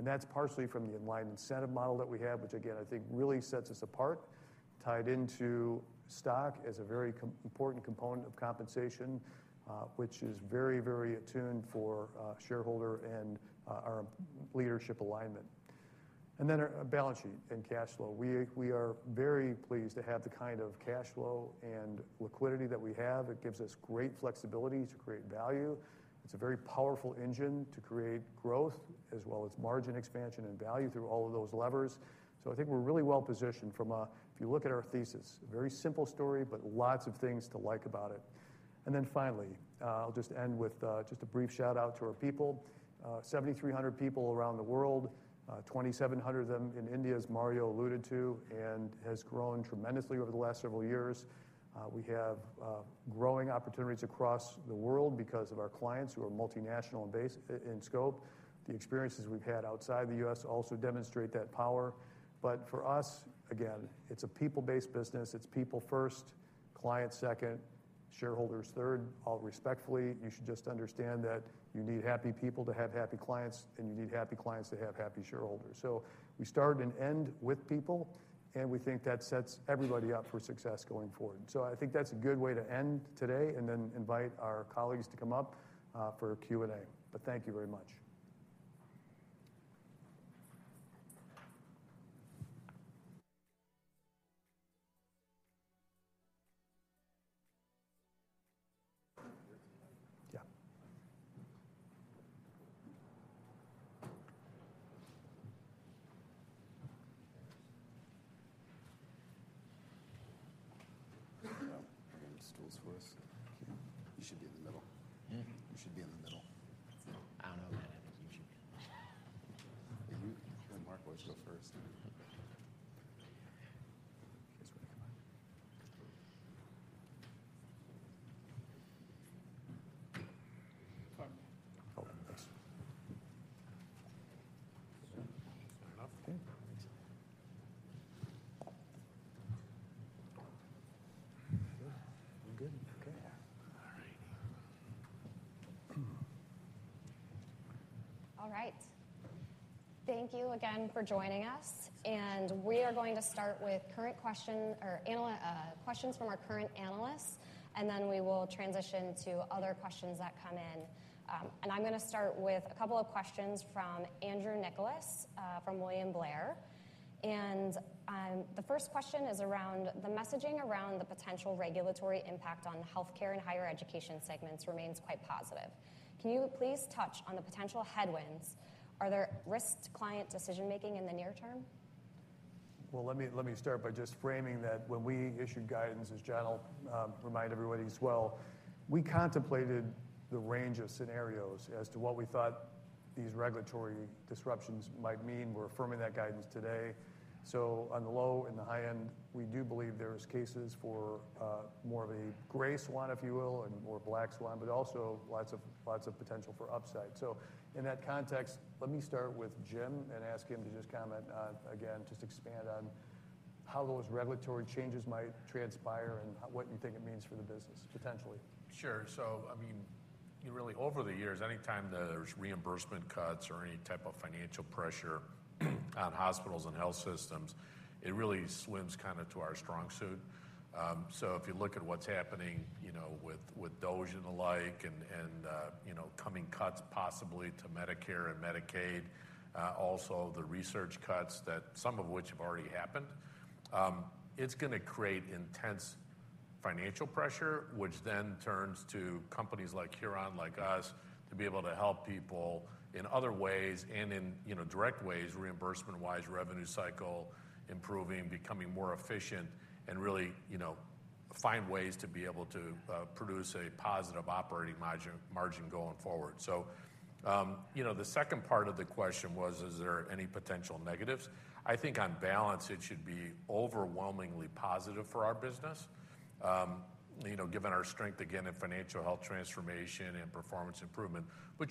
Speaker 2: That's partially from the aligned incentive model that we have, which, again, I think really sets us apart, tied into stock as a very important component of compensation, which is very, very attuned for shareholder and our leadership alignment. Then our balance sheet and cash flow. We are very pleased to have the kind of cash flow and liquidity that we have. It gives us great flexibility to create value. It's a very powerful engine to create growth as well as margin expansion and value through all of those levers. I think we're really well positioned from a, if you look at our thesis, a very simple story, but lots of things to like about it. Finally, I'll just end with just a brief shout out to our people. 7,300 people around the world, 2,700 of them in India as Mario alluded to, and has grown tremendously over the last several years. We have growing opportunities across the world because of our clients who are multinational and base in scope. The experiences we've had outside the U.S. also demonstrate that power. For us, again, it's a people-based business. It's people first, clients second, shareholders third. I'll respectfully, you should just understand that you need happy people to have happy clients, and you need happy clients to have happy shareholders. We start and end with people, and we think that sets everybody up for success going forward. I think that's a good way to end today and then invite our colleagues to come up for Q&A. Thank you very much. Yeah.I'm going to move the stools for us. You should be in the middle. You should be in the middle.
Speaker 9: All right. Thank you again for joining us. We are going to start with current questions or questions from our current analysts, and then we will transition to other questions that come in. I'm going to start with a couple of questions from Andrew Nicholas from William Blair. The first question is around the messaging around the potential regulatory impact on healthcare and higher education segments remains quite positive. Can you please touch on the potential headwinds? Are there risks to client decision-making in the near term?
Speaker 2: Let me start by just framing that when we issued guidance, as Janelle reminded everybody as well, we contemplated the range of scenarios as to what we thought these regulatory disruptions might mean. We are affirming that guidance today. On the low and the high end, we do believe there are cases for more of a gray swan, if you will, and more black swan, but also lots of potential for upside. In that context, let me start with Jim and ask him to just comment again, just expand on how those regulatory changes might transpire and what you think it means for the business potentially.
Speaker 5: Sure. I mean, you really over the years, anytime there's reimbursement cuts or any type of financial pressure on hospitals and health systems, it really swims kind of to our strong suit. If you look at what's happening, you know, with DOGE and the like and coming cuts possibly to Medicare and Medicaid, also the research cuts that some of which have already happened, it's going to create intense financial pressure, which then turns to companies like Huron, like us, to be able to help people in other ways and in direct ways, reimbursement-wise, revenue cycle improving, becoming more efficient, and really find ways to be able to produce a positive operating margin going forward. You know, the second part of the question was, is there any potential negatives? I think on balance, it should be overwhelmingly positive for our business, you know, given our strength again in financial health transformation and performance improvement.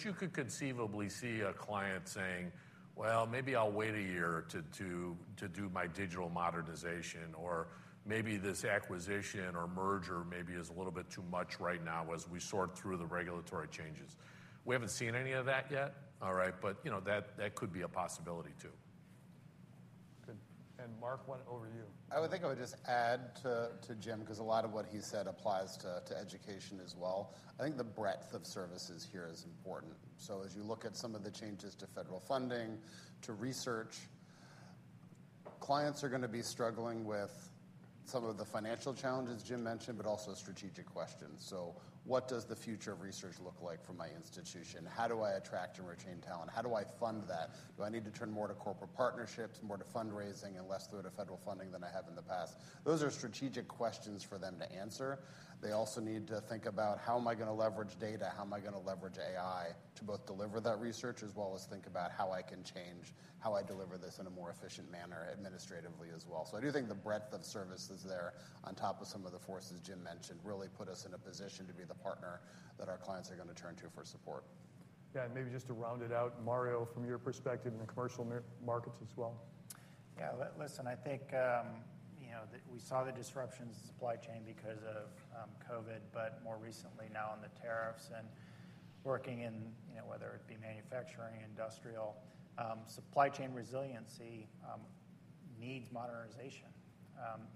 Speaker 5: You could conceivably see a client saying, well, maybe I'll wait a year to do my digital modernization, or maybe this acquisition or merger maybe is a little bit too much right now as we sort through the regulatory changes. We haven't seen any of that yet, all right? You know, that could be a possibility too.
Speaker 2: Good. Mark, why don't you?
Speaker 7: I would think I would just add to Jim because a lot of what he said applies to education as well. I think the breadth of services here is important. As you look at some of the changes to federal funding, to research, clients are going to be struggling with some of the financial challenges Jim mentioned, but also strategic questions. What does the future of research look like for my institution? How do I attract and retain talent? How do I fund that? Do I need to turn more to corporate partnerships, more to fundraising, and less through to federal funding than I have in the past? Those are strategic questions for them to answer. They also need to think about how am I going to leverage data? How am I going to leverage AI to both deliver that research as well as think about how I can change how I deliver this in a more efficient manner administratively as well. I do think the breadth of services there on top of some of the forces Jim mentioned really put us in a position to be the partner that our clients are going to turn to for support.
Speaker 2: Yeah. Maybe just to round it out, Mario, from your perspective in the commercial markets as well.
Speaker 8: Yeah. Listen, I think, you know, we saw the disruptions in supply chain because of COVID, but more recently now on the tariffs and working in, you know, whether it be manufacturing, industrial, supply chain resiliency needs modernization,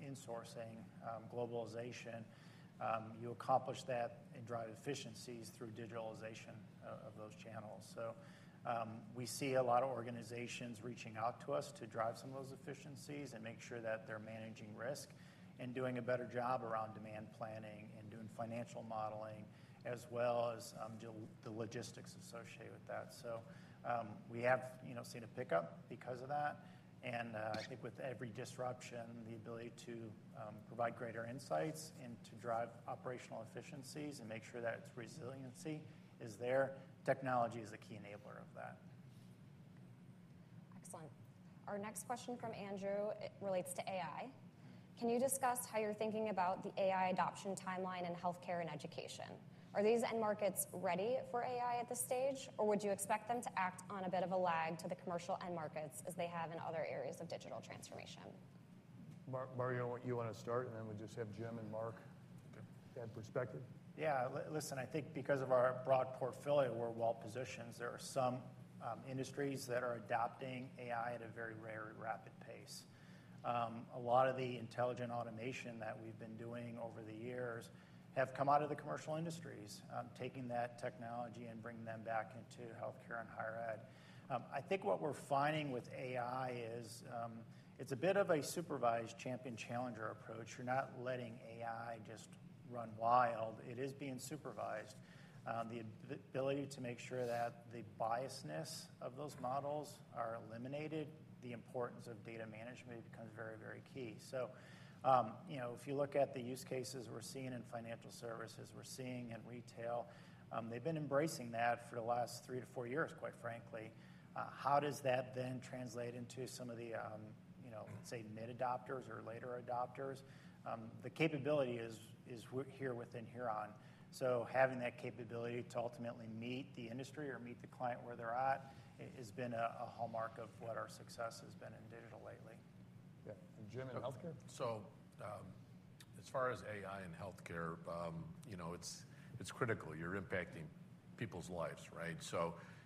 Speaker 8: insourcing, globalization. You accomplish that and drive efficiencies through digitalization of those channels. We see a lot of organizations reaching out to us to drive some of those efficiencies and make sure that they're managing risk and doing a better job around demand planning and doing financial modeling as well as the logistics associated with that. We have, you know, seen a pickup because of that. I think with every disruption, the ability to provide greater insights and to drive operational efficiencies and make sure that resiliency is there, technology is a key enabler of that.
Speaker 9: Excellent. Our next question from Andrew relates to AI. Can you discuss how you're thinking about the AI adoption timeline in healthcare and education? Are these end markets ready for AI at this stage, or would you expect them to act on a bit of a lag to the commercial end markets as they have in other areas of digital transformation?
Speaker 2: Mario, you want to start, and then we just have Jim and Mark add perspective.
Speaker 8: Yeah. Listen, I think because of our broad portfolio, we're well positioned. There are some industries that are adopting AI at a very rare and rapid pace. A lot of the intelligent automation that we've been doing over the years have come out of the commercial industries, taking that technology and bringing them back into healthcare and higher ed. I think what we're finding with AI is it's a bit of a supervised champion challenger approach. You're not letting AI just run wild. It is being supervised. The ability to make sure that the biasness of those models are eliminated, the importance of data management becomes very, very key. You know, if you look at the use cases we're seeing in financial services, we're seeing in retail, they've been embracing that for the last three to four years, quite frankly. How does that then translate into some of the, you know, let's say mid-adopters or later adopters? The capability is here within Huron. Having that capability to ultimately meet the industry or meet the client where they're at has been a hallmark of what our success has been in digital lately.
Speaker 2: Yeah. Jim, in healthcare?
Speaker 5: As far as AI in healthcare, you know, it's critical. You're impacting people's lives, right?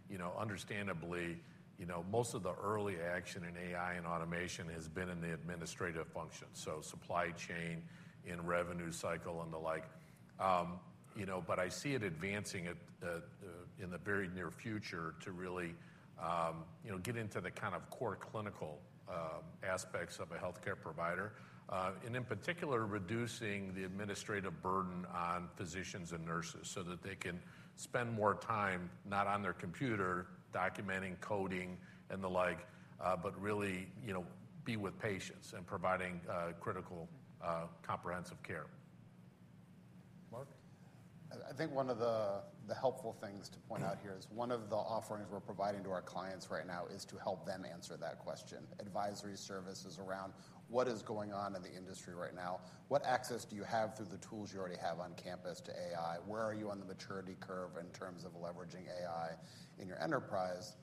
Speaker 5: You know, understandably, you know, most of the early action in AI and automation has been in the administrative function. Supply chain and revenue cycle and the like, you know, but I see it advancing in the very near future to really, you know, get into the kind of core clinical aspects of a healthcare provider. In particular, reducing the administrative burden on physicians and nurses so that they can spend more time not on their computer documenting, coding, and the like, but really, you know, be with patients and providing critical comprehensive care.
Speaker 2: Mark.
Speaker 7: I think one of the helpful things to point out here is one of the offerings we're providing to our clients right now is to help them answer that question. Advisory services around what is going on in the industry right now. What access do you have through the tools you already have on campus to AI? Where are you on the maturity curve in terms of leveraging AI in your enterprise?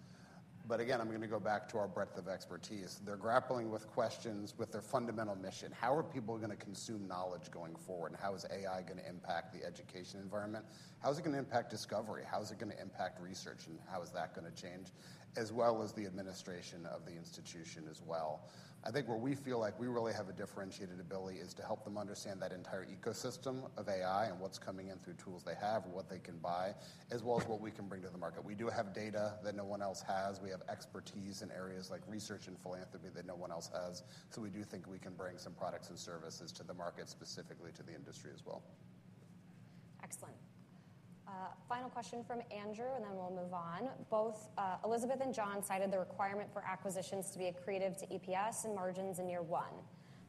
Speaker 7: Again, I'm going to go back to our breadth of expertise. They're grappling with questions with their fundamental mission. How are people going to consume knowledge going forward? How is AI going to impact the education environment? How is it going to impact discovery? How is it going to impact research? How is that going to change? As well as the administration of the institution as well. I think where we feel like we really have a differentiated ability is to help them understand that entire ecosystem of AI and what's coming in through tools they have, what they can buy, as well as what we can bring to the market. We do have data that no one else has. We have expertise in areas like research and philanthropy that no one else has. We do think we can bring some products and services to the market, specifically to the industry as well.
Speaker 9: Excellent. Final question from Andrew, and then we'll move on. Both Elizabeth and John cited the requirement for acquisitions to be accretive to EPS and margins in year one.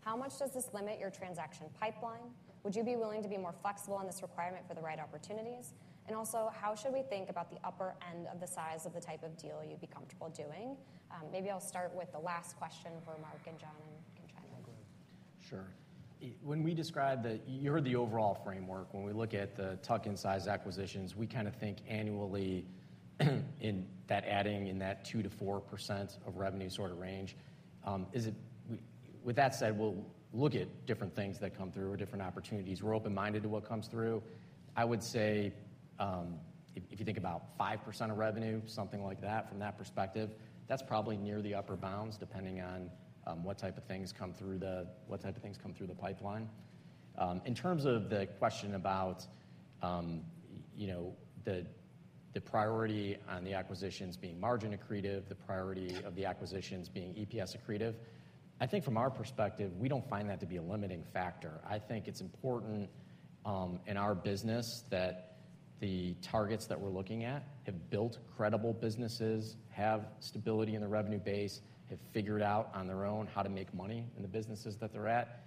Speaker 9: How much does this limit your transaction pipeline? Would you be willing to be more flexible on this requirement for the right opportunities? Also, how should we think about the upper end of the size of the type of deal you'd be comfortable doing? Maybe I'll start with the last question for Mark and John and China.
Speaker 7: Sure. When we describe that you're the overall framework, when we look at the tuck-in-size acquisitions, we kind of think annually in that adding, in that 2-4% of revenue sort of range. With that said, we'll look at different things that come through or different opportunities. We're open-minded to what comes through. I would say if you think about 5% of revenue, something like that from that perspective, that's probably near the upper bounds depending on what type of things come through the pipeline. In terms of the question about, you know, the priority on the acquisitions being margin accretive, the priority of the acquisitions being EPS accretive, I think from our perspective, we don't find that to be a limiting factor. I think it's important in our business that the targets that we're looking at have built credible businesses, have stability in the revenue base, have figured out on their own how to make money in the businesses that they're at.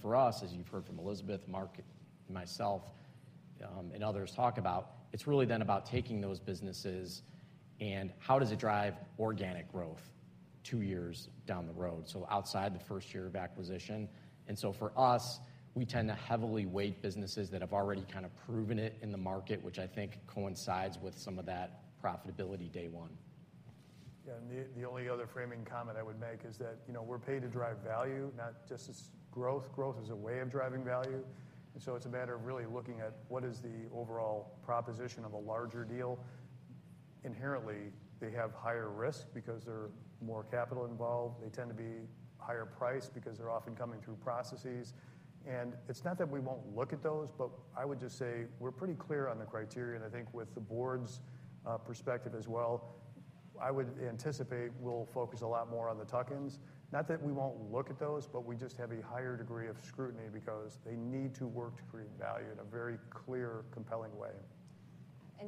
Speaker 7: For us, as you've heard from Elizabeth, Mark, myself, and others talk about, it's really then about taking those businesses and how does it drive organic growth two years down the road. Outside the first year of acquisition. For us, we tend to heavily weight businesses that have already kind of proven it in the market, which I think coincides with some of that profitability day one.
Speaker 4: Yeah. The only other framing comment I would make is that, you know, we're paid to drive value, not just as growth. Growth is a way of driving value. It is a matter of really looking at what is the overall proposition of a larger deal. Inherently, they have higher risk because there is more capital involved. They tend to be higher priced because they are often coming through processes. It is not that we will not look at those, but I would just say we are pretty clear on the criteria. I think with the board's perspective as well, I would anticipate we will focus a lot more on the tuck-ins. Not that we will not look at those, but we just have a higher degree of scrutiny because they need to work to create value in a very clear, compelling way.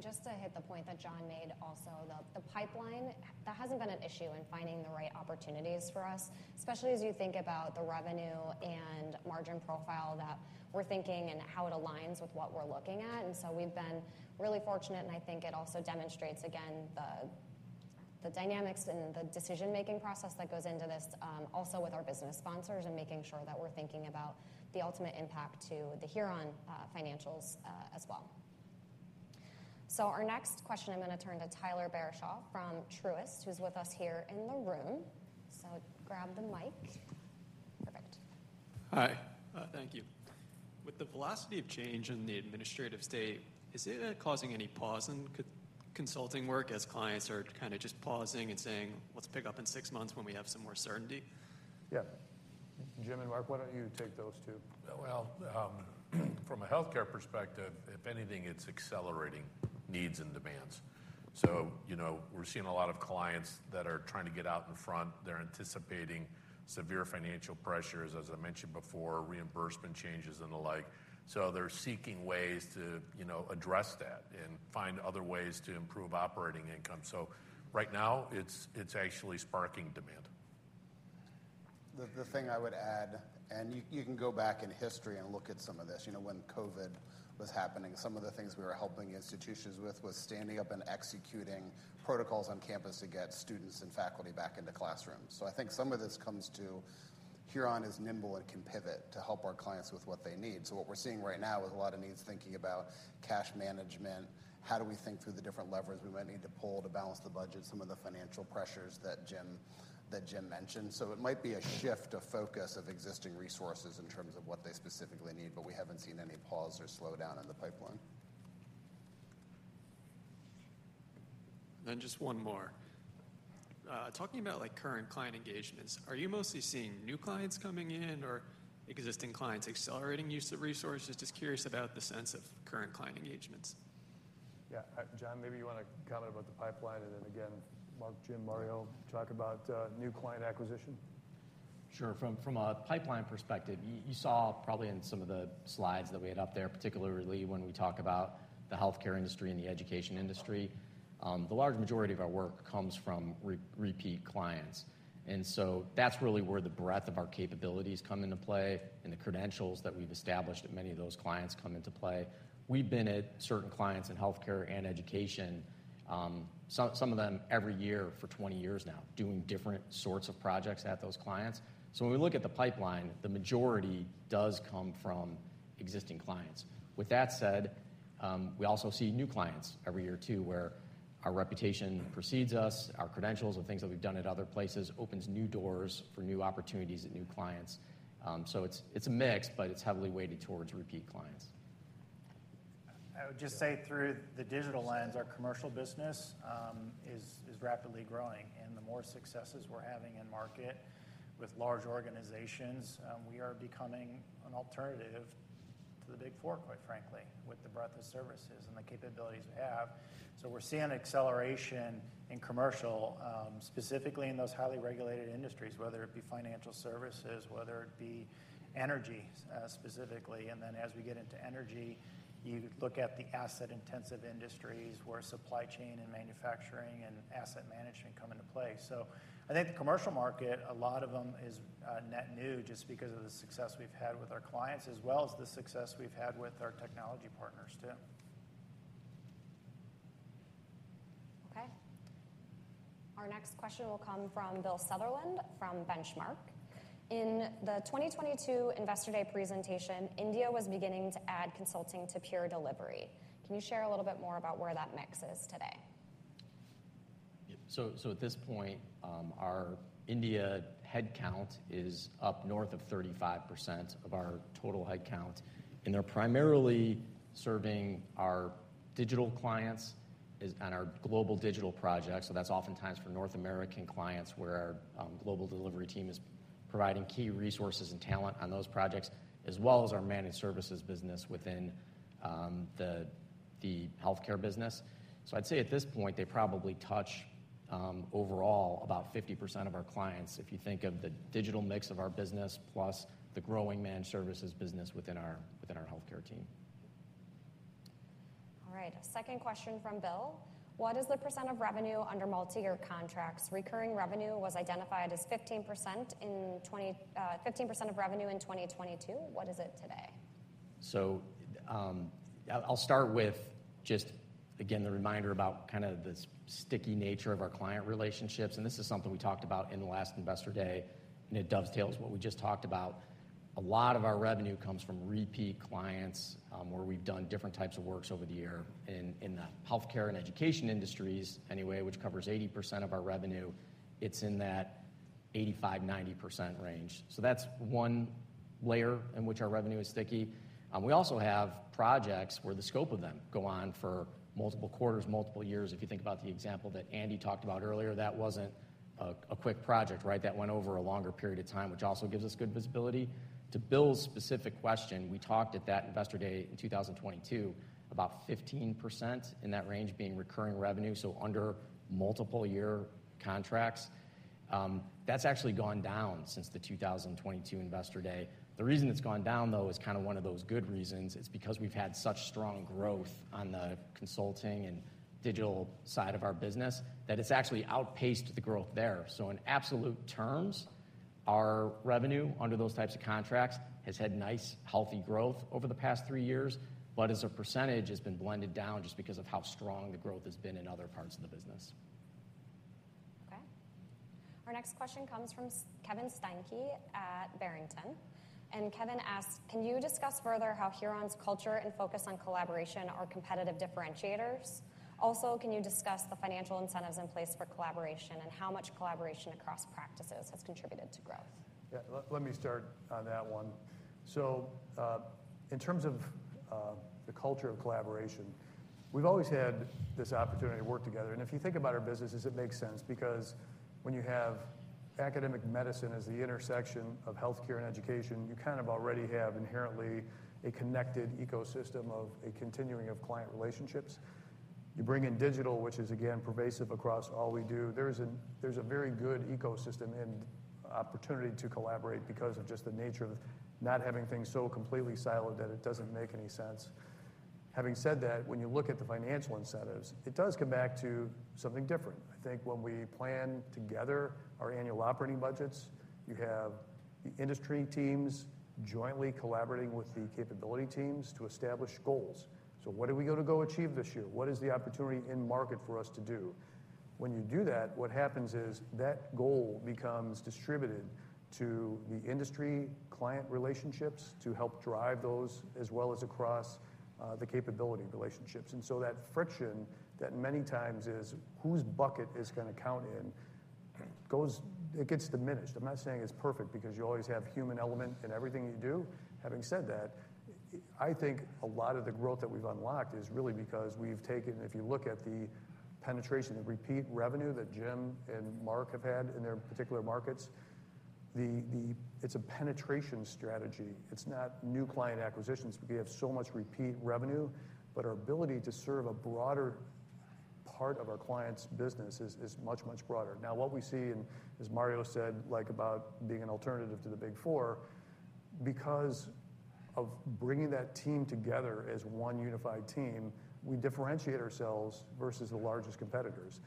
Speaker 9: Just to hit the point that John made also, the pipeline, that has not been an issue in finding the right opportunities for us, especially as you think about the revenue and margin profile that we are thinking and how it aligns with what we are looking at. We have been really fortunate, and I think it also demonstrates again the dynamics and the decision-making process that goes into this also with our business sponsors and making sure that we are thinking about the ultimate impact to the Huron financials as well. Our next question, I am going to turn to Tyler Barshaw from Truist, who is with us here in the room. Grab the mic. Perfect.
Speaker 10: Hi. Thank you. With the velocity of change in the administrative state, is it causing any pause in consulting work as clients are kind of just pausing and saying, let's pick up in six months when we have some more certainty?
Speaker 2: Yeah. Jim and Mark, why don't you take those two?
Speaker 5: From a healthcare perspective, if anything, it's accelerating needs and demands. You know, we're seeing a lot of clients that are trying to get out in front. They're anticipating severe financial pressures, as I mentioned before, reimbursement changes and the like. They're seeking ways to, you know, address that and find other ways to improve operating income. Right now, it's actually sparking demand.
Speaker 7: The thing I would add, and you can go back in history and look at some of this, you know, when COVID was happening, some of the things we were helping institutions with was standing up and executing protocols on campus to get students and faculty back into classrooms. I think some of this comes to Huron is nimble and can pivot to help our clients with what they need. What we're seeing right now is a lot of needs thinking about cash management, how do we think through the different levers we might need to pull to balance the budget, some of the financial pressures that Jim mentioned. It might be a shift of focus of existing resources in terms of what they specifically need, but we haven't seen any pause or slowdown in the pipeline.
Speaker 10: Just one more. Talking about like current client engagements, are you mostly seeing new clients coming in or existing clients accelerating use of resources? Just curious about the sense of current client engagements.
Speaker 2: Yeah. John, maybe you want to comment about the pipeline and then again, Mark, Jim, Mario, talk about new client acquisition.
Speaker 4: Sure. From a pipeline perspective, you saw probably in some of the slides that we had up there, particularly when we talk about the healthcare industry and the education industry, the large majority of our work comes from repeat clients. That is really where the breadth of our capabilities come into play and the credentials that we have established at many of those clients come into play. We have been at certain clients in healthcare and education, some of them every year for 20 years now, doing different sorts of projects at those clients. When we look at the pipeline, the majority does come from existing clients. With that said, we also see new clients every year too, where our reputation precedes us, our credentials and things that we have done at other places opens new doors for new opportunities at new clients. It's a mix, but it's heavily weighted towards repeat clients.
Speaker 7: I would just say through the digital lens, our commercial business is rapidly growing. The more successes we're having in market with large organizations, we are becoming an alternative to the Big Four, quite frankly, with the breadth of services and the capabilities we have. We are seeing acceleration in commercial, specifically in those highly regulated industries, whether it be financial services, whether it be energy specifically. As we get into energy, you look at the asset-intensive industries where supply chain and manufacturing and asset management come into play. I think the commercial market, a lot of them is net new just because of the success we've had with our clients, as well as the success we've had with our technology partners too.
Speaker 9: Okay. Our next question will come from Bill Sutherland from Benchmark. In the 2022 Investor Day presentation, India was beginning to add consulting to Pure Delivery. Can you share a little bit more about where that mix is today?
Speaker 7: At this point, our India headcount is up north of 35% of our total headcount. They're primarily serving our digital clients and our global digital projects. That's oftentimes for North American clients where our global delivery team is providing key resources and talent on those projects, as well as our managed services business within the healthcare business. I'd say at this point, they probably touch overall about 50% of our clients if you think of the digital mix of our business plus the growing managed services business within our healthcare team.
Speaker 9: All right. Second question from Bill. What is the percent of revenue under multi-year contracts? Recurring revenue was identified as 15% in 2015, percent of revenue in 2022. What is it today?
Speaker 7: I'll start with just, again, the reminder about kind of the sticky nature of our client relationships. This is something we talked about in the last Investor Day. It dovetails with what we just talked about. A lot of our revenue comes from repeat clients where we've done different types of work over the year in the healthcare and education industries anyway, which covers 80% of our revenue. It's in that 85%-90% range. That's one layer in which our revenue is sticky. We also have projects where the scope of them goes on for multiple quarters, multiple years. If you think about the example that Andy talked about earlier, that wasn't a quick project, right? That went over a longer period of time, which also gives us good visibility. To Bill's specific question, we talked at that Investor Day in 2022 about 15% in that range being recurring revenue, so under multiple-year contracts. That's actually gone down since the 2022 Investor Day. The reason it's gone down, though, is kind of one of those good reasons. It's because we've had such strong growth on the consulting and digital side of our business that it's actually outpaced the growth there. In absolute terms, our revenue under those types of contracts has had nice, healthy growth over the past three years, but as a percentage, it's been blended down just because of how strong the growth has been in other parts of the business.
Speaker 9: Okay. Our next question comes from Kevin Steinke at Barrington. Kevin asks, can you discuss further how Huron's culture and focus on collaboration are competitive differentiators? Also, can you discuss the financial incentives in place for collaboration and how much collaboration across practices has contributed to growth?
Speaker 4: Yeah. Let me start on that one. In terms of the culture of collaboration, we've always had this opportunity to work together. If you think about our businesses, it makes sense because when you have academic medicine as the intersection of healthcare and education, you kind of already have inherently a connected ecosystem of a continuing of client relationships. You bring in digital, which is again pervasive across all we do. There's a very good ecosystem and opportunity to collaborate because of just the nature of not having things so completely siloed that it doesn't make any sense. Having said that, when you look at the financial incentives, it does come back to something different. I think when we plan together our annual operating budgets, you have the industry teams jointly collaborating with the capability teams to establish goals. What are we going to go achieve this year? What is the opportunity in market for us to do? When you do that, what happens is that goal becomes distributed to the industry client relationships to help drive those, as well as across the capability relationships. That friction that many times is whose bucket is going to count in, it gets diminished. I'm not saying it's perfect because you always have a human element in everything you do. Having said that, I think a lot of the growth that we've unlocked is really because we've taken, if you look at the penetration, the repeat revenue that Jim and Mark have had in their particular markets, it's a penetration strategy. It's not new client acquisitions. We have so much repeat revenue, but our ability to serve a broader part of our client's business is much, much broader. Now, what we see, and as Mario said, like about being an alternative to the Big Four, because of bringing that team together as one unified team, we differentiate ourselves versus the largest competitors.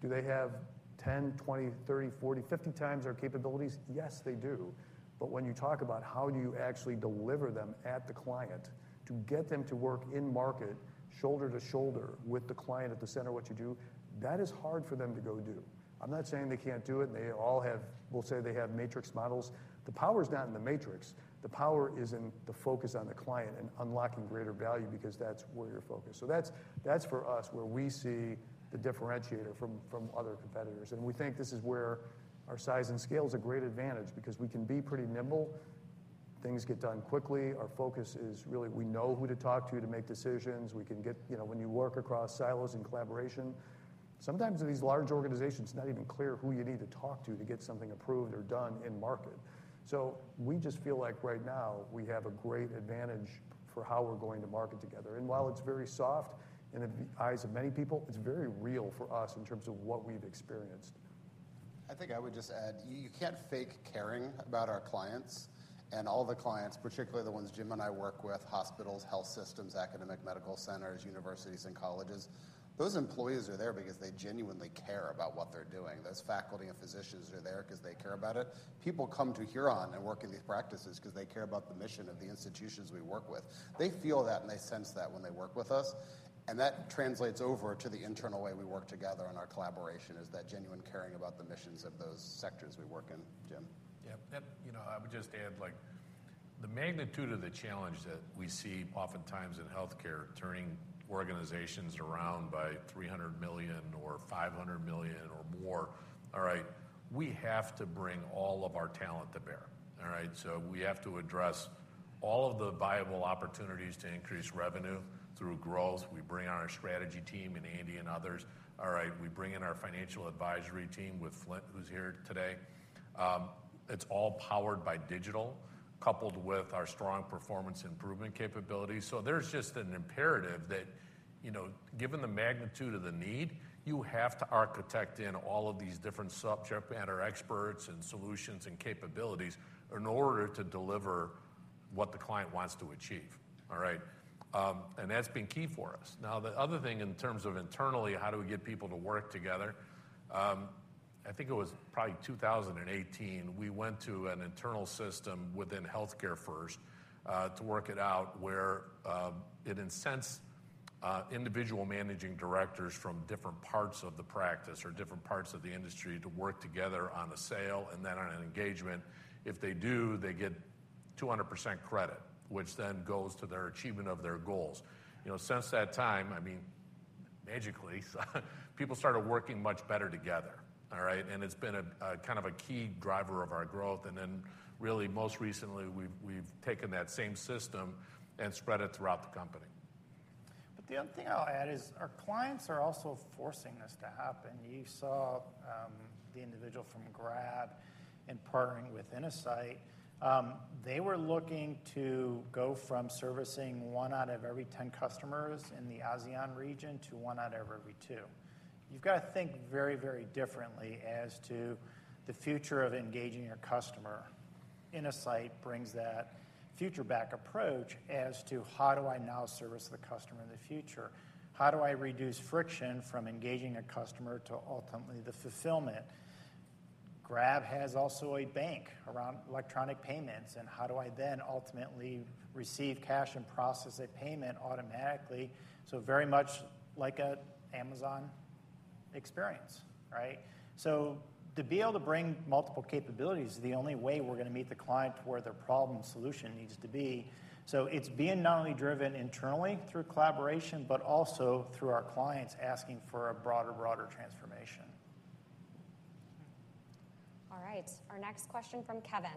Speaker 4: Do they have 10, 20, 30, 40, 50 times our capabilities? Yes, they do. When you talk about how do you actually deliver them at the client to get them to work in market shoulder to shoulder with the client at the center of what you do, that is hard for them to go do. I'm not saying they can't do it and they all have, we'll say they have matrix models. The power is not in the matrix. The power is in the focus on the client and unlocking greater value because that's where you're focused. That's for us where we see the differentiator from other competitors. We think this is where our size and scale is a great advantage because we can be pretty nimble. Things get done quickly. Our focus is really we know who to talk to to make decisions. We can get, you know, when you work across silos and collaboration, sometimes in these large organizations, it's not even clear who you need to talk to to get something approved or done in market. We just feel like right now we have a great advantage for how we're going to market together. While it's very soft in the eyes of many people, it's very real for us in terms of what we've experienced.
Speaker 7: I think I would just add, you can't fake caring about our clients. All the clients, particularly the ones Jim and I work with, hospitals, health systems, academic medical centers, universities, and colleges, those employees are there because they genuinely care about what they're doing. Those faculty and physicians are there because they care about it. People come to Huron and work in these practices because they care about the mission of the institutions we work with. They feel that and they sense that when they work with us. That translates over to the internal way we work together and our collaboration is that genuine caring about the missions of those sectors we work in, Jim.
Speaker 5: Yeah. You know, I would just add like the magnitude of the challenge that we see oftentimes in healthcare turning organizations around by $300 million or $500 million or more, all right, we have to bring all of our talent to bear. All right? We have to address all of the viable opportunities to increase revenue through growth. We bring on our strategy team and Andy and others. All right? We bring in our financial advisory team with Flint, who's here today. It's all powered by digital, coupled with our strong performance improvement capabilities. There's just an imperative that, you know, given the magnitude of the need, you have to architect in all of these different subject matter experts and solutions and capabilities in order to deliver what the client wants to achieve. All right? And that's been key for us. Now, the other thing in terms of internally, how do we get people to work together? I think it was probably 2018, we went to an internal system within Healthcare First to work it out where it incensed individual managing directors from different parts of the practice or different parts of the industry to work together on a sale and then on an engagement. If they do, they get 200% credit, which then goes to their achievement of their goals. You know, since that time, I mean, magically, people started working much better together. All right? It has been a kind of a key driver of our growth. Really most recently, we have taken that same system and spread it throughout the company.
Speaker 8: The other thing I'll add is our clients are also forcing this to happen. You saw the individual from Grab and partnering with Innosight. They were looking to go from servicing one out of every 10 customers in the ASEAN region to one out of every two. You have got to think very, very differently as to the future of engaging your customer. Innosight brings that future-back approach as to how do I now service the customer in the future? How do I reduce friction from engaging a customer to ultimately the fulfillment? Grab has also a bank around electronic payments. How do I then ultimately receive cash and process a payment automatically? Very much like an Amazon experience, right? To be able to bring multiple capabilities is the only way we are going to meet the client where their problem solution needs to be. It is being not only driven internally through collaboration, but also through our clients asking for a broader, broader transformation.
Speaker 9: All right. Our next question from Kevin.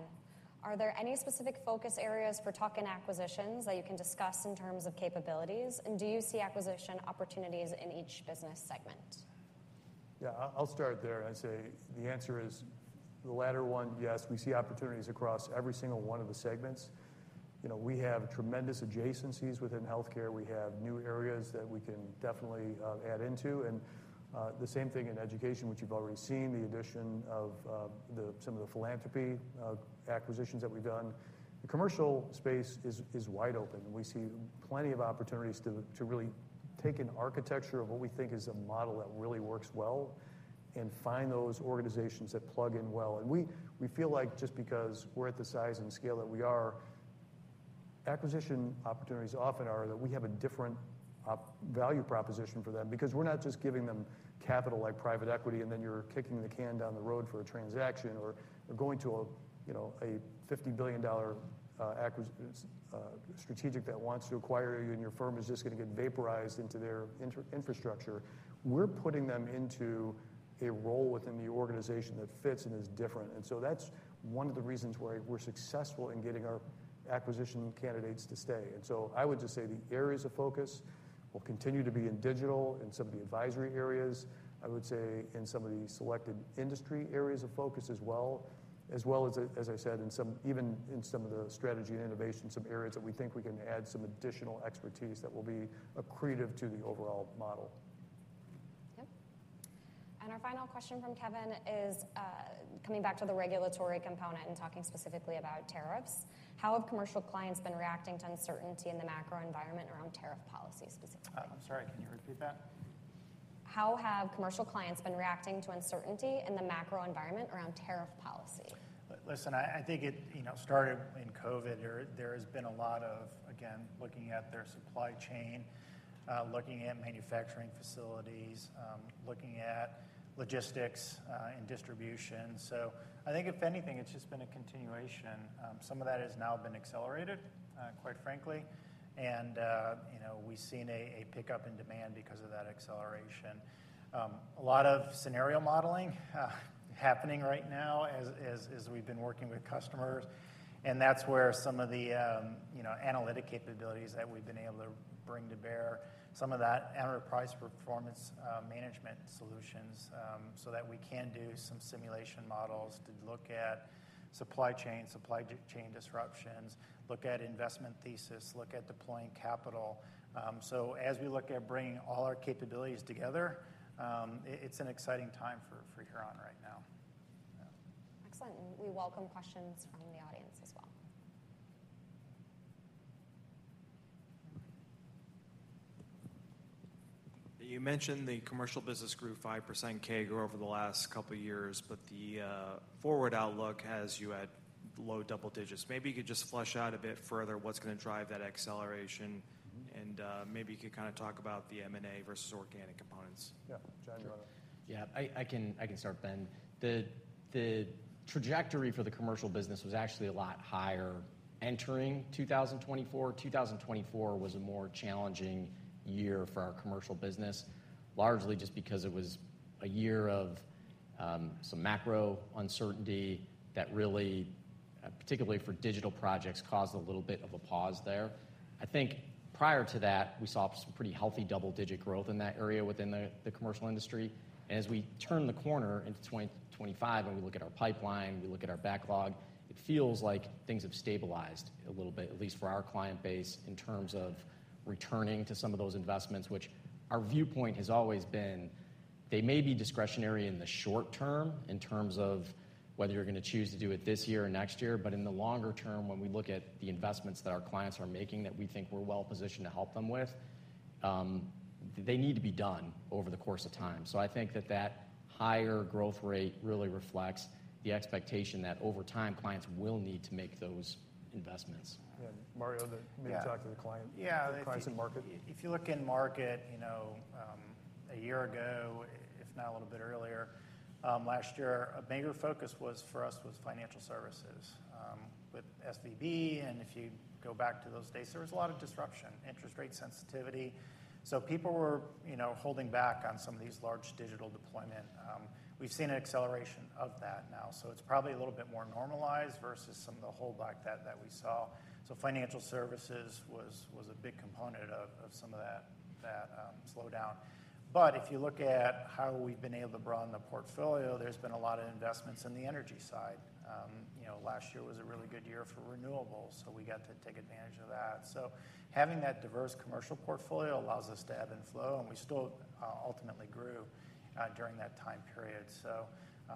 Speaker 9: Are there any specific focus areas for talking acquisitions that you can discuss in terms of capabilities? And do you see acquisition opportunities in each business segment?
Speaker 4: Yeah. I'll start there. I'd say the answer is the latter one, yes. We see opportunities across every single one of the segments. You know, we have tremendous adjacencies within healthcare. We have new areas that we can definitely add into. The same thing in education, which you've already seen, the addition of some of the philanthropy acquisitions that we've done. The commercial space is wide open. We see plenty of opportunities to really take an architecture of what we think is a model that really works well and find those organizations that plug in well. We feel like just because we're at the size and scale that we are, acquisition opportunities often are that we have a different value proposition for them because we're not just giving them capital like private equity and then you're kicking the can down the road for a transaction or you're going to a, you know, a $50 billion acquisition strategic that wants to acquire you and your firm is just going to get vaporized into their infrastructure. We're putting them into a role within the organization that fits and is different. That's one of the reasons why we're successful in getting our acquisition candidates to stay. I would just say the areas of focus will continue to be in digital and some of the advisory areas. I would say in some of the selected industry areas of focus as well, as well as, as I said, in some, even in some of the strategy and innovation, some areas that we think we can add some additional expertise that will be accretive to the overall model.
Speaker 9: Yep. Our final question from Kevin is coming back to the regulatory component and talking specifically about tariffs. How have commercial clients been reacting to uncertainty in the macro environment around tariff policy specifically?
Speaker 8: I'm sorry. Can you repeat that?
Speaker 9: How have commercial clients been reacting to uncertainty in the macro environment around tariff policy?
Speaker 8: Listen, I think it, you know, started in COVID. There has been a lot of, again, looking at their supply chain, looking at manufacturing facilities, looking at logistics and distribution. I think if anything, it's just been a continuation. Some of that has now been accelerated, quite frankly. You know, we've seen a pickup in demand because of that acceleration. A lot of scenario modeling happening right now as we've been working with customers. That's where some of the, you know, analytic capabilities that we've been able to bring to bear, some of that enterprise performance management solutions so that we can do some simulation models to look at supply chain, supply chain disruptions, look at investment thesis, look at deploying capital. As we look at bringing all our capabilities together, it's an exciting time for Huron right now.
Speaker 11: Excellent. We welcome questions from the audience as well.
Speaker 12: You mentioned the commercial business grew 5% CAGR over the last couple of years, but the forward outlook has you at low double digits. Maybe you could just flesh out a bit further what's going to drive that acceleration. Maybe you could kind of talk about the M&A versus organic components.
Speaker 2: Yeah. John, you're on it.
Speaker 4: Yeah. I can start then. The trajectory for the commercial business was actually a lot higher entering 2024. 2024 was a more challenging year for our commercial business, largely just because it was a year of some macro uncertainty that really, particularly for digital projects, caused a little bit of a pause there. I think prior to that, we saw some pretty healthy double-digit growth in that area within the commercial industry. As we turn the corner into 2025 and we look at our pipeline, we look at our backlog, it feels like things have stabilized a little bit, at least for our client base in terms of returning to some of those investments, which our viewpoint has always been they may be discretionary in the short term in terms of whether you're going to choose to do it this year or next year. In the longer term, when we look at the investments that our clients are making that we think we're well positioned to help them with, they need to be done over the course of time. I think that that higher growth rate really reflects the expectation that over time, clients will need to make those investments.
Speaker 2: Yeah. Mario, you talked to the client and clients in market.
Speaker 8: Yeah. If you look in market, you know, a year ago, if not a little bit earlier last year, a major focus for us was financial services with SVB. If you go back to those days, there was a lot of disruption, interest rate sensitivity. People were, you know, holding back on some of these large digital deployment. We've seen an acceleration of that now. It's probably a little bit more normalized versus some of the holdback that we saw. Financial services was a big component of some of that slowdown. If you look at how we've been able to broaden the portfolio, there's been a lot of investments in the energy side. You know, last year was a really good year for renewables. We got to take advantage of that. Having that diverse commercial portfolio allows us to ebb and flow, and we still ultimately grew during that time period.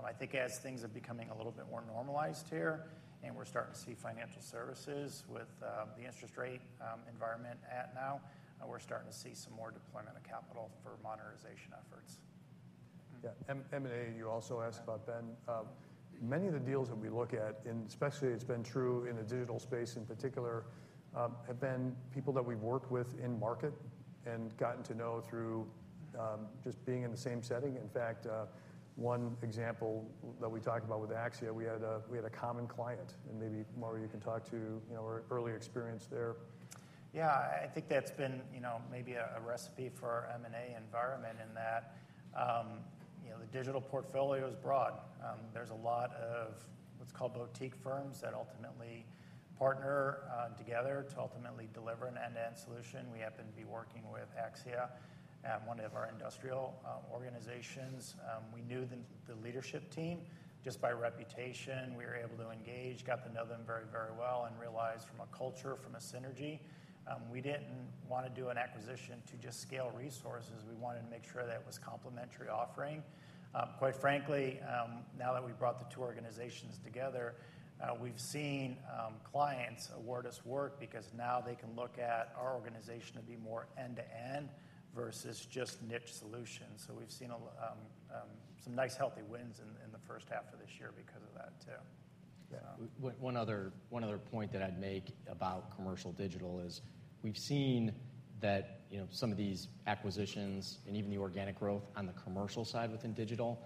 Speaker 8: I think as things are becoming a little bit more normalized here and we're starting to see financial services with the interest rate environment at now, we're starting to see some more deployment of capital for monetization efforts.
Speaker 2: Yeah. M&A, you also asked about, Ben. Many of the deals that we look at, and especially it's been true in the digital space in particular, have been people that we've worked with in market and gotten to know through just being in the same setting. In fact, one example that we talked about with Axia, we had a common client. Maybe, Mario, you can talk to, you know, our early experience there.
Speaker 8: Yeah. I think that's been, you know, maybe a recipe for our M&A environment in that, you know, the digital portfolio is broad. There's a lot of what's called boutique firms that ultimately partner together to ultimately deliver an end-to-end solution. We happen to be working with Axia, one of our industrial organizations. We knew the leadership team just by reputation. We were able to engage, got to know them very, very well and realized from a culture, from a synergy, we didn't want to do an acquisition to just scale resources. We wanted to make sure that it was complementary offering. Quite frankly, now that we brought the two organizations together, we've seen clients award us work because now they can look at our organization to be more end-to-end versus just niche solutions. We've seen some nice healthy wins in the first half of this year because of that too.
Speaker 4: Yeah. One other point that I'd make about commercial digital is we've seen that, you know, some of these acquisitions and even the organic growth on the commercial side within digital,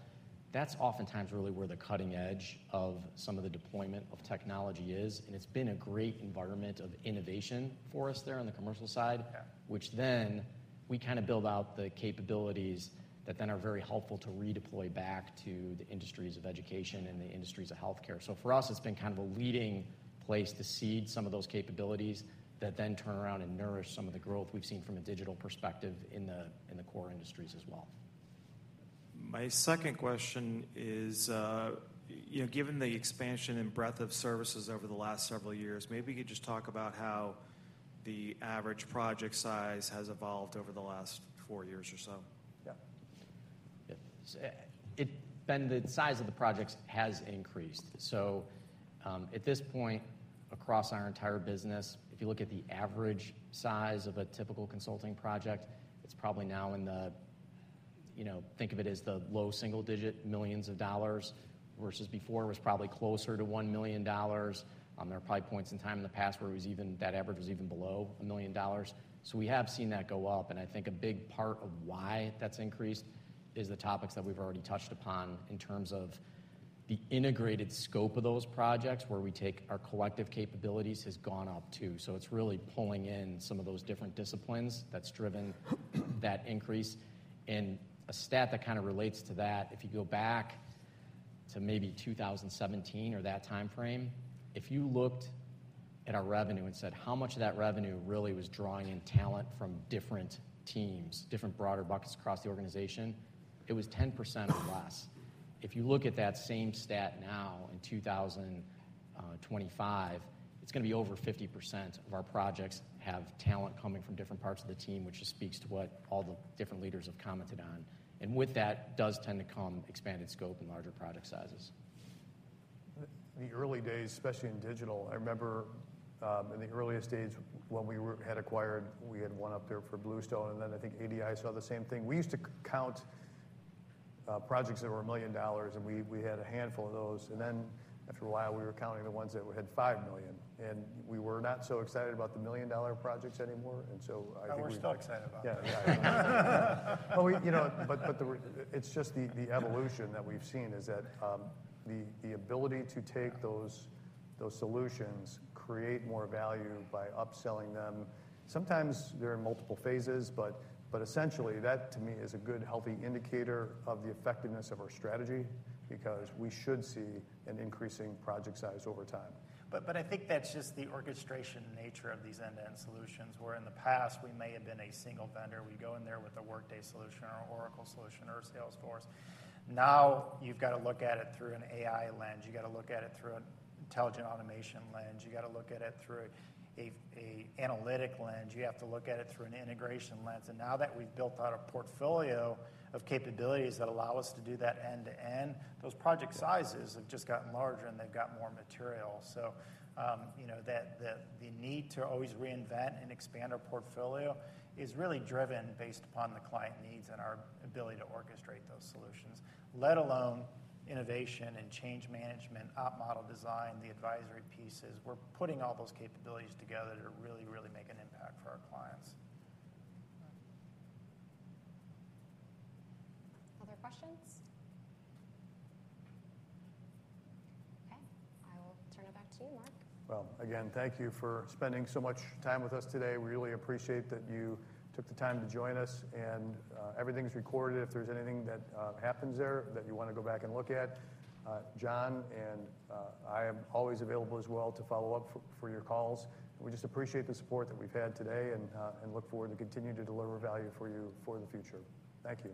Speaker 4: that's oftentimes really where the cutting edge of some of the deployment of technology is. It's been a great environment of innovation for us there on the commercial side, which then we kind of build out the capabilities that then are very helpful to redeploy back to the industries of education and the industries of healthcare. For us, it's been kind of a leading place to seed some of those capabilities that then turn around and nourish some of the growth we've seen from a digital perspective in the core industries as well.
Speaker 12: My second question is, you know, given the expansion and breadth of services over the last several years, maybe you could just talk about how the average project size has evolved over the last four years or so.
Speaker 4: Yeah. Ben, the size of the projects has increased. At this point across our entire business, if you look at the average size of a typical consulting project, it's probably now in the, you know, think of it as the low single-digit millions of dollars versus before it was probably closer to $1 million. There are probably points in time in the past where that average was even below $1 million. We have seen that go up. I think a big part of why that's increased is the topics that we've already touched upon in terms of the integrated scope of those projects where we take our collective capabilities has gone up too. It's really pulling in some of those different disciplines that's driven that increase. A stat that kind of relates to that, if you go back to maybe 2017 or that time frame, if you looked at our revenue and said how much of that revenue really was drawing in talent from different teams, different broader buckets across the organization, it was 10% or less. If you look at that same stat now in 2025, it's going to be over 50% of our projects have talent coming from different parts of the team, which just speaks to what all the different leaders have commented on. With that does tend to come expanded scope and larger project sizes.
Speaker 2: The early days, especially in digital, I remember in the earliest days when we had acquired, we had one up there for Bluestone. I think ADI saw the same thing. We used to count projects that were $1 million, and we had a handful of those. After a while, we were counting the ones that had $5 million. We were not so excited about the $1 million projects anymore. I think.
Speaker 12: Oh, we're still excited about that.
Speaker 2: Yeah. Yeah. You know, it's just the evolution that we've seen is that the ability to take those solutions, create more value by upselling them, sometimes they're in multiple phases, but essentially that to me is a good healthy indicator of the effectiveness of our strategy because we should see an increasing project size over time.
Speaker 8: I think that's just the orchestration nature of these end-to-end solutions. Where in the past we may have been a single vendor, we'd go in there with a Workday solution or Oracle solution or Salesforce. Now you've got to look at it through an AI lens. You got to look at it through an intelligent automation lens. You got to look at it through an analytic lens. You have to look at it through an integration lens. Now that we've built out a portfolio of capabilities that allow us to do that end-to-end, those project sizes have just gotten larger and they've got more material. You know, the need to always reinvent and expand our portfolio is really driven based upon the client needs and our ability to orchestrate those solutions, let alone innovation and change management, op model design, the advisory pieces. We're putting all those capabilities together to really, really make an impact for our clients.
Speaker 11: Other questions? Okay. I will turn it back to you, Mark.
Speaker 2: Thank you for spending so much time with us today. We really appreciate that you took the time to join us. Everything's recorded. If there's anything that happens there that you want to go back and look at, John and I am always available as well to follow up for your calls. We just appreciate the support that we've had today and look forward to continuing to deliver value for you for the future. Thank you.